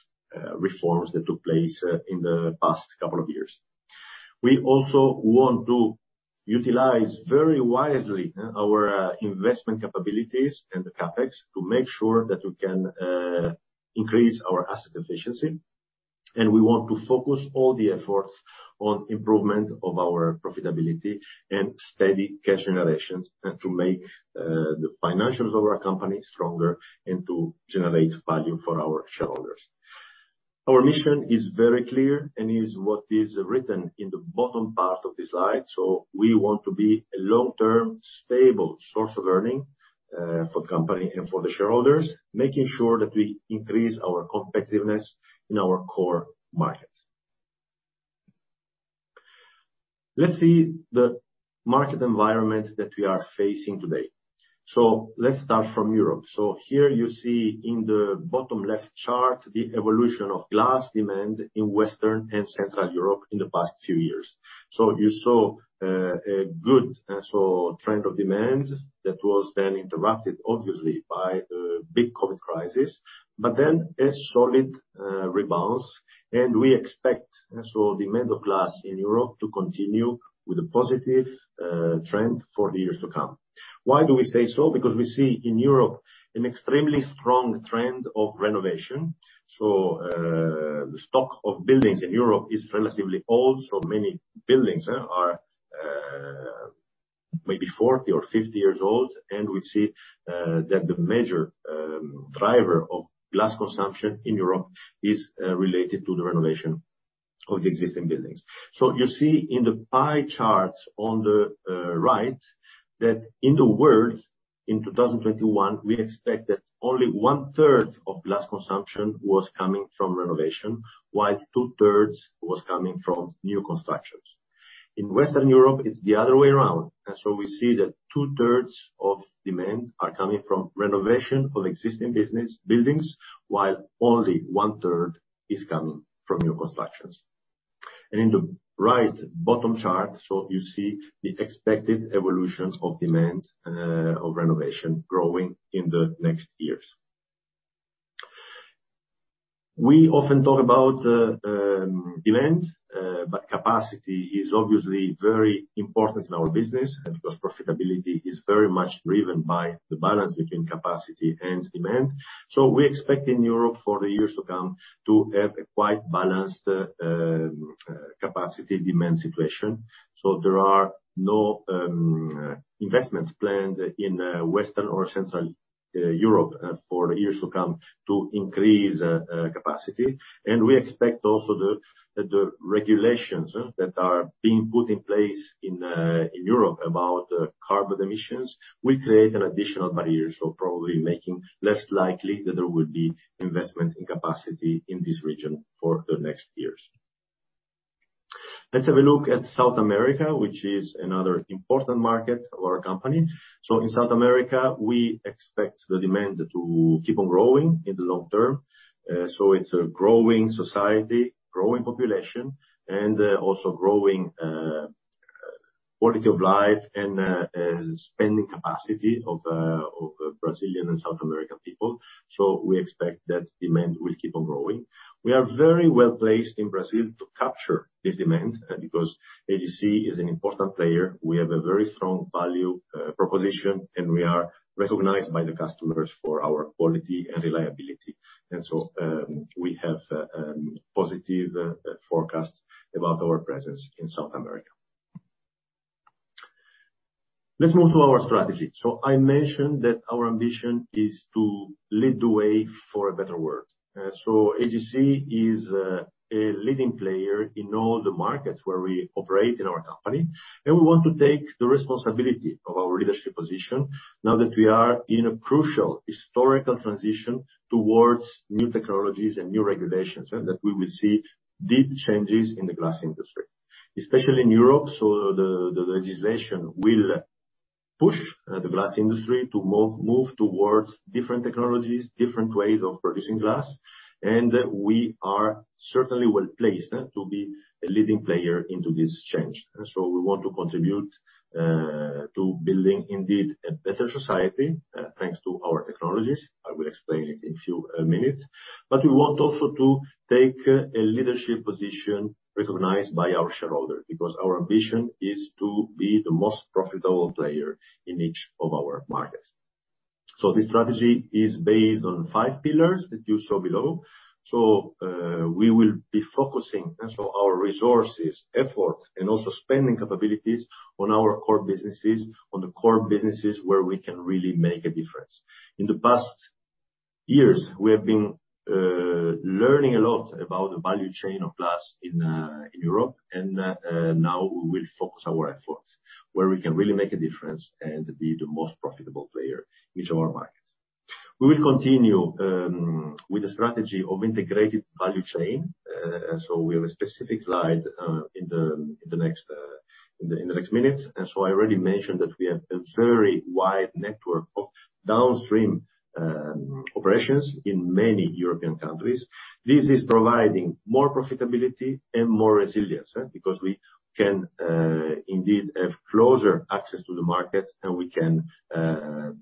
reforms that took place in the past couple of years. We also want to utilize very wisely our investment capabilities and the CapEx to make sure that we can increase our asset efficiency. We want to focus all the efforts on improvement of our profitability and steady cash generations, and to make the financials of our company stronger and to generate value for our shareholders. Our mission is very clear and is what is written in the bottom part of this slide. We want to be a long-term, stable source of earning for company and for the shareholders, making sure that we increase our competitiveness in our core markets. Let's see the market environment that we are facing today. Let's start from Europe. Here you see in the bottom left chart the evolution of glass demand in Western and Central Europe in the past few years. You saw a good trend of demand that was then interrupted obviously by the big COVID crisis, but then a solid rebalance. We expect demand of glass in Europe to continue with a positive trend for the years to come. Why do we say so? Because we see in Europe an extremely strong trend of renovation. The stock of buildings in Europe is relatively old, so many buildings are maybe 40 or 50 years old. We see that the major driver of glass consumption in Europe is related to the renovation of the existing buildings. You see in the pie chart on the right that in the world, in 2021, we expect that only one-third of glass consumption was coming from renovation, while two-thirds was coming from new constructions. In Western Europe, it's the other way around. We see that two-thirds of demand are coming from renovation of existing buildings, while only one-third is coming from new constructions. In the right bottom chart, you see the expected evolutions of demand of renovation growing in the next years. We often talk about demand, but capacity is obviously very important in our business because profitability is very much driven by the balance between capacity and demand. We expect in Europe for the years to come to have a quite balanced capacity demand situation. There are no investments planned in Western or Central Europe for years to come to increase capacity. We expect also the regulations that are being put in place in Europe about carbon emissions will create an additional barrier. Probably making less likely that there will be investment in capacity in this region for the next years. Let's have a look at South America, which is another important market of our company. In South America, we expect the demand to keep on growing in the long term. It's a growing society, growing population, and also growing quality of life and spending capacity of Brazilian and South American people. We expect that demand will keep on growing. We are very well-placed in Brazil to capture this demand, because AGC is an important player. We have a very strong value proposition, and we are recognized by the customers for our quality and reliability. We have positive forecast about our presence in South America. Let's move to our strategy. I mentioned that our ambition is to lead the way for a better world. AGC is a leading player in all the markets where we operate in our company, and we want to take the responsibility of our leadership position now that we are in a crucial historical transition towards new technologies and new regulations, and that we will see deep changes in the glass industry, especially in Europe. The legislation will push the glass industry to move towards different technologies, different ways of producing glass, and we are certainly well-placed to be a leading player into this change. We want to contribute to building indeed a better society thanks to our technologies. I will explain it in few minutes. We want also to take a leadership position recognized by our shareholder, because our ambition is to be the most profitable player in each of our markets. This strategy is based on five pillars that you saw below. We will be focusing our resources, effort, and also spending capabilities on our core businesses where we can really make a difference. In the past years, we have been learning a lot about the value chain of glass in Europe, and now we will focus our efforts where we can really make a difference and be the most profitable player in each of our markets. We will continue with the strategy of integrated value chain. We have a specific slide in the next minutes. I already mentioned that we have a very wide network of downstream operations in many European countries. This is providing more profitability and more resilience, because we can indeed have closer access to the markets, and we can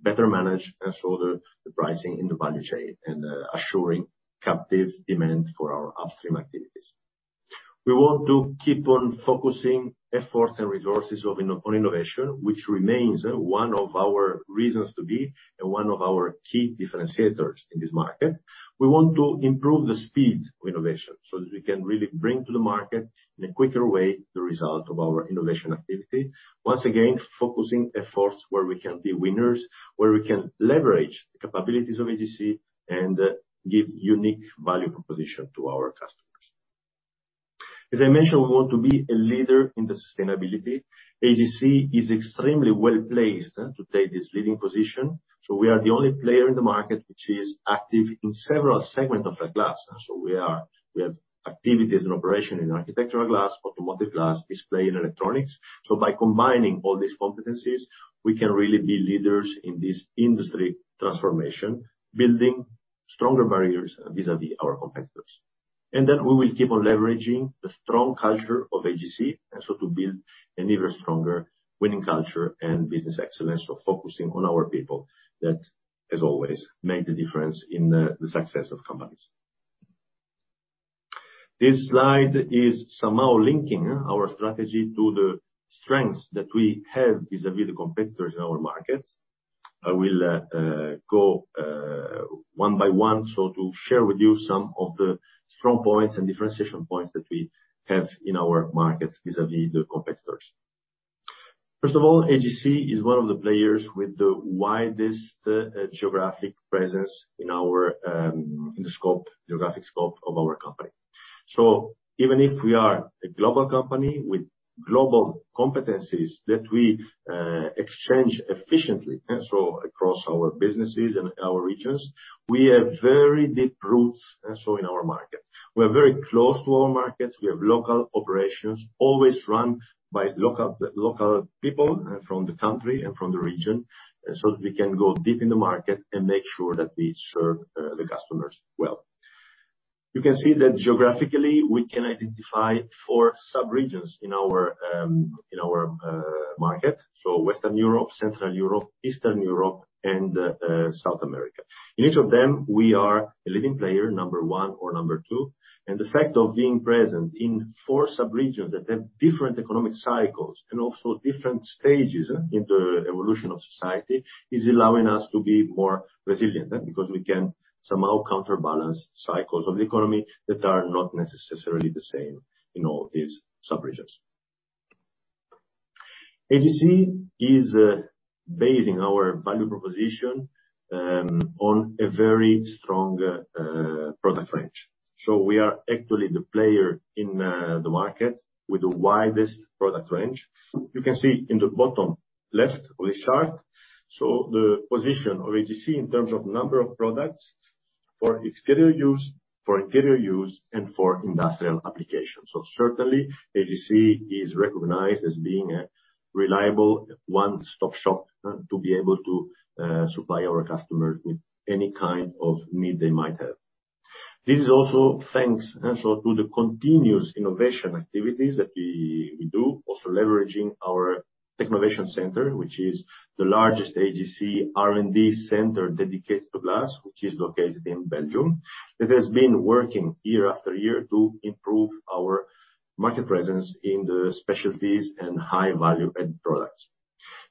better manage also the pricing in the value chain and assuring captive demand for our upstream activities. We want to keep on focusing efforts and resources on innovation, which remains one of our reasons to be and one of our key differentiators in this market. We want to improve the speed of innovation, so that we can really bring to the market in a quicker way the result of our innovation activity. Once again, focusing efforts where we can be winners, where we can leverage the capabilities of AGC and give unique value proposition to our customers. As I mentioned, we want to be a leader in the sustainability. AGC is extremely well-placed to take this leading position. We are the only player in the market which is active in several segments of the glass. We have activities and operation in Architectural Glass, automotive glass, display, and electronics. By combining all these competencies, we can really be leaders in this industry transformation, building stronger barriers vis-à-vis our competitors. We will keep on leveraging the strong culture of AGC, and so to build an even stronger winning culture and business excellence. Focusing on our people that as always make the difference in the success of companies. This slide is somehow linking our strategy to the strengths that we have vis-à-vis the competitors in our markets. I will go one by one, so to share with you some of the strong points and differentiation points that we have in our markets vis-à-vis the competitors. First of all, AGC is one of the players with the widest geographic presence in the geographic scope of our company. Even if we are a global company with global competencies that we exchange efficiently across our businesses and our regions, we have very deep roots in our market. We're very close to our markets. We have local operations always run by local people from the country and from the region, so that we can go deep in the market and make sure that we serve the customers well. You can see that geographically we can identify four sub-regions in our market. Western Europe, Central Europe, Eastern Europe and South America. In each of them, we are a leading player, number one or number two. The fact of being present in four sub-regions that have different economic cycles and also different stages in the evolution of society is allowing us to be more resilient, because we can somehow counterbalance cycles of the economy that are not necessarily the same in all these sub-regions. AGC is basing our value proposition on a very strong product range. We are actually the player in the market with the widest product range. You can see in the bottom left of the chart, the position of AGC in terms of number of products for exterior use, for interior use, and for industrial applications. Certainly, AGC is recognized as being a reliable one-stop shop to be able to supply our customers with any kind of need they might have. This is also thanks to the continuous innovation activities that we do. Leveraging our Technovation Centre, which is the largest AGC R&D center dedicated to glass, which is located in Belgium, that has been working year after year to improve our market presence in the specialties and high value added products.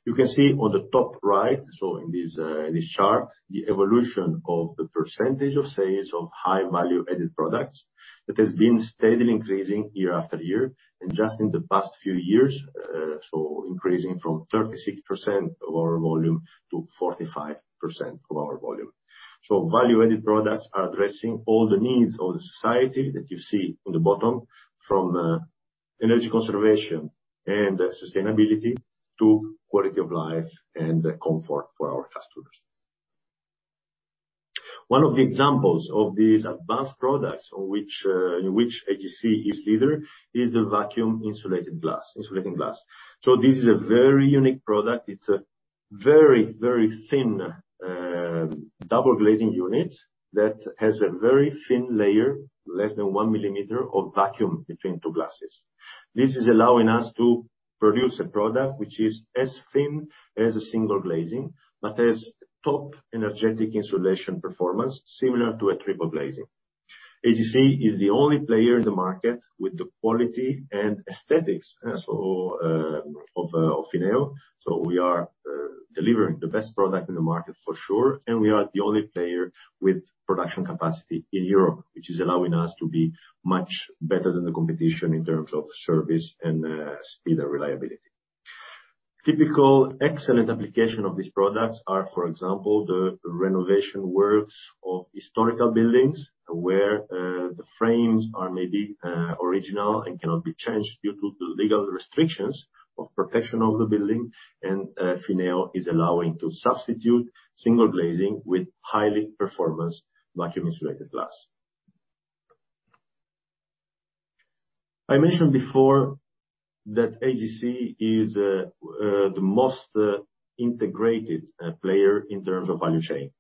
You can see on the top right, in this chart, the evolution of the percentage of sales of high value added products that has been steadily increasing year after year. Just in the past few years, increasing from 36% of our volume to 45% of our volume. Value added products are addressing all the needs of the society that you see on the bottom from energy conservation and sustainability to quality of life and comfort for our customers. One of the examples of these advanced products in which AGC is leader is the vacuum insulated glass, insulating glass. This is a very unique product. It's a very, very thin double glazing unit that has a very thin layer, less than one millimeter of vacuum between two glasses. This is allowing us to produce a product which is as thin as a single glazing but has top energy insulation performance similar to a triple glazing. AGC is the only player in the market with the quality and aesthetics of FINEO. We are delivering the best product in the market for sure, and we are the only player with production capacity in Europe, which is allowing us to be much better than the competition in terms of service and speed and reliability. Typical excellent application of these products are, for example, the renovation works of historical buildings where the frames are maybe original and cannot be changed due to the legal restrictions of protection of the building. FINEO is allowing to substitute single glazing with high performance vacuum insulated glass. I mentioned before that AGC is the most integrated player in terms of value chain.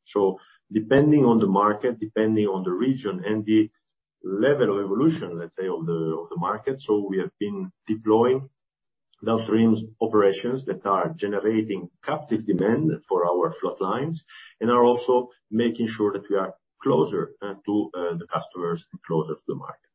Depending on the market, depending on the region and the level of evolution, let's say on the market. We have been deploying downstream operations that are generating captive demand for our float lines and are also making sure that we are closer to the customers and closer to the market.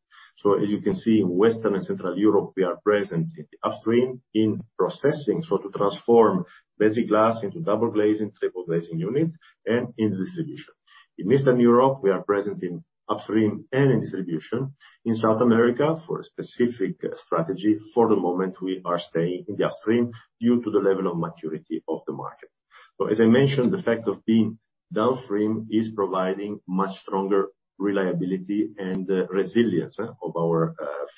As you can see in Western and Central Europe, we are present in the upstream in processing. To transform basic glass into double glazing, triple glazing units and in distribution. In Eastern Europe, we are present in upstream and in distribution. In South America for a specific strategy, for the moment we are staying in the upstream due to the level of maturity of the market. As I mentioned, the fact of being downstream is providing much stronger reliability and resilience of our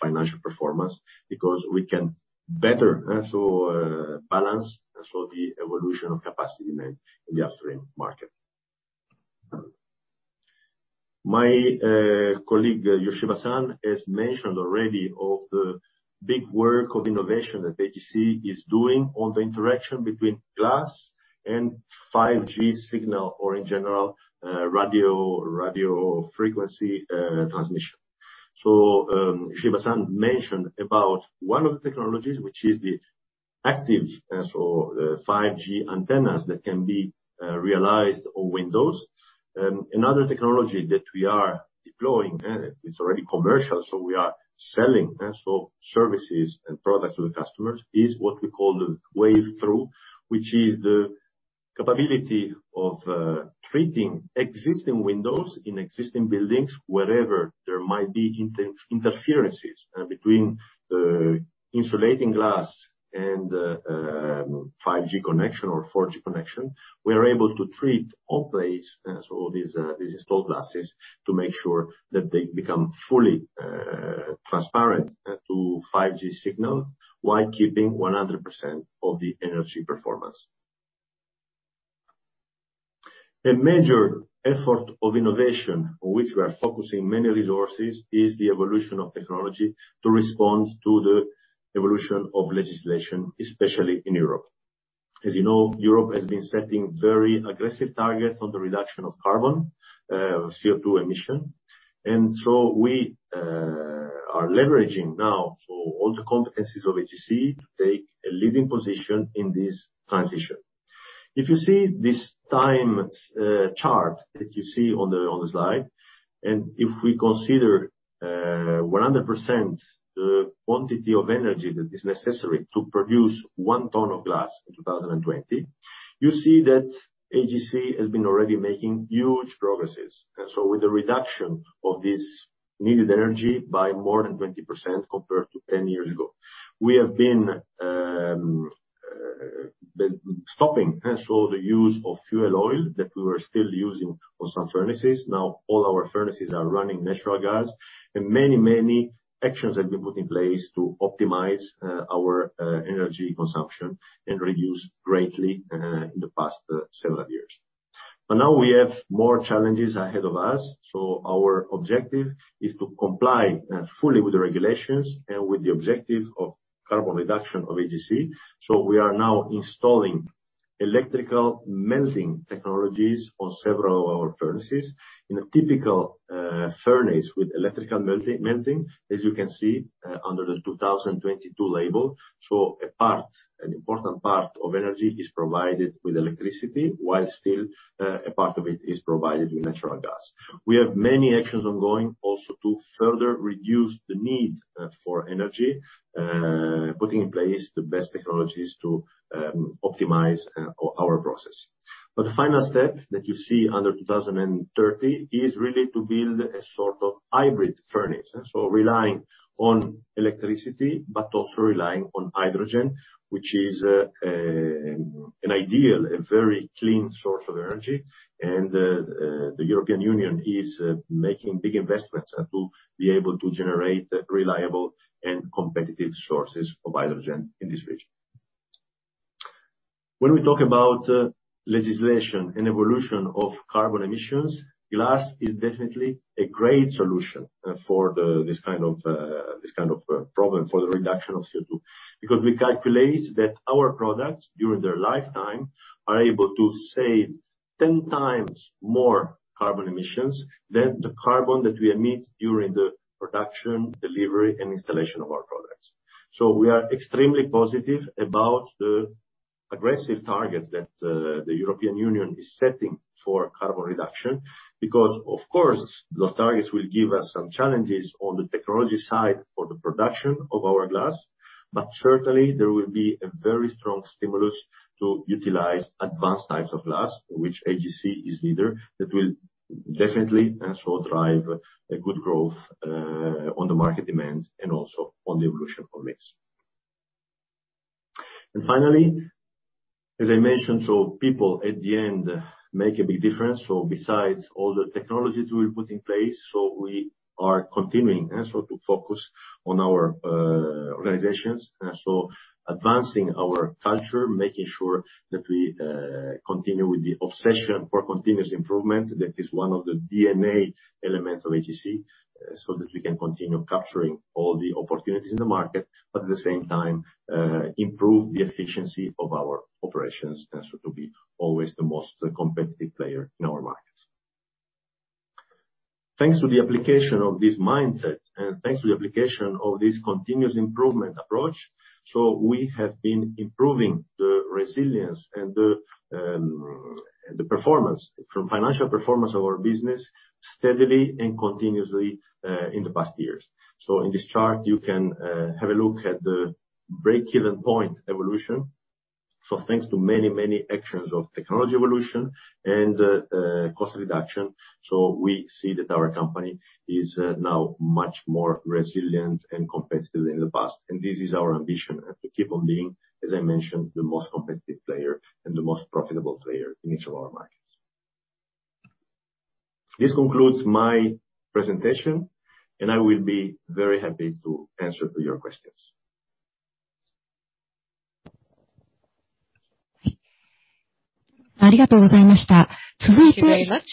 financial performance because we can better balance the evolution of capacity demand in the upstream market. My colleague Shigeki Yoshiba has mentioned already of the big work of innovation that AGC is doing on the interaction between glass and 5G signal or in general, radio frequency transmission. Shigeki Yoshiba mentioned about one of the technologies, which is the active, as for the 5G antennas that can be realized on windows. Another technology that we are deploying is already commercial. We are selling also services and products to the customers, is what we call the WAVETHROUGH, which is the capability of treating existing windows in existing buildings wherever there might be interferences between the insulating glass and 5G connection or 4G connection. We are able to treat in place all these installed glasses to make sure that they become fully transparent to 5G signals while keeping 100% of the energy performance. A major effort of innovation on which we are focusing many resources is the evolution of technology to respond to the evolution of legislation, especially in Europe. As you know, Europe has been setting very aggressive targets on the reduction of carbon CO2 emission. We are leveraging now so all the competencies of AGC to take a leading position in this transition. If you see this time chart that you see on the slide, and if we consider 100% the quantity of energy that is necessary to produce one ton of glass in 2020, you see that AGC has been already making huge progresses. With the reduction of this needed energy by more than 20% compared to 10 years ago, we have been stopping the use of fuel oil that we were still using on some furnaces. Now all our furnaces are running natural gas, and many, many actions have been put in place to optimize our energy consumption and reduce greatly in the past several years. Now we have more challenges ahead of us, our objective is to comply fully with the regulations and with the objective of carbon reduction of AGC. We are now installing electrical melting technologies on several of our furnaces. In a typical furnace with electrical melting, as you can see, under the 2022 label, a part, an important part of energy is provided with electricity, while still a part of it is provided with natural gas. We have many actions ongoing also to further reduce the need for energy, putting in place the best technologies to optimize our process. The final step that you see under 2030 is really to build a sort of hybrid furnace, so relying on electricity but also relying on hydrogen, which is an ideal and very clean source of energy. The European Union is making big investments to be able to generate reliable and competitive sources of hydrogen in this region. When we talk about legislation and evolution of carbon emissions, glass is definitely a great solution for this kind of problem for the reduction of CO2. Because we calculate that our products during their lifetime are able to save ten times more carbon emissions than the carbon that we emit during the production, delivery, and installation of our products. We are extremely positive about the aggressive targets that the European Union is setting for carbon reduction because, of course, those targets will give us some challenges on the technology side for the production of our glass. Certainly there will be a very strong stimulus to utilize advanced types of glass, which AGC is leader, that will definitely and so drive a good growth on the market demands and also on the evolution of mix. Finally, as I mentioned, so people at the end make a big difference, so besides all the technology that we put in place, so we are continuing also to focus on our organizations. Advancing our culture, making sure that we continue with the obsession for continuous improvement. That is one of the DNA elements of AGC, so that we can continue capturing all the opportunities in the market, but at the same time, improve the efficiency of our operations, so to be always the most competitive player in our markets. Thanks to the application of this mindset, and thanks to the application of this continuous improvement approach, we have been improving the resilience and the financial performance of our business steadily and continuously, in the past years. In this chart, you can have a look at the breakeven point evolution. Thanks to many actions of technology evolution and cost reduction, we see that our company is now much more resilient and competitive than the past. This is our ambition, to keep on being, as I mentioned, the most competitive player and the most profitable player in each of our markets. This concludes my presentation, and I will be very happy to answer to your questions. Thank you very much.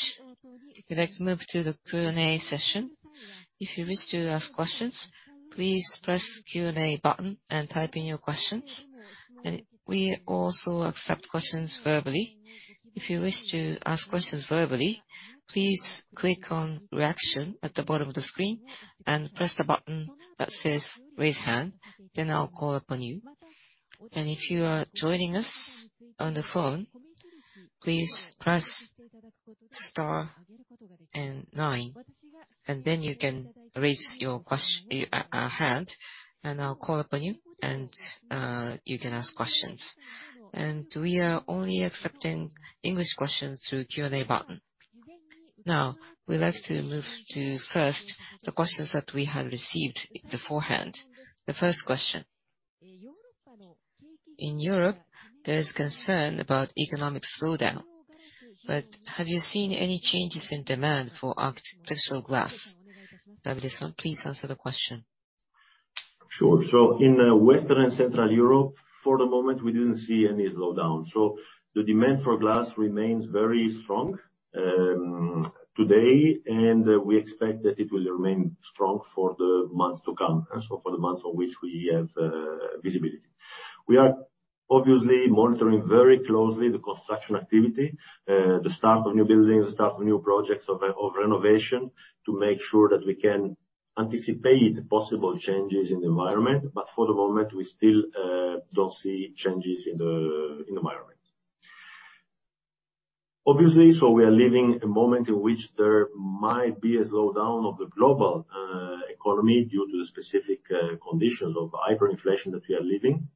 We'd like to move to the Q&A session. If you wish to ask questions, please press Q&A button and type in your questions. We also accept questions verbally. If you wish to ask questions verbally, please click on Reaction at the bottom of the screen and press the button that says Raise Hand, then I'll call upon you. If you are joining us on the phone, please press star and nine, and then you can raise your hand, and I'll call upon you, and you can ask questions. We are only accepting English questions through Q&A button. Now, we'd like to move to the first questions that we had received beforehand. The first question: In Europe, there is concern about economic slowdown, but have you seen any changes in demand for Architectural Glass? Davide-san, please answer the question. Sure. In Western and Central Europe, for the moment, we didn't see any slowdown. The demand for glass remains very strong today, and we expect that it will remain strong for the months to come, for the months on which we have visibility. We are obviously monitoring very closely the construction activity, the start of new buildings, the start of new projects of renovation to make sure that we can anticipate possible changes in the environment. For the moment, we still don't see changes in the environment. Obviously, we are living a moment in which there might be a slowdown of the global economy due to the specific conditions of hyperinflation that we are living,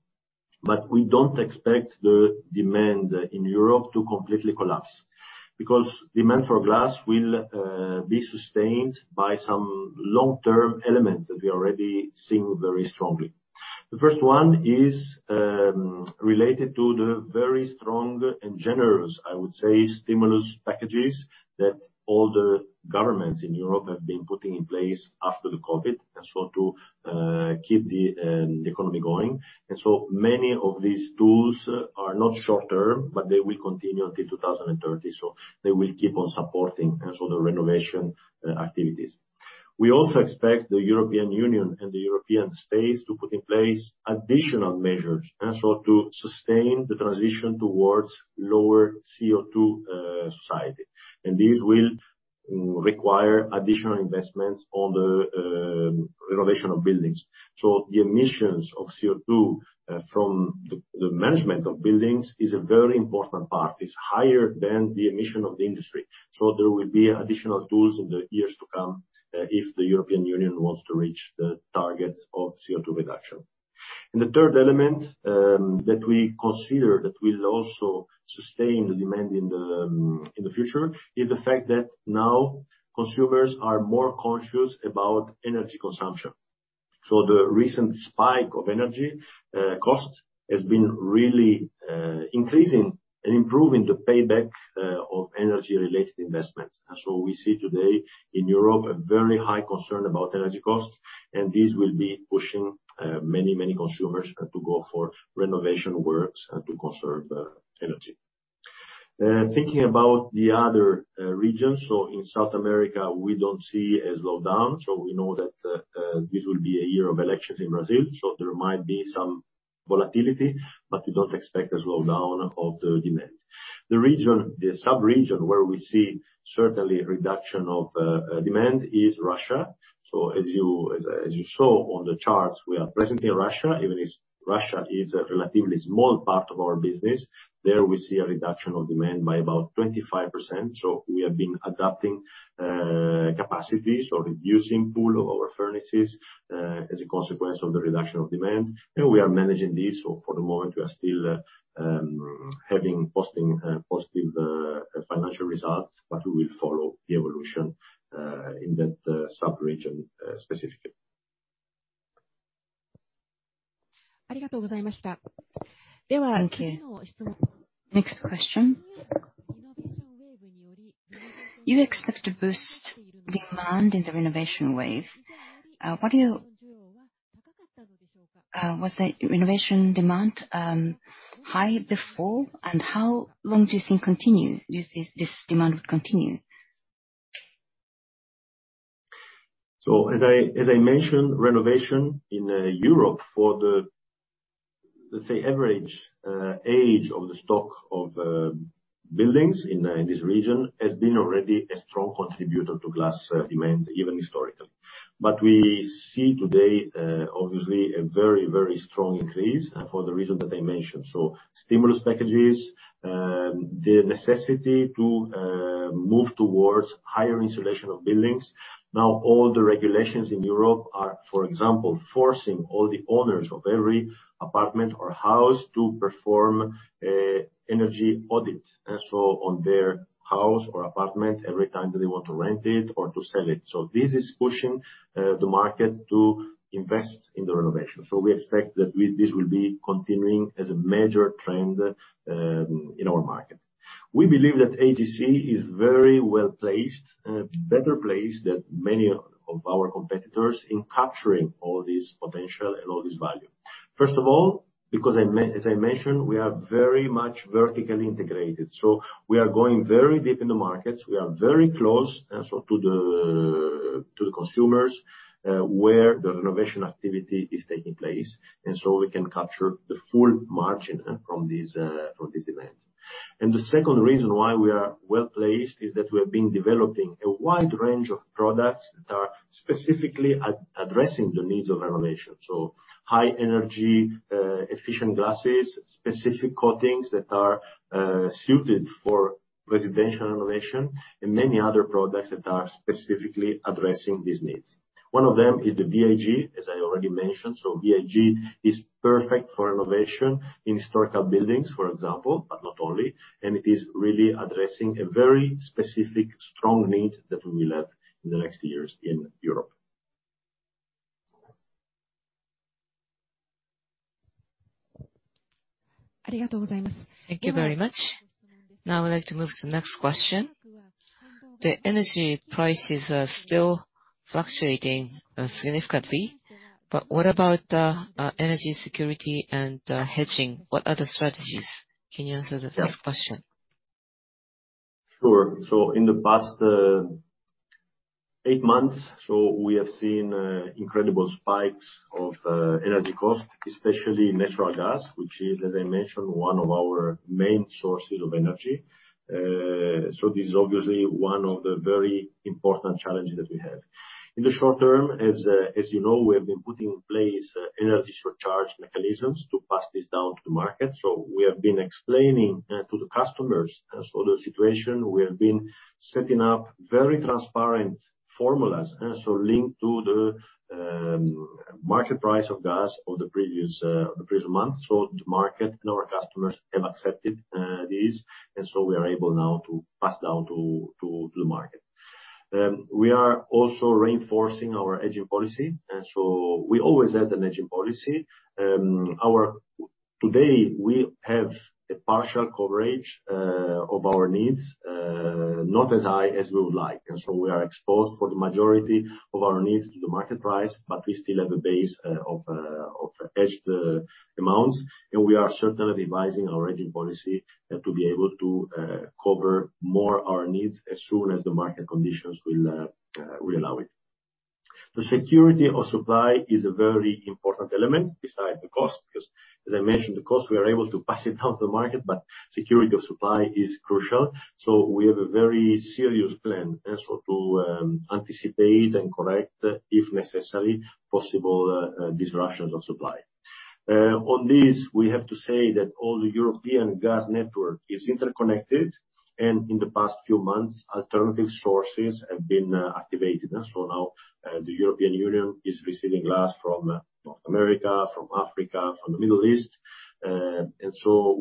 but we don't expect the demand in Europe to completely collapse. Because demand for glass will be sustained by some long-term elements that we already seeing very strongly. The first one is related to the very strong and generous, I would say, stimulus packages that all the governments in Europe have been putting in place after the COVID, and so to keep the economy going. Many of these tools are not short-term, but they will continue until 2030. They will keep on supporting as well the renovation activities. We also expect the European Union and the European Space to put in place additional measures and so to sustain the transition towards lower CO2 society. These will require additional investments on the renovation of buildings. The emissions of CO2 from the management of buildings is a very important part. It's higher than the emission of the industry. There will be additional tools in the years to come, if the European Union wants to reach the targets of CO2 reduction. The third element that we consider that will also sustain the demand in the future is the fact that now consumers are more conscious about energy consumption. The recent spike of energy cost has been really increasing and improving the payback of energy-related investments. We see today in Europe a very high concern about energy costs, and this will be pushing many, many consumers to go for renovation works and to conserve energy. Thinking about the other regions. In South America, we don't see a slowdown. We know that this will be a year of elections in Brazil, so there might be some volatility, but we don't expect a slowdown of the demand. The region, the sub-region where we see certainly a reduction of demand is Russia. As you saw on the charts, we are present in Russia, even if Russia is a relatively small part of our business. There we see a reduction of demand by about 25%, so we have been adapting capacity. Reducing pool of our furnaces as a consequence of the reduction of demand, and we are managing this. For the moment we are still having positive financial results, but we will follow the evolution in that sub-region specifically. Thank you. Next question. You expect to boost demand in the renovation wave. Was the renovation demand high before, and how long do you think this demand will continue? As I mentioned, renovation in Europe for the, let's say, average age of the stock of buildings in this region has been already a strong contributor to glass demand, even historically. We see today obviously a very strong increase for the reason that I mentioned. Stimulus packages, the necessity to move towards higher insulation of buildings. Now all the regulations in Europe are, for example, forcing all the owners of every apartment or house to perform energy audits and so on, their house or apartment every time that they want to rent it or to sell it. This is pushing the market to invest in the renovation. We expect that this will be continuing as a major trend in our market. We believe that AGC is very well-placed, better placed than many of our competitors in capturing all this potential and all this value. First of all, because as I mentioned, we are very much vertically integrated, so we are going very deep in the markets. We are very close and so to the consumers, where the renovation activity is taking place, and so we can capture the full margin, from this event. The second reason why we are well-placed is that we have been developing a wide range of products that are specifically addressing the needs of renovation. So high energy efficient glasses, specific coatings that are suited for residential renovation, and many other products that are specifically addressing these needs. One of them is the VIG, as I already mentioned. VIG is perfect for renovation in historical buildings, for example, but not only, and it is really addressing a very specific strong need that we will have in the next years in Europe. Thank you very much. Now I would like to move to the next question. The energy prices are still fluctuating significantly, but what about energy security and hedging? What are the strategies? Can you answer this next question? Sure. In the past eight months, we have seen incredible spikes of energy costs, especially natural gas, which is, as I mentioned, one of our main sources of energy. This is obviously one of the very important challenges that we have. In the short term, as you know, we have been putting in place energy surcharge mechanisms to pass this down to the market. We have been explaining to the customers as for the situation, we have been setting up very transparent formulas so linked to the market price of gas or the previous month. The market and our customers have accepted this, and we are able now to pass down to the market. We are also reinforcing our hedging policy, and we always had a hedging policy. Today, we have a partial coverage of our needs, not as high as we would like, and so we are exposed for the majority of our needs to the market price, but we still have a base of hedged amounts, and we are certainly revising our hedging policy to be able to cover more our needs as soon as the market conditions will allow it. The security of supply is a very important element besides the cost, because as I mentioned, the cost, we are able to pass it down to the market, but security of supply is crucial. We have a very serious plan as to anticipate and correct, if necessary, possible disruptions of supply. On this, we have to say that all the European gas network is interconnected, and in the past few months, alternative sources have been activated. Now, the European Union is receiving gas from North America, from Africa, from the Middle East.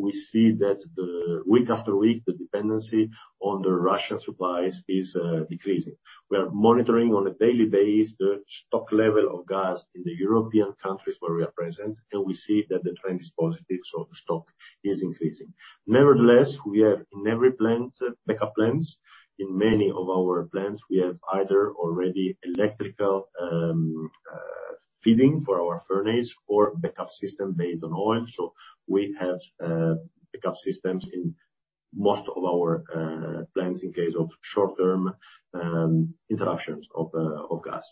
We see that week after week, the dependency on the Russian supplies is decreasing. We are monitoring on a daily basis the stock level of gas in the European countries where we are present, and we see that the trend is positive, so the stock is increasing. Nevertheless, we have in every plant backup plans. In many of our plants, we have either already electrical feeding for our furnace or backup system based on oil. We have backup systems in most of our plants in case of short-term interruptions of gas.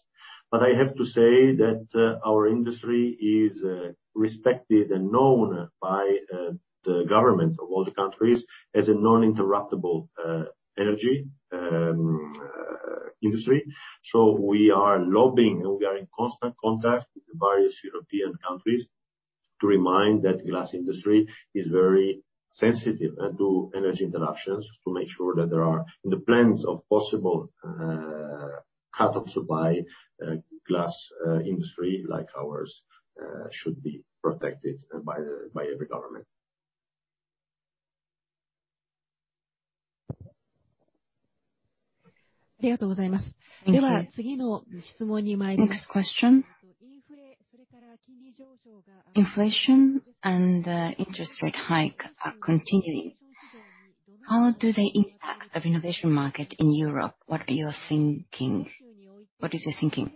I have to say that our industry is respected and known by the governments of all the countries as a non-interruptible energy industry. We are lobbying, and we are in constant contact with the various European countries to remind that glass industry is very sensitive to energy interruptions to make sure that there are in the plans of possible cut of supply glass industry like ours should be protected by every government. Thank you. Next question. Inflation and interest rate hike are continuing. How do they impact the renovation market in Europe? What are you thinking? What is your thinking?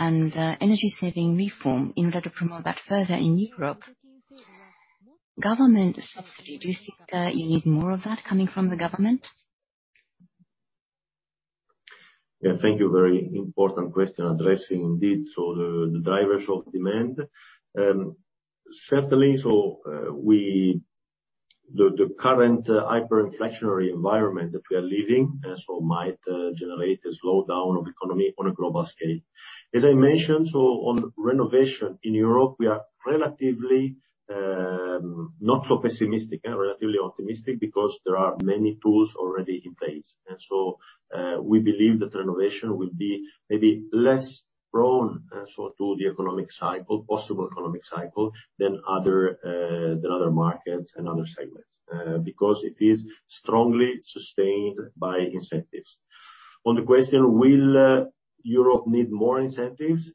Energy-saving reform, in order to promote that further in Europe, government subsidy, do you think you need more of that coming from the government? Yeah. Thank you. Very important question addressing indeed, the drivers of demand. Certainly, the current hyperinflationary environment that we are living in and so might generate a slowdown of the economy on a global scale. As I mentioned, on renovation in Europe, we are relatively not so pessimistic and relatively optimistic because there are many tools already in place. We believe that renovation will be maybe less prone also to the possible economic cycle than other markets and other segments because it is strongly sustained by incentives. On the question, will Europe need more incentives?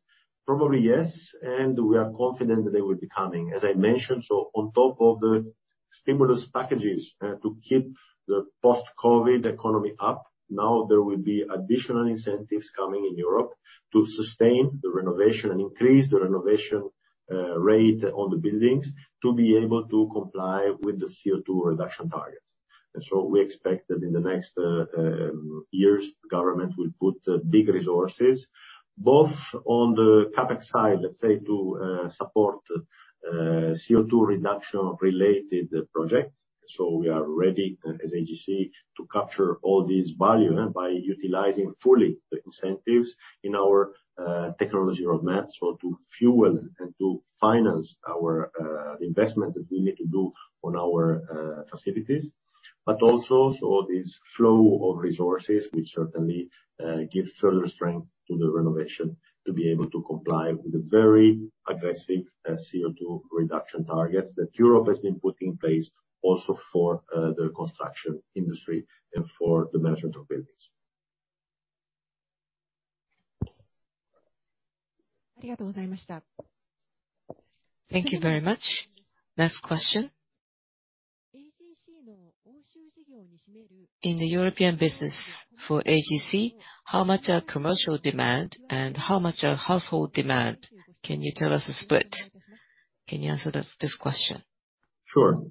Probably, yes, and we are confident that they will be coming. As I mentioned, on top of the stimulus packages, to keep the post-COVID economy up, now there will be additional incentives coming in Europe to sustain the renovation and increase the rate on the buildings to be able to comply with the CO2 reduction targets. We expect that in the next years, government will put big resources both on the CapEx side, let's say, to support CO2 reduction related project. We are ready as AGC to capture all this value by utilizing fully the incentives in our technology roadmap, to fuel and to finance our investments that we need to do on our facilities. This flow of resources will certainly give further strength to the renovation to be able to comply with the very aggressive CO2 reduction targets that Europe has been putting in place also for the construction industry and for the management of buildings. Thank you very much. Next question. In the European business for AGC, how much are commercial demand and how much are household demand? Can you tell us the split? Can you answer this question? Sure.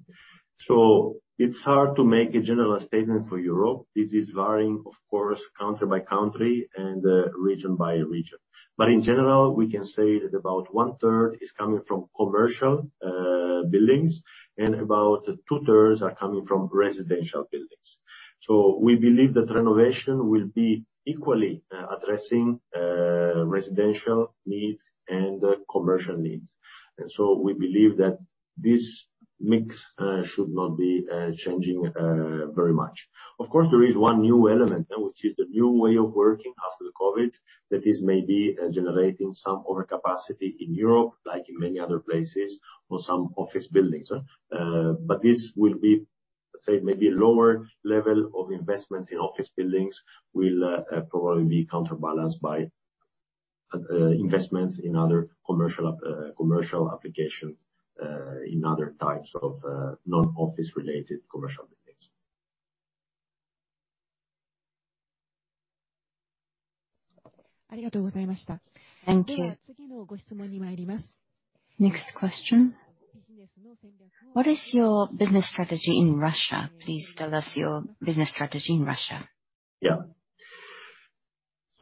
It's hard to make a general statement for Europe. This is varying, of course, country by country and region by region. In general, we can say that about one-third is coming from commercial buildings, and about two-thirds are coming from residential buildings. We believe that renovation will be equally addressing residential needs and commercial needs. We believe that this mix should not be changing very much. Of course, there is one new element, which is the new way of working after the COVID, that is maybe generating some overcapacity in Europe, like in many other places, for some office buildings. This will be, let's say, maybe a lower level of investments in office buildings will probably be counterbalanced by investments in other commercial applications in other types of non-office related commercial buildings. Thank you. Next question. What is your business strategy in Russia? Please tell us your business strategy in Russia.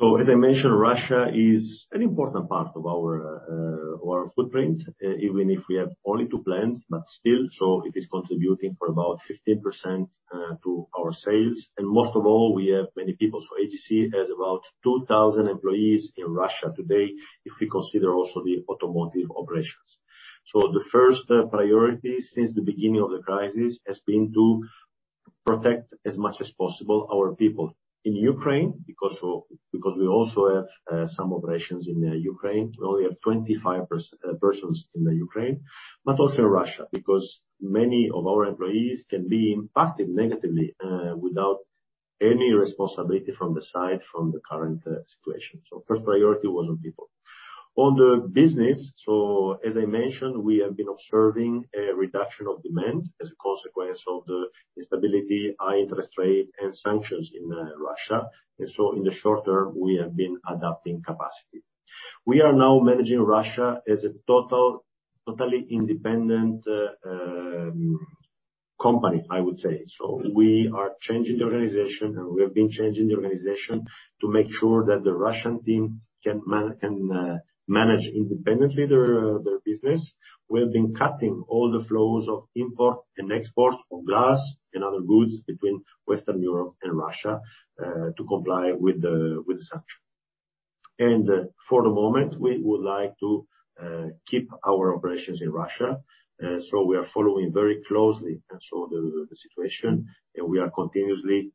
Yeah. As I mentioned, Russia is an important part of our footprint, even if we have only two plants, but still. It is contributing for about 15% to our sales. Most of all, we have many people. AGC has about 2,000 employees in Russia today, if we consider also the automotive operations. The first priority since the beginning of the crisis has been to protect as much as possible our people in Ukraine, because we also have some operations in the Ukraine. We only have 25 persons in the Ukraine, but also Russia, because many of our employees can be impacted negatively without any responsibility from the current situation. First priority was on people. On the business, as I mentioned, we have been observing a reduction of demand as a consequence of the instability, high interest rate and sanctions in Russia. In the short term, we have been adapting capacity. We are now managing Russia as a totally independent company, I would say. We are changing the organization, and we have been changing the organization to make sure that the Russian team can manage independently their business. We have been cutting all the flows of import and export of glass and other goods between Western Europe and Russia to comply with the sanctions. For the moment, we would like to keep our operations in Russia, so we are following very closely the situation, and we are continuously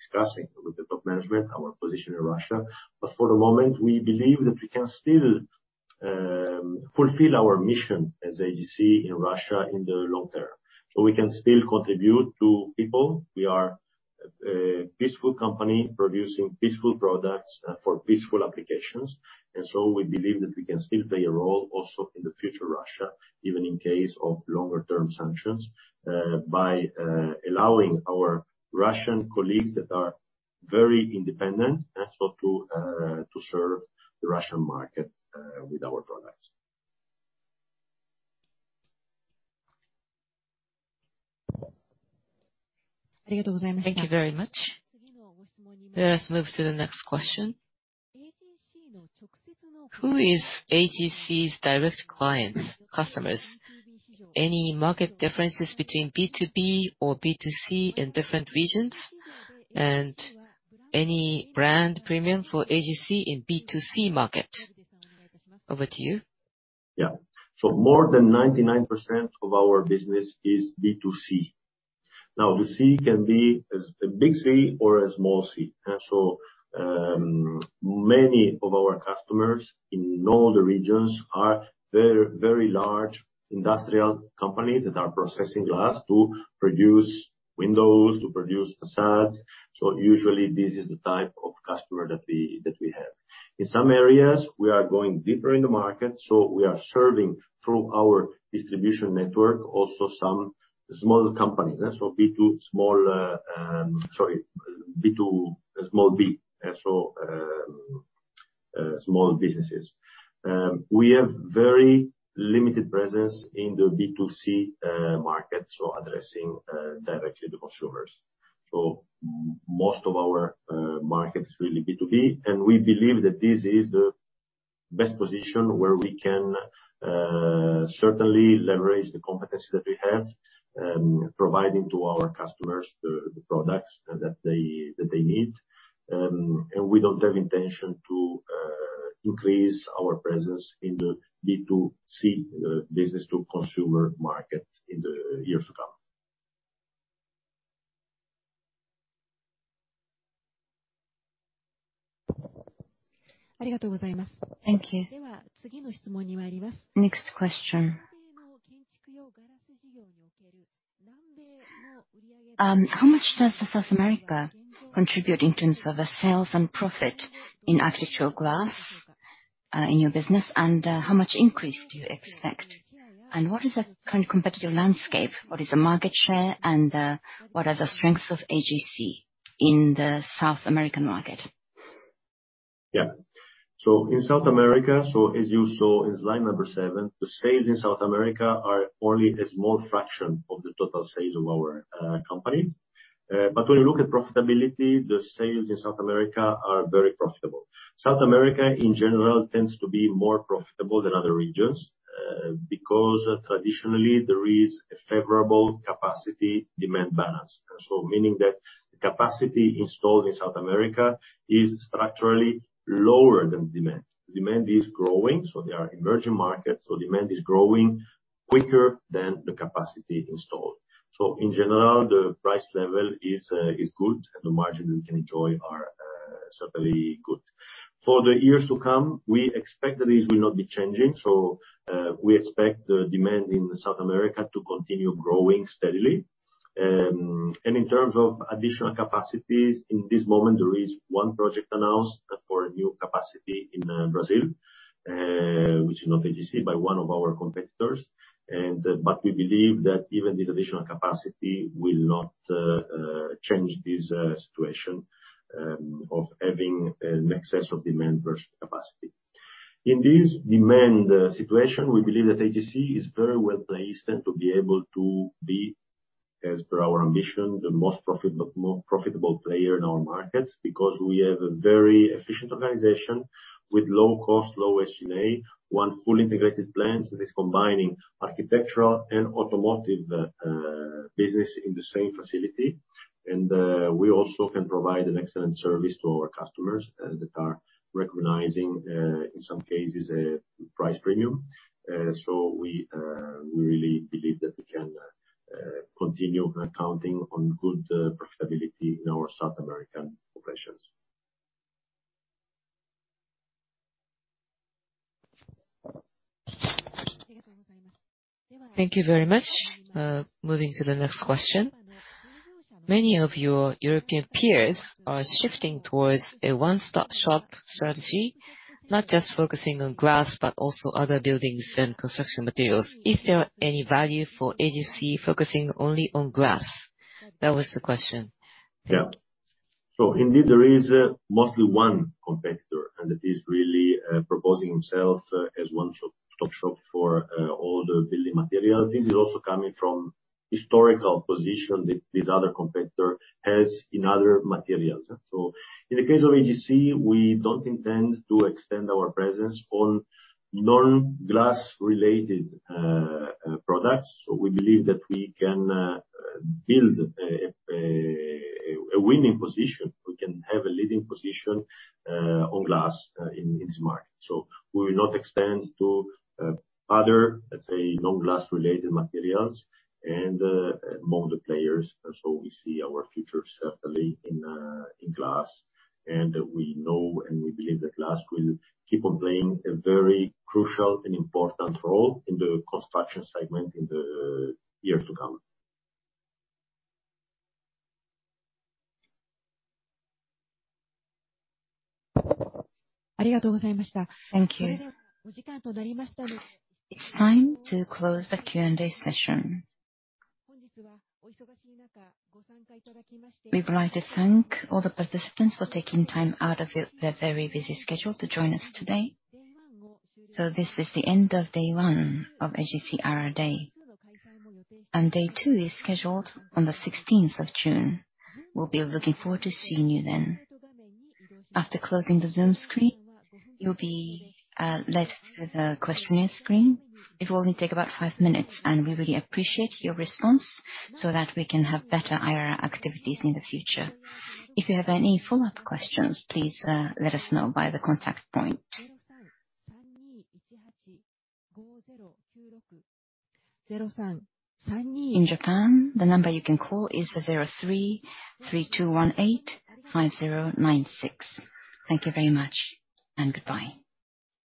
discussing with the top management our position in Russia. But for the moment, we believe that we can still fulfill our mission as AGC in Russia in the long term, so we can still contribute to people. We are a peaceful company producing peaceful products for peaceful applications. We believe that we can still play a role also in the future Russia, even in case of longer term sanctions, by allowing our Russian colleagues that are very independent and so to serve the Russian market with our products. Thank you very much. Let us move to the next question. Who is AGC's direct clients, customers? Any market differences between B2B or B2C in different regions? Any brand premium for AGC in B2C market? Over to you. More than 99% of our business is B2C. Now, the C can be as a big C or a small c. Many of our customers in all the regions are very, very large industrial companies that are processing glass to produce windows, to produce facades. Usually this is the type of customer that we have. In some areas, we are going deeper in the market, so we are serving through our distribution network also some small companies. B2 small b and small businesses. We have very limited presence in the B2C market, addressing directly the consumers. Most of our market is really B2B, and we believe that this is the best position where we can certainly leverage the competency that we have, providing to our customers the products that they need. We don't have intention to increase our presence in the B2C, business to consumer market in the years to come. Thank you. Next question. How much does South America contribute in terms of the sales and profit in Architectural Glass in your business? How much increase do you expect? What is the current competitive landscape? What is the market share, and what are the strengths of AGC in the South American market? Yeah. In South America, so as you saw in slide number 7, the sales in South America are only a small fraction of the total sales of our company. When you look at profitability, the sales in South America are very profitable. South America in general tends to be more profitable than other regions, because traditionally there is a favorable capacity-demand balance. Meaning that the capacity installed in South America is structurally lower than demand. Demand is growing, so there are emerging markets. Demand is growing quicker than the capacity installed. In general, the price level is good and the margin we can enjoy are certainly good. For the years to come, we expect that these will not be changing. We expect the demand in South America to continue growing steadily. In terms of additional capacities, in this moment, there is one project announced for new capacity in Brazil, which is not AGC, by one of our competitors. We believe that even this additional capacity will not change this situation of having an excess of demand versus capacity. In this demand situation, we believe that AGC is very well-placed and to be able to be, as per our ambition, the most profitable player in our markets. Because we have a very efficient organization with low cost, low SG&A, one full integrated plant that is combining architectural and automotive business in the same facility. We also can provide an excellent service to our customers that are recognizing, in some cases, a price premium. We really believe that we can continue counting on good profitability in our South American operations. Thank you very much. Moving to the next question. Many of your European peers are shifting towards a one-stop shop strategy, not just focusing on glass, but also other buildings and construction materials. Is there any value for AGC focusing only on glass? That was the question. Yeah. Indeed there is mostly one competitor, and that is really proposing himself as one-stop shop for all the building materials. This is also coming from historical position this other competitor has in other materials. In the case of AGC, we don't intend to extend our presence on non-glass related products. We believe that we can build a winning position. We can have a leading position on glass in this market. We will not expand to other, let's say, non-glass related materials and among the players. We see our future certainly in glass. We know and we believe that glass will keep on playing a very crucial and important role in the construction segment in the years to come. Thank you. It's time to close the Q&A session. We would like to thank all the participants for taking time out of their very busy schedule to join us today. This is the end of day one of AGC IR Day. Day two is scheduled on the 16th of June. We'll be looking forward to seeing you then. After closing the Zoom screen, you'll be led to the questionnaire screen. It will only take about five minutes, and we really appreciate your response so that we can have better IR activities in the future. If you have any follow-up questions, please let us know by the contact point. In Japan, the number you can call is 03-3218-5096. Thank you very much, and goodbye.